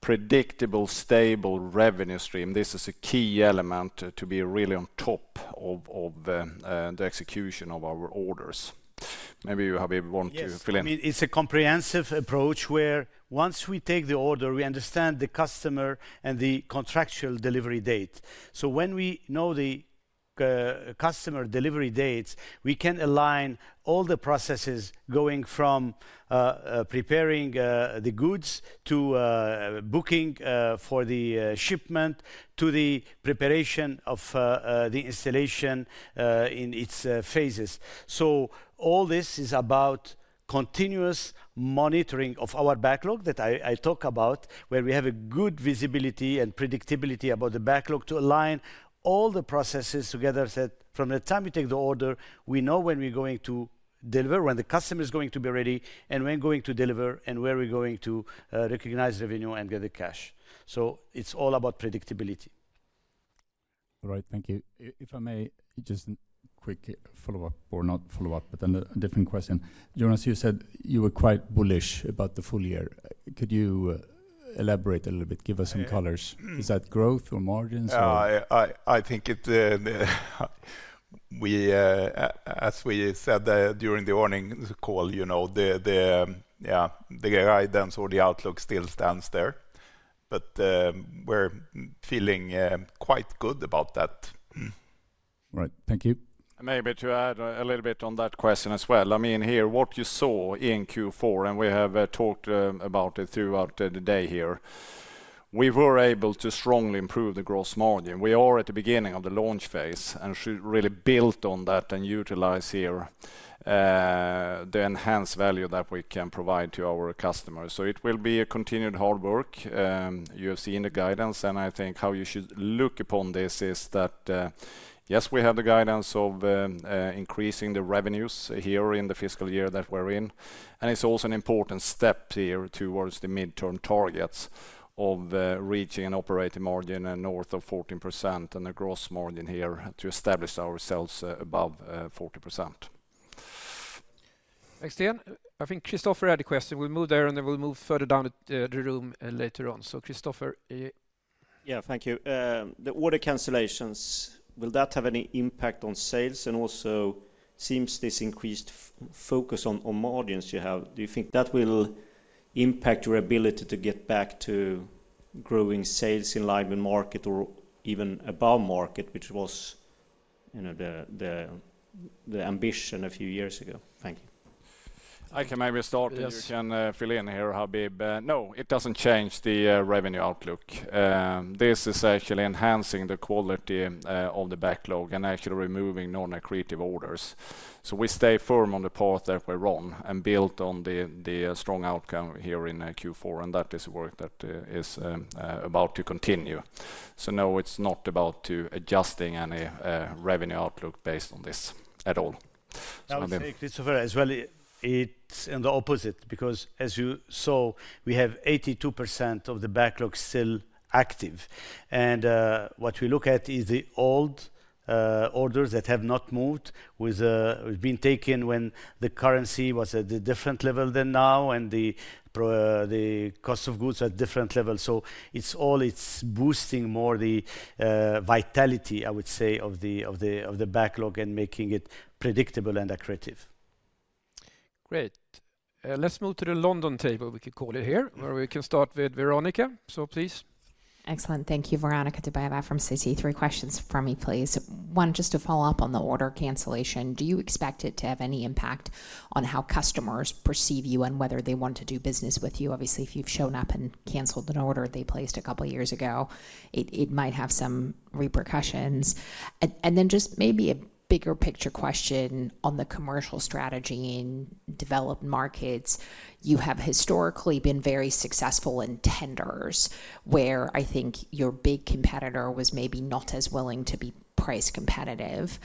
predictable stable revenue stream. This is a key element to be really on top of the execution of our orders. Maybe want to fill in. It's a comprehensive approach where once we take the order, we understand the customer and the contractual delivery date. When we know the customer delivery dates, we can align all the processes going from preparing the goods to booking for the shipment to the preparation of the installation in its phases. All this is about continuous monitoring of our backlog that I talk about, where we have a good visibility and predictability about the backlog to align all the processes together that from the time you take the order, we know when we're going to deliver, when the customer is going to be ready and when going to deliver and where we're going to recognize revenue and get the cash. It's all about predictability. All right, thank you. If I may just quick follow-up. Or not follow-up. Then a different question. Jonas, you said you were quite bullish about the full year. Could you elaborate a little bit, give us some colors? Is that growth or margins? I think as we said during the morning call, the guidance or the outlook still stands there, but we're feeling quite good about that. Right, thank you. Maybe to add a little bit on that question as well. I mean here what you saw in Q4 and we have talked about it throughout the day here, we were able to strongly improve the gross margin. We are at the beginning of the launch phase. You should really build on that and utilize here the enhanced value that we can provide to our customers. It will be a continued hard work. You have seen the guidance and I think how you should look upon this is that yes, we have the guidance of increasing the revenues here in the fiscal year that we're in. It is also an important step here towards the mid term targets of reaching an operating margin north of 14% and a gross margin here to establish ourselves above 40%. Thanks, Sten. I think Christopher had a question. We'll move there and then we'll move further down the room later on. So Christopher. Yeah, thank you. The order cancellations, will that have any impact on sales? It also seems this increased focus on margins you have, do you think that? Will impact your ability to get back to growing sales in live in market. Or even above market, which was the ambition a few years ago? Thank you. I can maybe start. You can fill in here, Habib. No, it does not change the revenue outlook. This is actually enhancing the quality of the backlog and actually removing non-accretive orders, so we stay firm on the path that we are on and build on the strong outcome here in Q4. That is work that is about to continue. No, it is not about adjusting any revenue outlook based on this at all as well. It's the opposite because as you saw, we have 82% of the backlog still active. What we look at is the old orders that have not moved. We have been taken when the currency was at a different level than now and the cost of goods at different levels. It is boosting more the vitality, I would say, of the backlog and making it predictable and accretive. Great. Let's move to the London table. We could call it here where we can start with Veronika. So please. Excellent, thank you. Veronika Dubajova from Citi. Three questions for me please. One, just to follow-up on the. Order cancellation, do you expect it to have any impact on, on how customers. Perceive you and whether they want to do business with you? Obviously if you've shown up and canceled an order they placed a couple years ago. It might have some repercussions. Maybe a bigger picture. Question on the commercial strategy. In developed markets you have historically been very successful in tenders where I think your big competitor was maybe not as willing to be price competitive.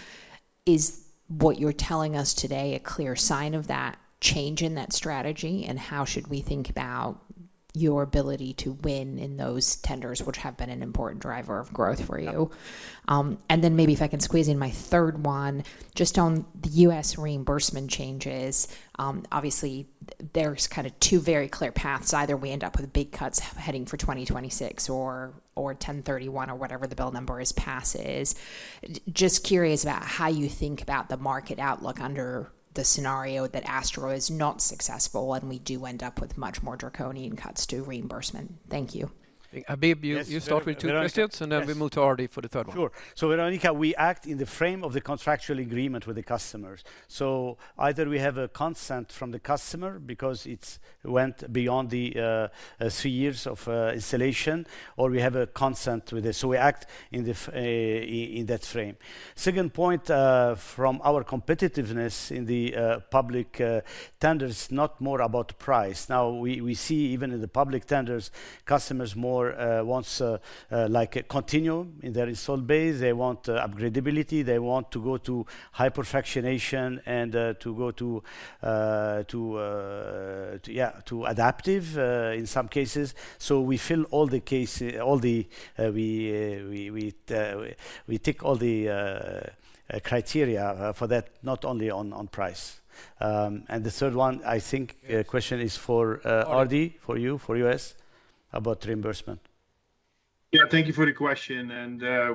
Is what you're telling us today a clear sign of that change in that strategy? How should we think about your. Ability to win in those tenders, which. Have been an important driver of growth for you. Maybe if I can squeeze. In my third one just on the. U.S. reimbursement changes, obviously there's kind of two very clear paths. Either we end up with big cuts. Heading for 2026 or, or 1031 or whatever the bill number is, passes. Just curious about how you think about. The market outlook under the scenario that. ASTRO is not successful. We do end up with much. More draconian cuts to reimbursement. Thank you. Habib, you start with two questions and then we move to Ardie for the third one. Sure. Veronika, we act in the frame of the contractual agreement with the customers. Either we have a consent from the customer because it went beyond the three years of installation, or we have a consent with it. We act in that frame. Second point, from our competitiveness in the public tenders, not more about price. Now we see even in the public tenders, customers more want to continue in their installed base. They want upgradability, they want to go to hypofractionation and to go to, yeah, to adaptive in some cases. We fill all the cases, all the. We. Take all the criteria for that, not only on price. The third one, I think, question is for R&D for you, for us about reimbursement. Yeah. Thank you for the question.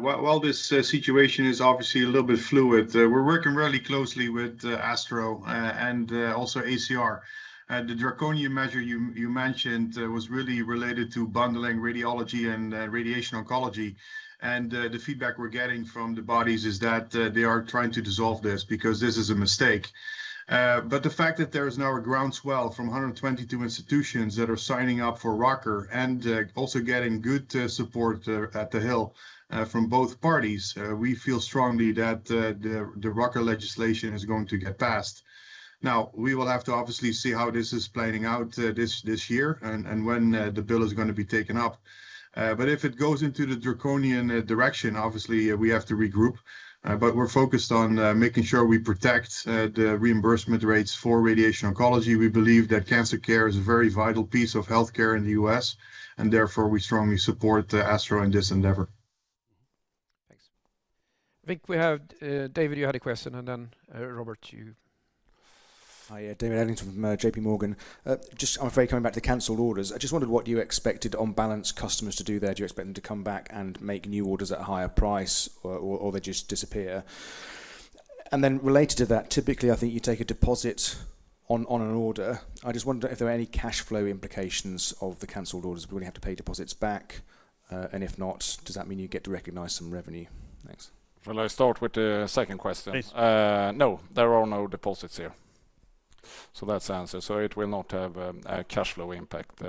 While this situation is obviously a little bit fluid, we're working really closely with ASTRO and also ACR. The draconian measure you mentioned was really related to bundling radiology and radiation oncology. The feedback we're getting from the bodies is that they are trying to dissolve this because this is a mistake. The fact that there is now a groundswell from 122 institutions that are signing up for ROCR and also getting good support at the Hill from both parties, we feel strongly that the ROCR legislation is going to get passed. Now we will have to obviously see how this is planning out this year and when the bill is going to be taken up. If it goes into the draconian direction, obviously we have to regroup. We are focused on making sure we protect the reimbursement rates for radiation oncology. We believe that cancer care is a very vital piece of healthcare in the U.S. and therefore we strongly support ASTRO in this endeavor. Thanks. I think we have. David, you had a question. And then Robert, you. Hi, David Ellington from JPMorgan. I'm afraid coming back to the cancelled orders, I just wondered what you expected, on balance, customers to do there. Do you expect them to come back and make new orders at a higher price or they just disappear and then related. To that, typically I think you take. A deposit on an order. I just wonder if there are any. Cash flow implications of the cancelled orders. We really have to pay deposits back and if not, does that mean you get to recognize some revenue? Thanks. Shall I start with the second question? No, there are no deposits here. That is the answer. It will not have a cash flow impact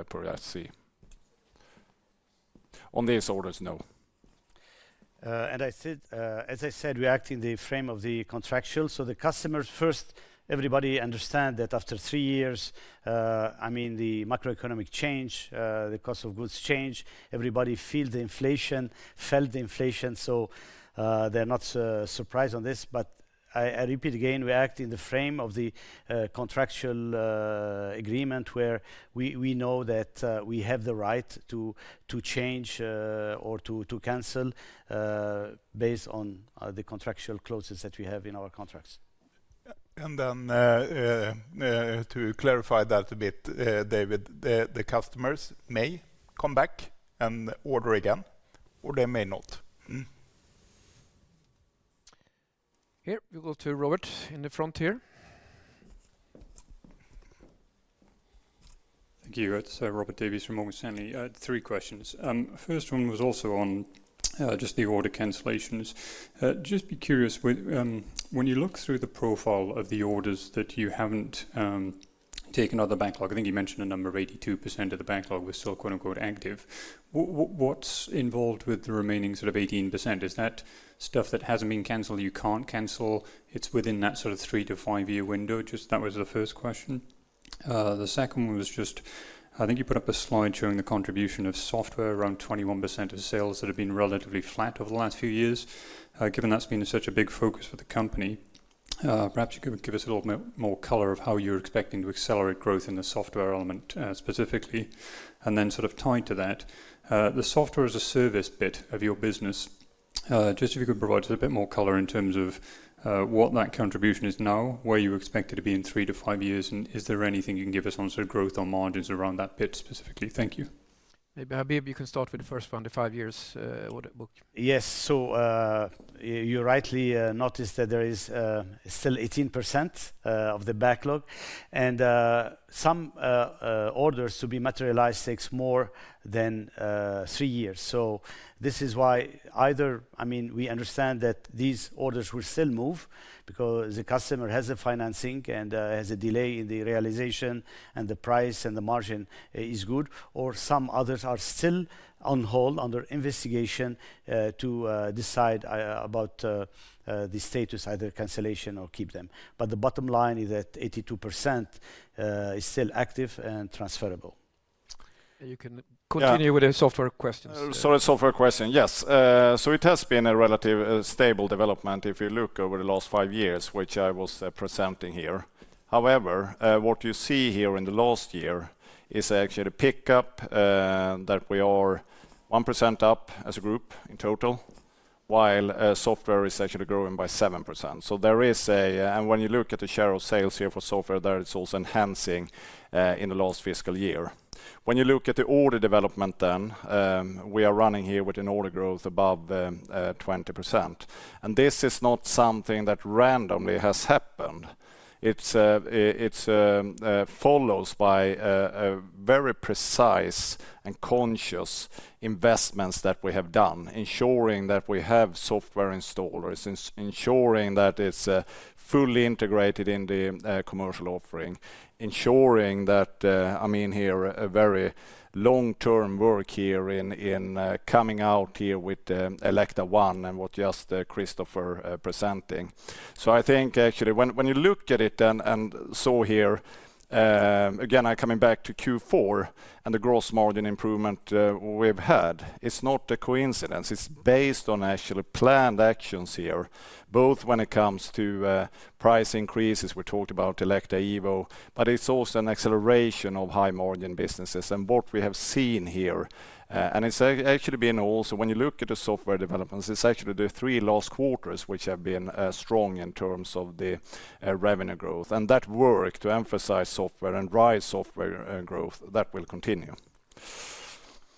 on these orders? No. As I said, we act in the frame of the contractual. The customers first, everybody understands that after three years, I mean the macroeconomic change, the cost of goods change, everybody feels the inflation, felt the inflation. They are not surprised on this. I repeat again, we act in the frame of the contractual agreement where we know that we have the right to change or to cancel based on the contractual clauses that we have in our contracts. To clarify that a bit, David, the customers may come back and order again or they may not. Here we'll go to Robert in the front here. Thank you. It's Robert Davies from Morgan Stanley. I had three questions. First one was also on just the order cancellations. Just be curious when you look through the profile of the orders that you haven't taken out of the backlog. I think you mentioned a number of 82% of the backlog was still quote unquote active. What's involved with the remaining sort of 18%? Is that stuff that hasn't been cancelled, you can't cancel? It's within that sort of three to five year window? Just that was the first question. The second one was just I think you put up a slide showing the contribution of software around 21% of sales that have been relatively flat over the last few years. Given that's been such a big focus for the company, perhaps you could give us a little more color of how you're expecting to accelerate growth in the software element specifically and then sort of tied to that, the software as a service bit of your business. Just if you could provide us a. Bit more color in terms of what that contribution is now, where you expect it to be in three to five years. Is there anything you can give us on growth, on margins around that pit specifically? Thank you. Maybe Habib, you can start with the first one, the five years. Yes. You rightly noticed that there is still 18% of the backlog and some orders to be materialized take more than three years. This is why, either, I mean, we understand that these orders will still move because the customer has financing and has a delay in the realization and the price and the margin is good, or some others are still on hold under investigation to decide about the status, either cancellation or keep them. The bottom line is that 82% is still active and transferable. You can continue with the software questions. Sorry, software question. Yes. It has been a relatively stable development if you look over the last five years, which I was presenting here. However, what you see here in the last year is actually the pickup that we are 1% up as a group in total, while software is actually growing by 7%. There is a, and when you look at the share of sales here for software, it is also enhancing in the last fiscal year. When you look at the order development, we are running here with an order growth above 20%, and this is not something that randomly has happened. It follows by very precise and conscious investments that we have done, ensuring that we have software installers, ensuring that it's fully integrated in the commercial offering, ensuring that I mean here a very long term work here in coming out here with Elekta ONE and what just Christopher presenting. I think actually when you look at it and saw here again I coming back to Q4 and the gross margin improvement we've had, it's not a coincidence. It's based on actually planned actions here both when it comes to price increases. We talked about Elekta Evo, but it's also an acceleration of high margin businesses and what we have seen here and it's actually been also when you look at the software developments, it's actually the three last quarters which have been strong in terms of the revenue growth and that work to emphasize software and drive software growth that will continue.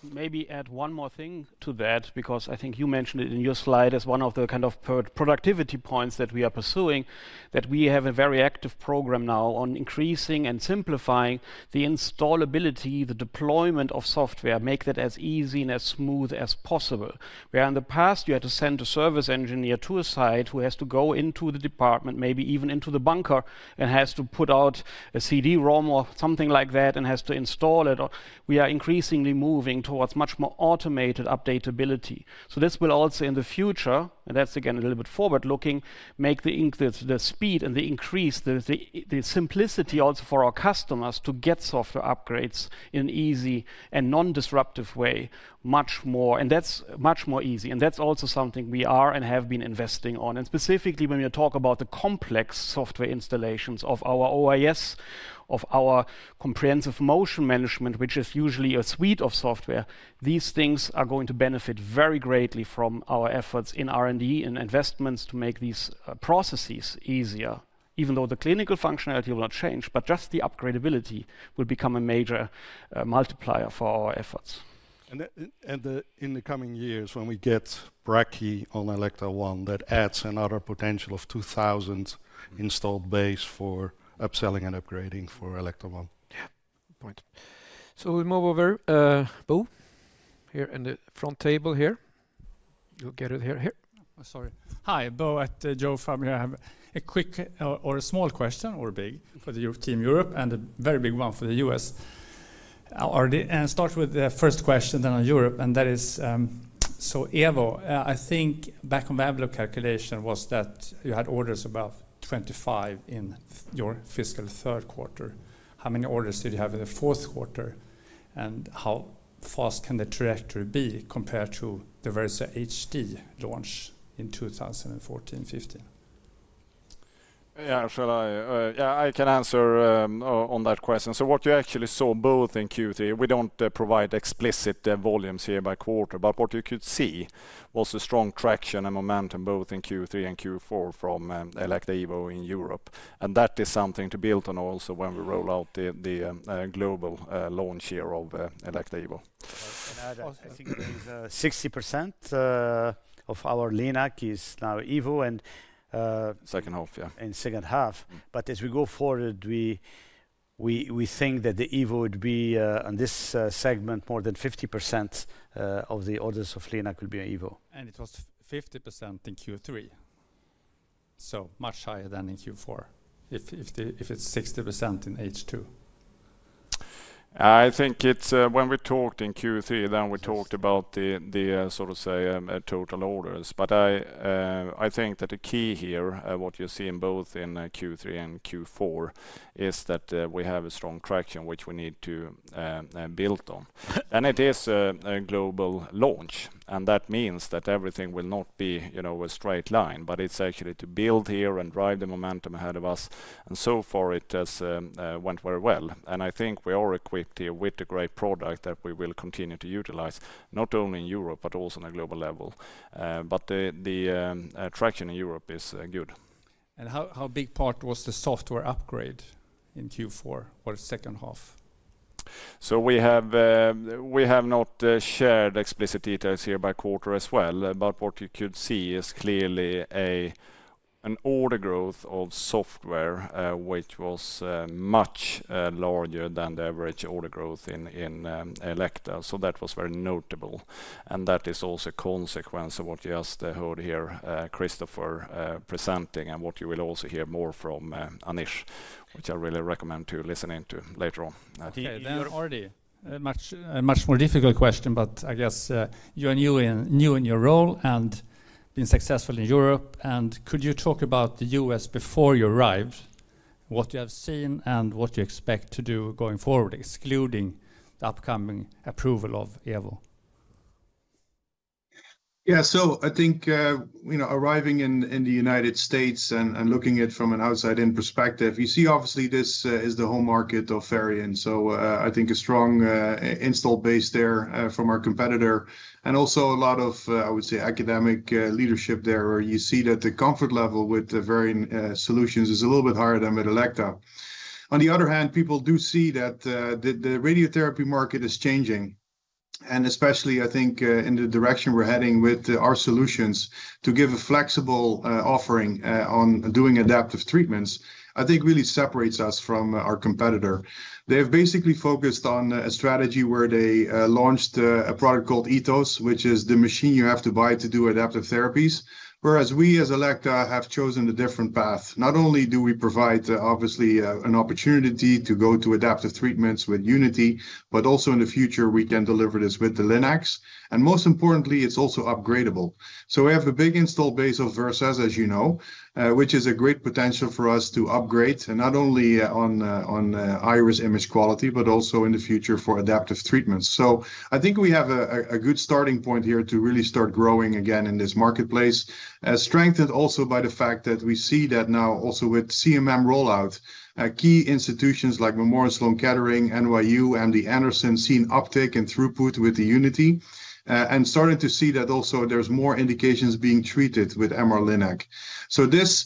Maybe add one more thing to that because I think you mentioned it in your slide as one of the kind of productivity points that we are pursuing, that we have a very active program now on increasing and simplifying the installability, the deployment of software, make that as easy and as smooth as possible. Where in the past you had to send a service engineer to a site who has to go into the department, maybe even into the bunker, and has to put out a CD ROM or something like that and has to install it. We are increasingly moving towards much more automated updatability. This will also in the future, and that is again a little bit forward looking, make the speed and increase the simplicity also for our customers to get software upgrades in an easy and non-disruptive way much more. That is much more easy. That is also something we are and have been investing on. Specifically, when you talk about the complex software installations of our OIS, of our comprehensive motion management, which is usually a suite of software, these things are going to benefit very greatly from our efforts in R&D and investments to make these processes easier. Even though the clinical functionality will not change, just the upgradeability will become a major multiplier for our efforts. In the coming years when we get Brachy on Elekta ONE, that adds another potential of 2,000 installed base for upselling and upgrading for Elekta ONE. Yeah, point. We move over Bo here in the front table. You'll get it here. Sorry. Hi, Bo at Jefferies here. I have a quick or a small question or big for the team Europe and a very big one for the U.S. I will start with the first question then on Europe. That is, so Evo. I think back on backlog calculation was. That you had orders of above 25 in your fiscal third quarter. How many orders did you have in the fourth quarter? How fast can the trajectory be? Compared to the Versa HD launch in 2014? Fifteen. Yeah, I can answer on that question. So what you actually saw both in Q3, we do not provide explicit volumes here by quarter, but what you could see was a strong traction and momentum both in Q3 and Q4 from Elekta Evo in Europe. That is something to build on. Also when we roll out the global launch year of Elekta Evo. I think 60% of our Linac is now Evo. Second half. Yeah. As we go forward, we think that the Evo would be on this segment. More than 50% of the orders of Linac could be an Evo. It was 50% in Q3. Much higher than in Q4. If it's 60% in H2. I think it's. When we talked in Q3, then we talked about the sort of say total orders. I think that the key here, what you see in both Q3 and Q4 is that we have a strong traction which we need to build on. It is a global launch. That means that everything will not be a straight line, but it's actually to build here and drive the momentum ahead of us. So far it has went very well. I think we are equipped here with a great product that we will continue to utilize not only in Europe, but also on a global level. The traction in Europe is good. How big part was the Software upgrade in Q4 or second half. We have not shared explicit details here by quarter as well. What you could see is clearly an order growth of software which was much larger than the average order growth in Elekta. That was very notable and that is also a consequence of what you just heard here, Christopher presenting, and what you will also hear more from Anish, which I really recommend listening to later on. You're already a much more difficult question. I guess you are new in. Your role and been successful in Europe and could you talk about the U.S. Before you arrived, what you have seen. What do you expect to do going forward excluding the upcoming approval of Evo? Yeah, so I think arriving in the United States and looking at from an outside in perspective, you see obviously this is the home market of Varian, so I think a strong install base there from our competitor and also a lot of, I would say, academic leadership there where you see that the comfort level with Varian solutions is a little bit higher than with Elekta. On the other hand, people do see that the radiotherapy market is changing and especially I think in the direction we're heading with our solutions to give a flexible offering on doing adaptive treatments I think really separates us from our competitor. They have basically focused on a strategy where they launched a product called Ethos, which is the machine you have to buy to do adaptive therapies. Whereas we as Elekta have chosen a different path. Not only do we provide obviously an opportunity to go to adaptive treatments with Unity, but also in the future we can deliver this with the Linac and most importantly it's also upgradable. We have a big install base of Versas, as you know, which is a great potential for us to upgrade not only on Iris image quality but also in the future for adaptive treatments. I think we have a good starting point here to really start growing again in this marketplace, strengthened also by the fact that we see that now also with CMM rollout, key institutions like Memorial Sloan Kettering, NYU, and MD Anderson seeing uptake in throughput with the Unity and started to see that also there's more indications being treated with MR-Linac. This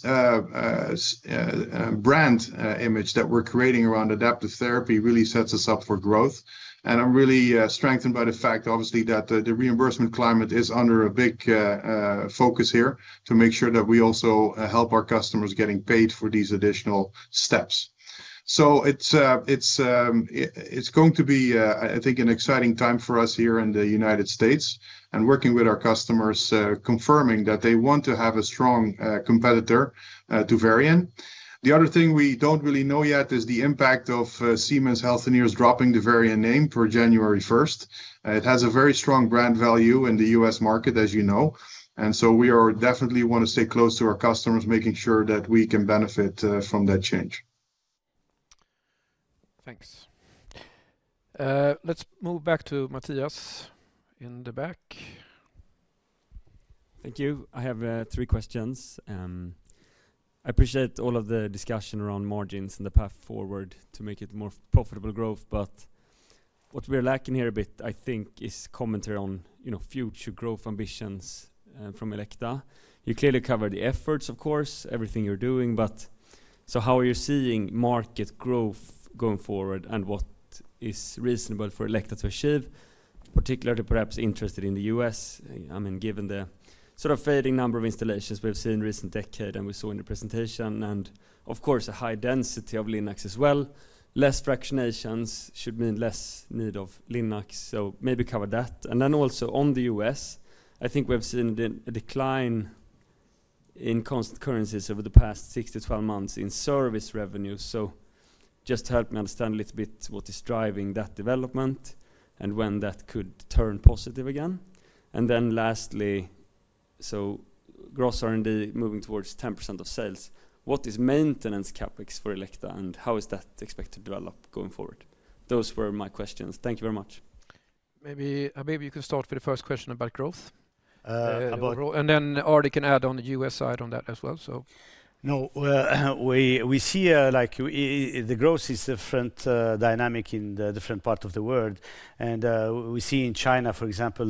brand image that we're creating around adaptive therapy really sets us up for growth and I'm really strengthened by the fact obviously that the reimbursement climate is under a big focus here to make sure that we also help our customers getting paid for these additional steps. It's going to be, I think, an exciting time for us here in the United States. Working with our customers, confirming that they want to have a strong competitor to Varian. The other thing we don't really know yet is the impact of Siemens Healthineers dropping the Varian name for January 1st. It has a very strong brand value in the U.S. market, as you know. We definitely want to stay close to our customers, making sure that we can benefit from that change. Thanks. Let's move back to Mattias in the back. Thank you. I have three questions. I appreciate all of the discussion around margins and the path forward to make. It more profitable growth, but what we're. Lacking here a bit, I think, is. Commentary on, you know, future growth ambitions from Elekta. You clearly cover the efforts, of course, everything you're doing. How are you seeing market? Growth going forward and what is reasonable. For Elekta to achieve? Particularly perhaps interested in the U.S.? I mean given the sort of fading number of installations we've seen in recent decades and we saw in the presentation and of course a high density of Linacs as well, less fractionations should mean less need of Linacs, so maybe cover that. Also on the U.S. I think we've seen a decline in constant currencies over the past six to twelve months in service revenues. Just help me understand a little bit what is driving that development and when that could turn positive again. Lastly, so gross R&D moving towards 10% of sales. What is maintenance CapEx for Elekta and how is that expected to develop going forward? Those were my questions. Thank you very much. Maybe you could start with the first question about growth and then Ardie can add on the U.S. side on that as well. No, we see like the growth is different dynamic in different parts of the world and we see in China for example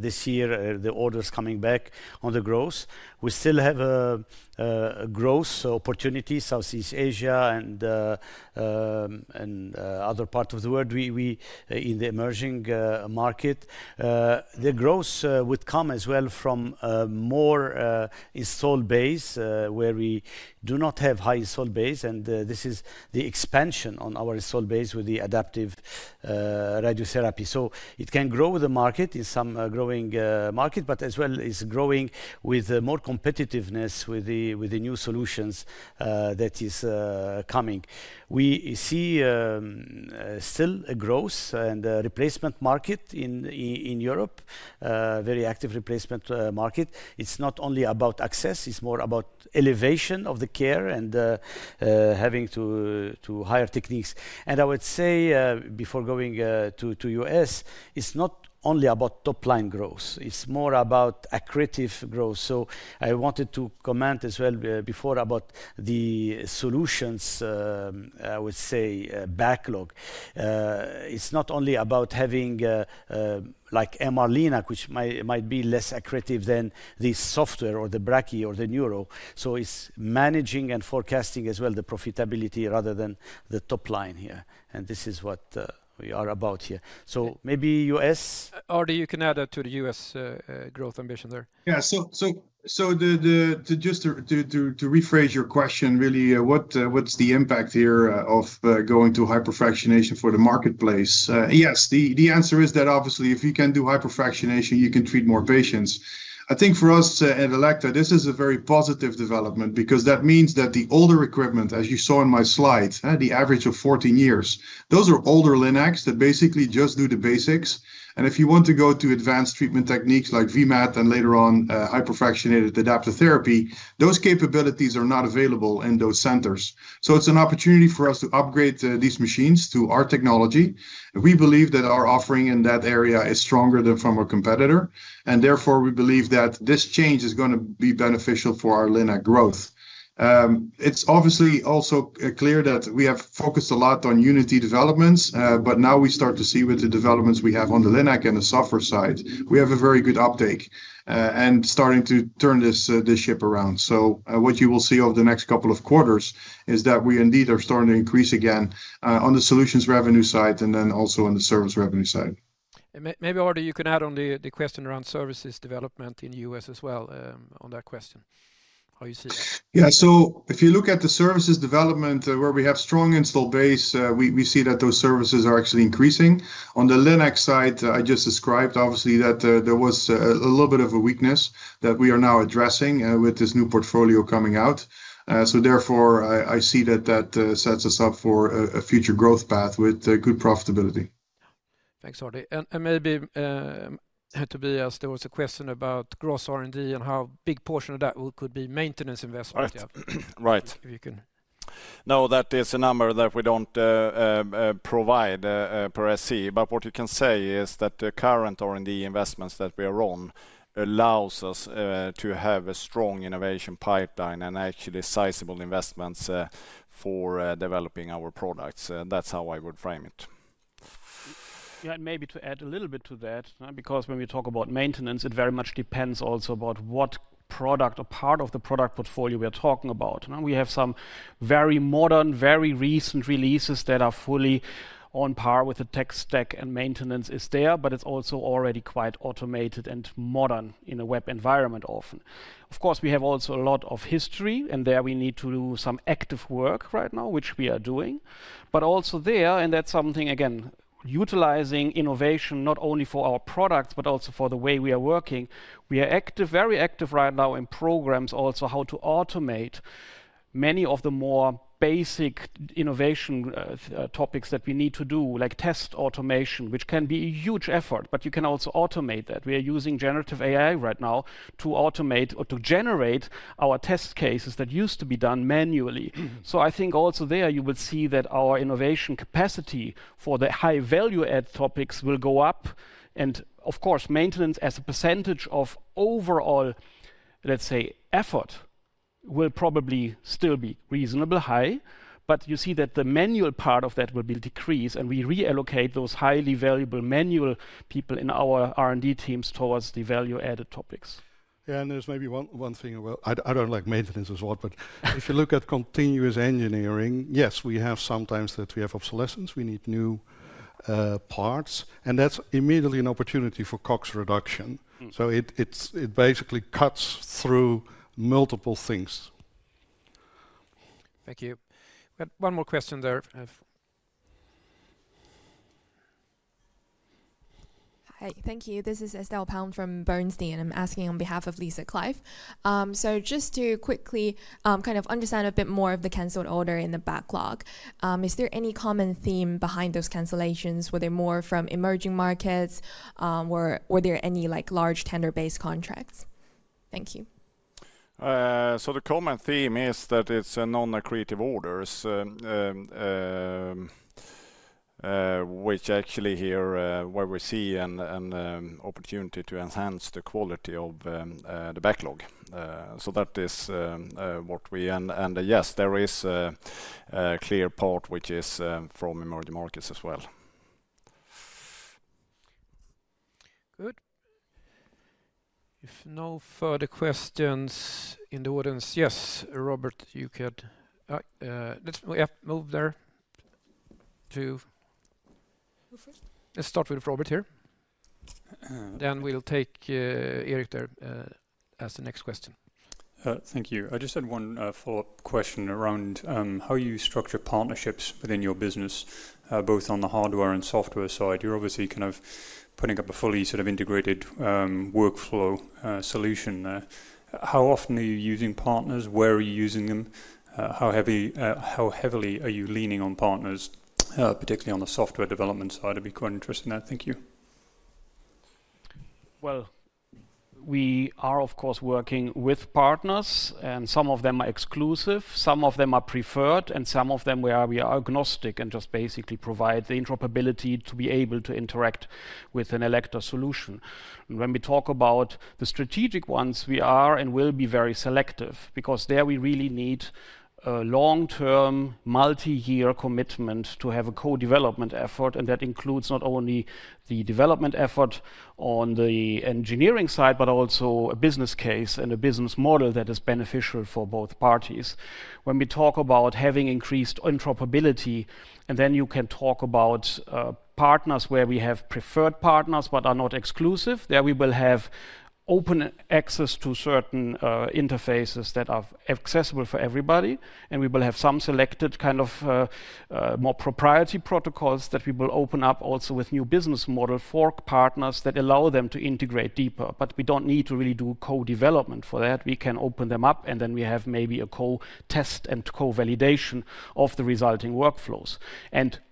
this year the orders coming back on the growth. We still have a growth opportunity Southeast Asia and other part of the world. We in the emerging market, the growth would come as well from more installed base where we do not have high installed base. And this is the expansion on our installed base with the adaptive radiotherapy so it can grow the market in some growing market but as well is growing with more competitiveness with the. With the new solutions that is coming. We see still a growth and replacement market in Europe, very active replacement market. It's not only about access, it's more about elevation of the care and having to higher techniques. I would say before going to the U.S. it's not only about top line growth, it's more about accretive growth. I wanted to comment as well before about the solutions, I would say backlog. It's not only about having like MR-Linac, which might be less accretive than the software or the Brachy or the Neuro. It's managing and forecasting as well the profitability rather than the top line here. This is what we are about here. Maybe, Ardie, you can add to the U.S. growth ambition there. Yeah. Just to rephrase your question really, what's the impact here of going to hyperfractionation for the marketplace? Yes, the answer is that obviously if you can do hyperfractionation, you can treat more patients. I think for us at Elekta this is a very positive development because that means that the older equipment, as you saw in my slide, the average of 14 years, those are older linacs that basically just do the basics. If you want to go to advanced treatment techniques like VMAT and later on hyperfractionated adaptive therapy, those capabilities are not available in those centers. It is an opportunity for us to upgrade these machines to our technology. We believe that our offering in that area is stronger than from our competitor and therefore we believe that this change is going to be beneficial for our Linac growth. It's obviously also clear that we have focused a lot on Unity developments. Now we start to see with the developments we have on the Linac and the software side we have a very good uptake and starting to turn this ship around. What you will see over the next couple of quarters is that we indeed are starting to increase again on the solutions revenue side. Then also on the service revenue side. Maybe Ardie, you can add on the question around services development in U.S. as well on that question how you see it. Yeah, so if you look at the services development where we have strong install base, we see that those services are actually increasing on the Linac side. I just described obviously that there was a little bit of a weakness that we are now addressing with this new portfolio coming out. Therefore I see that that sets us up for a future growth path with good profitability. Thanks, Ardie. Maybe to be asked, there was a question about gross R&D and how big portion of that could be maintenance investment. No, that is a number that we don't provide per se. What you can say is that the current R&D investments that we are on allows us to have a strong innovation pipeline and actually sizable investments for developing our products. That's how I would frame it maybe. To add a little bit to that because when we talk about maintenance, it very much depends also about what product or part of the product portfolio we are talking about. We have some very modern, very recent releases that are fully on par with the tech stack and maintenance is there, but it is also already quite automated and modern in a web environment. Often, of course we have also a lot of history and there we need to do some active work right now, which we are doing, but also there. That is something again utilizing innovation not only for our products but also for the way we are working. We are active, very active right now in programs. Also how to automate many of the more basic innovation topics that we need to do, like test automation, which can be a huge effort, but you can also automate that. We are using generative AI right now to automate or to generate our test cases that used to be done manually. I think also there you will see that our innovation capacity for the high value add topics will go up. Of course maintenance as a percentage of overall, let's say, effort will probably still be reasonably high. You see that the manual part of that will be decreased and we reallocate those highly valuable manual people in our R&D teams towards the value added topics. There's maybe one thing I don't like, maintenance as well, but if you look at continuous engineering, yes, we have sometimes that we have obsolescence, we need new parts and that's immediately an opportunity for COGS reduction. It basically cuts through multiple things. Thank you. One more question there. Hi, thank you. This is Estelle Pang from Bernstein and I'm asking on behalf of Lisa Clive. Just to quickly kind of understand. A bit more of the canceled order in the backlog. Is there any common theme behind those cancellations? Were there more from emerging markets or were there any like large tender based-contracts? Thank you. The common theme is that it's non-accretive orders, which actually here is where we see an opportunity to enhance the quality of the backlog. That is what we. Yes, there is a clear part which is from emerging markets as well. Good. If no further questions in the audience. Yes, Robert, you could move there too. Let's start with Robert here, then we'll take Erik there as the next question. Thank you. I just had one follow-up question around how you structure partnerships within your business, both on the hardware and software side. You're obviously kind of putting up a fully sort of integrated workflow solution. How often are you using partners? Where are you using them? How heavily are you leaning on partners, particularly on the software development side. I'd be quite interested in that. Thank you. We are of course working with partners and some of them are exclusive, some of them are preferred, and some of them where we are agnostic and just basically provide the interoperability to be able to interact with an Elekta solution. When we talk about the strategic ones, we are and will be very selective because there we really need a long-term, multi-year commitment to have a co-development effort, and that includes not only the development effort on the engineering side but also a business case and a business model that is beneficial for both parties. When we talk about having increased interoperability and then you can talk about partners where we have preferred partners but are not exclusive, there we will have open access to certain interfaces that are accessible for everybody, and we will have some selected kind of more proprietary protocols that we will open up also with new business model for partners that allow them to integrate deeper. We do not need to really do co-development for that. We can open them up, and then we have maybe a co-test and co-validation of the resulting workflows.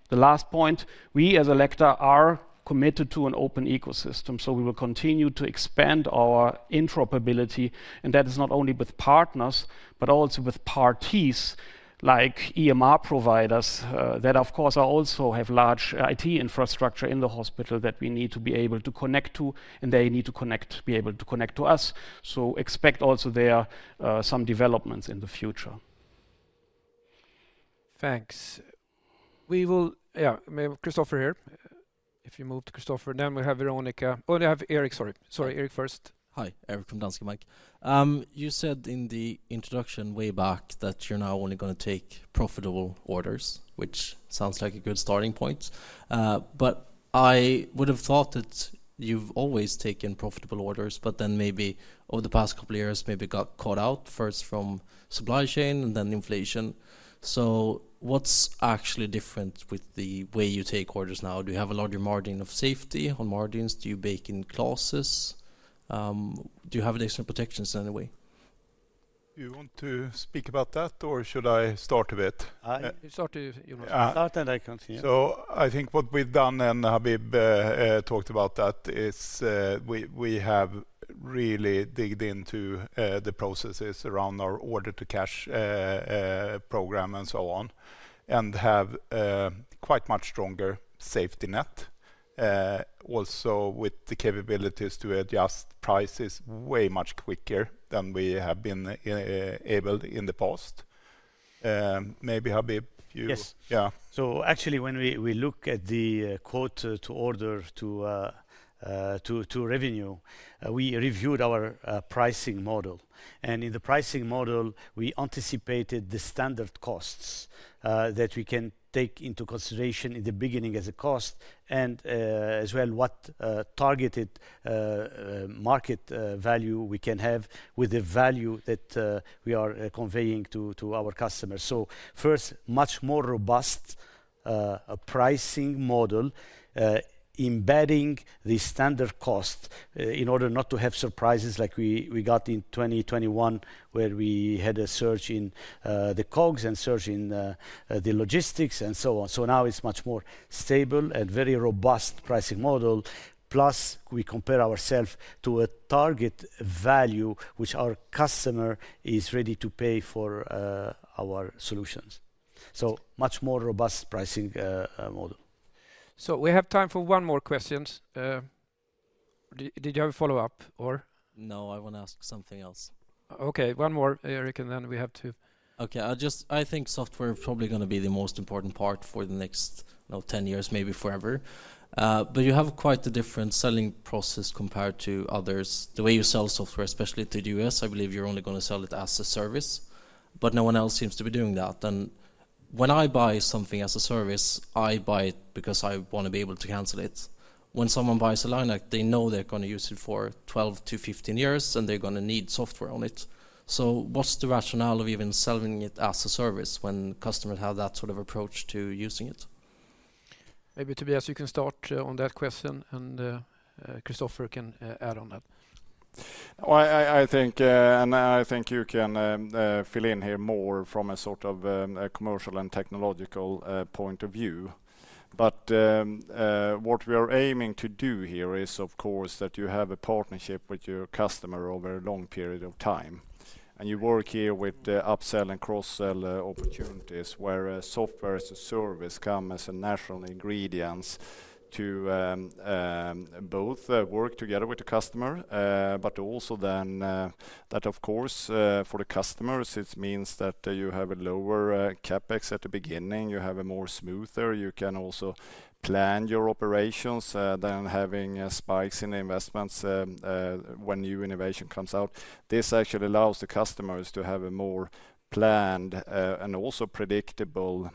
The last point, we as Elekta are committed to an open ecosystem, so we will continue to expand our interoperability, and that is not only with partners but also with parties like EMR providers that of course also have large IT infrastructure in the hospital that we need to be able to connect to, and they need to connect to be able to connect to us. Expect also there some developments in the future. Thanks. We will. Yeah, Christopher here. If you move to Christopher then we have Veronika, only have Erik. Sorry, sorry. Erik first. Hi, Erik from Danske Bank. You said in the introduction way. Back that you're now only going to. Take profitable orders, which sounds like a good starting point. I would have thought that you've. Always taken profitable orders, but then maybe over the past couple years maybe got. Caught out first from supply chain and then inflation. What's actually different with the way. You take orders now? Do you have a larger margin of safety on margins? Do you bake in classes? Do you have additional protections in any way? Do you want to speak about that or should I start a bit? Sorry. I think what we've done, and Habib talked about that, is we have really dug into the processes around our order to cash program and so on and have quite much stronger safety net also with the capabilities to adjust prices way much quicker than we have been able in the past. Maybe Habib. Yeah, so actually when we look at the quote to order to revenue we reviewed our pricing model and in the pricing model we anticipated the standard costs that we can take into consideration in the beginning as a cost and as well what targeted market value we can have with the value that we are conveying to our customers. First, much more robust pricing model, embedding the standard cost in order not to have surprises like we got in 2021 where we had a surge in the COGS and surge in the logistics and so on. Now it is much more stable and very robust pricing model. Plus we compare ourselves to a target value which our customer is ready to pay for our solutions. Much more robust pricing model. We have time for one more question. Did you have a follow-up or... No, I want to ask something else. Okay, one more, Erik. And then we have two. Okay. I think software is probably going to be the most important part for the next ten years, maybe forever. But you have quite a different selling process compared to others. The way you sell software, especially to the U.S., I believe you're only going to sell it as a service, but no one else seems to be doing that. When I buy something as a. Service, I buy it because I want. To be able to cancel it. When someone buys a Linac, they know they're going to use it for 12-15 years and they're going to need software on it. What's the rationale of even selling it as a service when customers have that? Sort of approach to using it? Maybe Tobias, you can start on that question and Christopher can add on that. I think you can fill in here more from a sort of commercial and technological point of view. What we are aiming to do here is of course that you have a partnership with your customer over a long period of time and you work here with upsell and cross-sell opportunities where software as a service comes as a national ingredient to both work together with the customer. Also, for the customers it means that you have a lower CapEx at the beginning, you have a more smoother, you can also plan your operations than having spikes in investments when new innovation comes out. This actually allows the customers to have a more planned and also predictable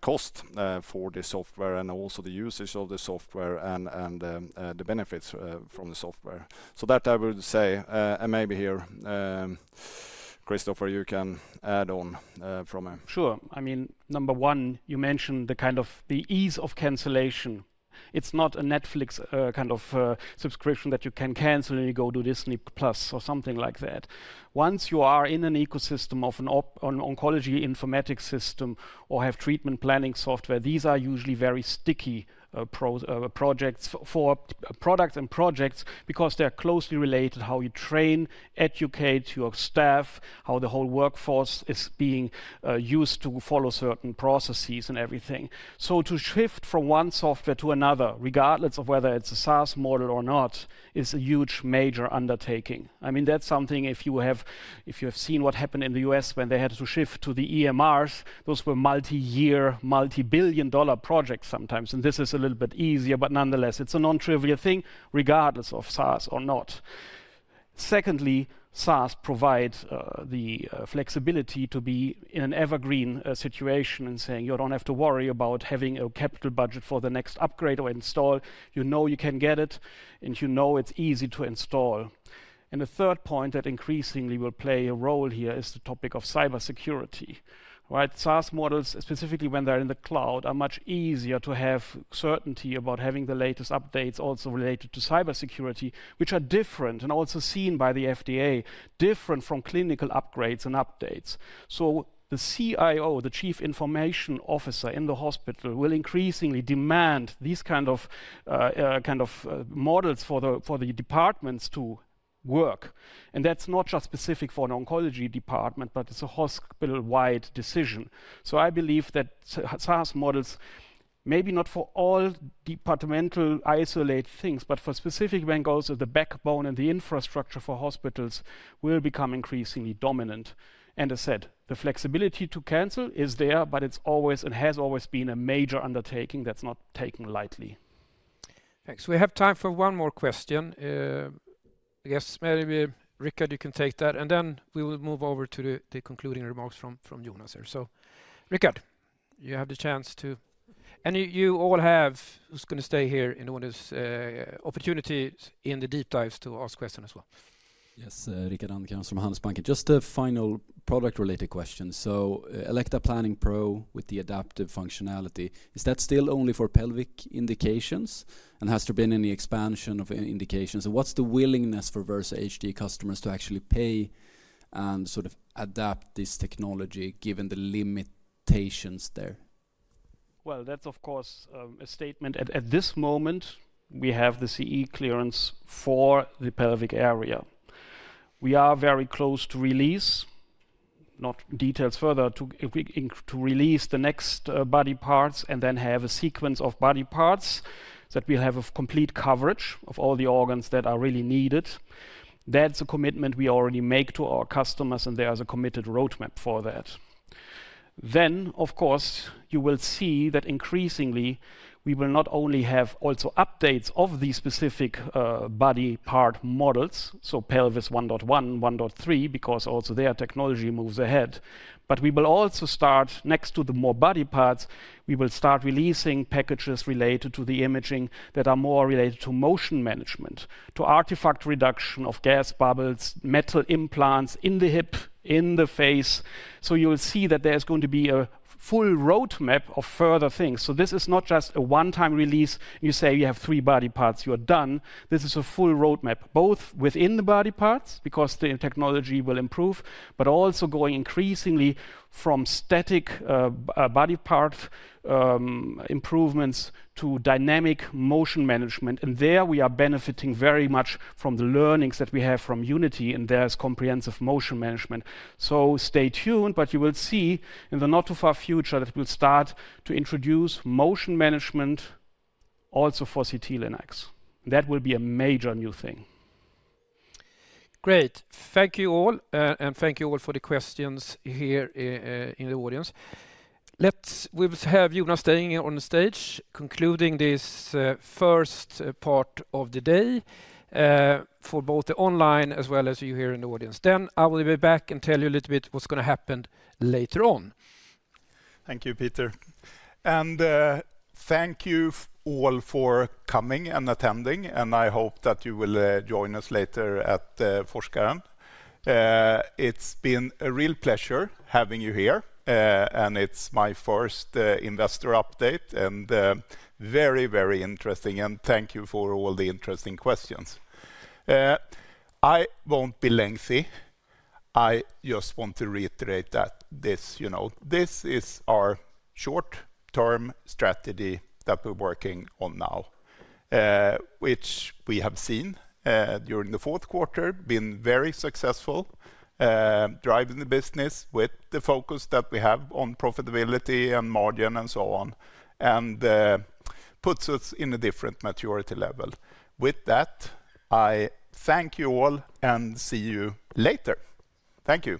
cost for the software and also the usage of the software and the benefits from the software. So that I would say. Maybe here, Christopher, you can add on from. Sure. I mean number one, you mentioned the kind of the ease of cancellation. It's not a Netflix kind of subscription that you can cancel and you go to Disney+ or something like that. Once you are in an ecosystem of an oncology informatics system or have treatment planning software. These are usually very sticky for products and projects because they are closely related to how you train, educate your staff, how the whole workforce is being used to follow certain processes and everything. To shift from one software to another regardless of whether it's a SaaS model or not, is a huge major undertaking. I mean that's something if you have seen what happened in the U.S. when they had to shift to the EMRs, those were multi-year, multi-billion dollar projects sometimes and this is a little bit easier but nonetheless it's a non-trivial thing regardless of SaaS or not. Secondly, SaaS provides the flexibility to be in an evergreen situation and saying you don't have to worry about having a capital budget for the next upgrade or install. You know you can get it and you know it's easy to install. The third point that increasingly will play a role here is the topic of cybersecurity. Right. SaaS models specifically when they're in the cloud are much easier to have certainty about having the latest updates also related to cybersecurity, which are different and also seen by the FDA different from clinical upgrades and updates. The CIO, the Chief Information Officer in the hospital, will increasingly demand these kind of models for the departments to work. That's not just specific for an oncology department, but it's a hospital-wide decision. I believe that SaaS models, maybe not for all departmental isolated things, but for specific, form the backbone and the infrastructure for hospitals, will become increasingly dominant. I said the flexibility to cancel is there, but it's always and has always been a major undertaking that's not taken lightly. Thanks. We have time for one more question. I guess maybe Rikard, you can take that and then we will move over to the concluding remarks from Jonas. So Rikard, you have the chance to, and you all have, who is going to stay here in this opportunity in the deep dives to ask questions as well? Yes, Rika and Keanu Pande, just a. Final product related question. Elekta Planning Pro with the adaptive. Functionality, is that still only for pelvic indications and has there been any expansion of indications? What's the willingness for Versa HD customers? To actually pay and sort of adapt. This technology given the limitations there? That is of course a statement. At this moment we have the CE clearance for the pelvic area. We are very close to release, not details further, to release the next body parts and then have a sequence of body parts so that we have a complete coverage of all the organs that are really needed. That is a commitment we already make to our customers and there is a committed roadmap for that. You will see that increasingly we will not only have also updates of these specific body part models, so pelvis 1.1, 1.3, because also there technology moves ahead. We will also start, next to the more body parts, releasing packages related to the imaging that are more related to motion management, to artifact reduction of gas bubbles, metal implants in the hip, in the face. You will see that there is going to be a full roadmap of further things. This is not just a one-time release. You say you have three body parts, you are done. This is a full roadmap, both within the body parts because the technology will improve, but also going increasingly from static body part improvements to dynamic motion management. There we are benefiting very much from the learnings that we have from Unity and there is comprehensive motion management. Stay tuned. You will see in the not too far future that we will start to introduce motion management also for CT-Linacs. That will be a major new thing. Great. Thank you all and thank you all for the questions here in the audience. We will have Jonas staying on the stage concluding this first part of the day for both the online as well as you here in the audience. I will be back and tell you a little bit what's going to happen later on. Thank you, Peter. Thank you all for coming and attending, and I hope that you will join us later at Forskaren. It has been a real pleasure having you here, and it is my first investor update and very, very interesting, and thank you for all the interesting questions. I will not be lengthy. I just want to reiterate that this, you know, this is our short-term strategy that we are working on now, which we have seen during the fourth quarter has been very successful, driving the business with the focus that we have on profitability and margin and so on, and puts us in a different maturity level with that. I thank you all and see you later. Thank you.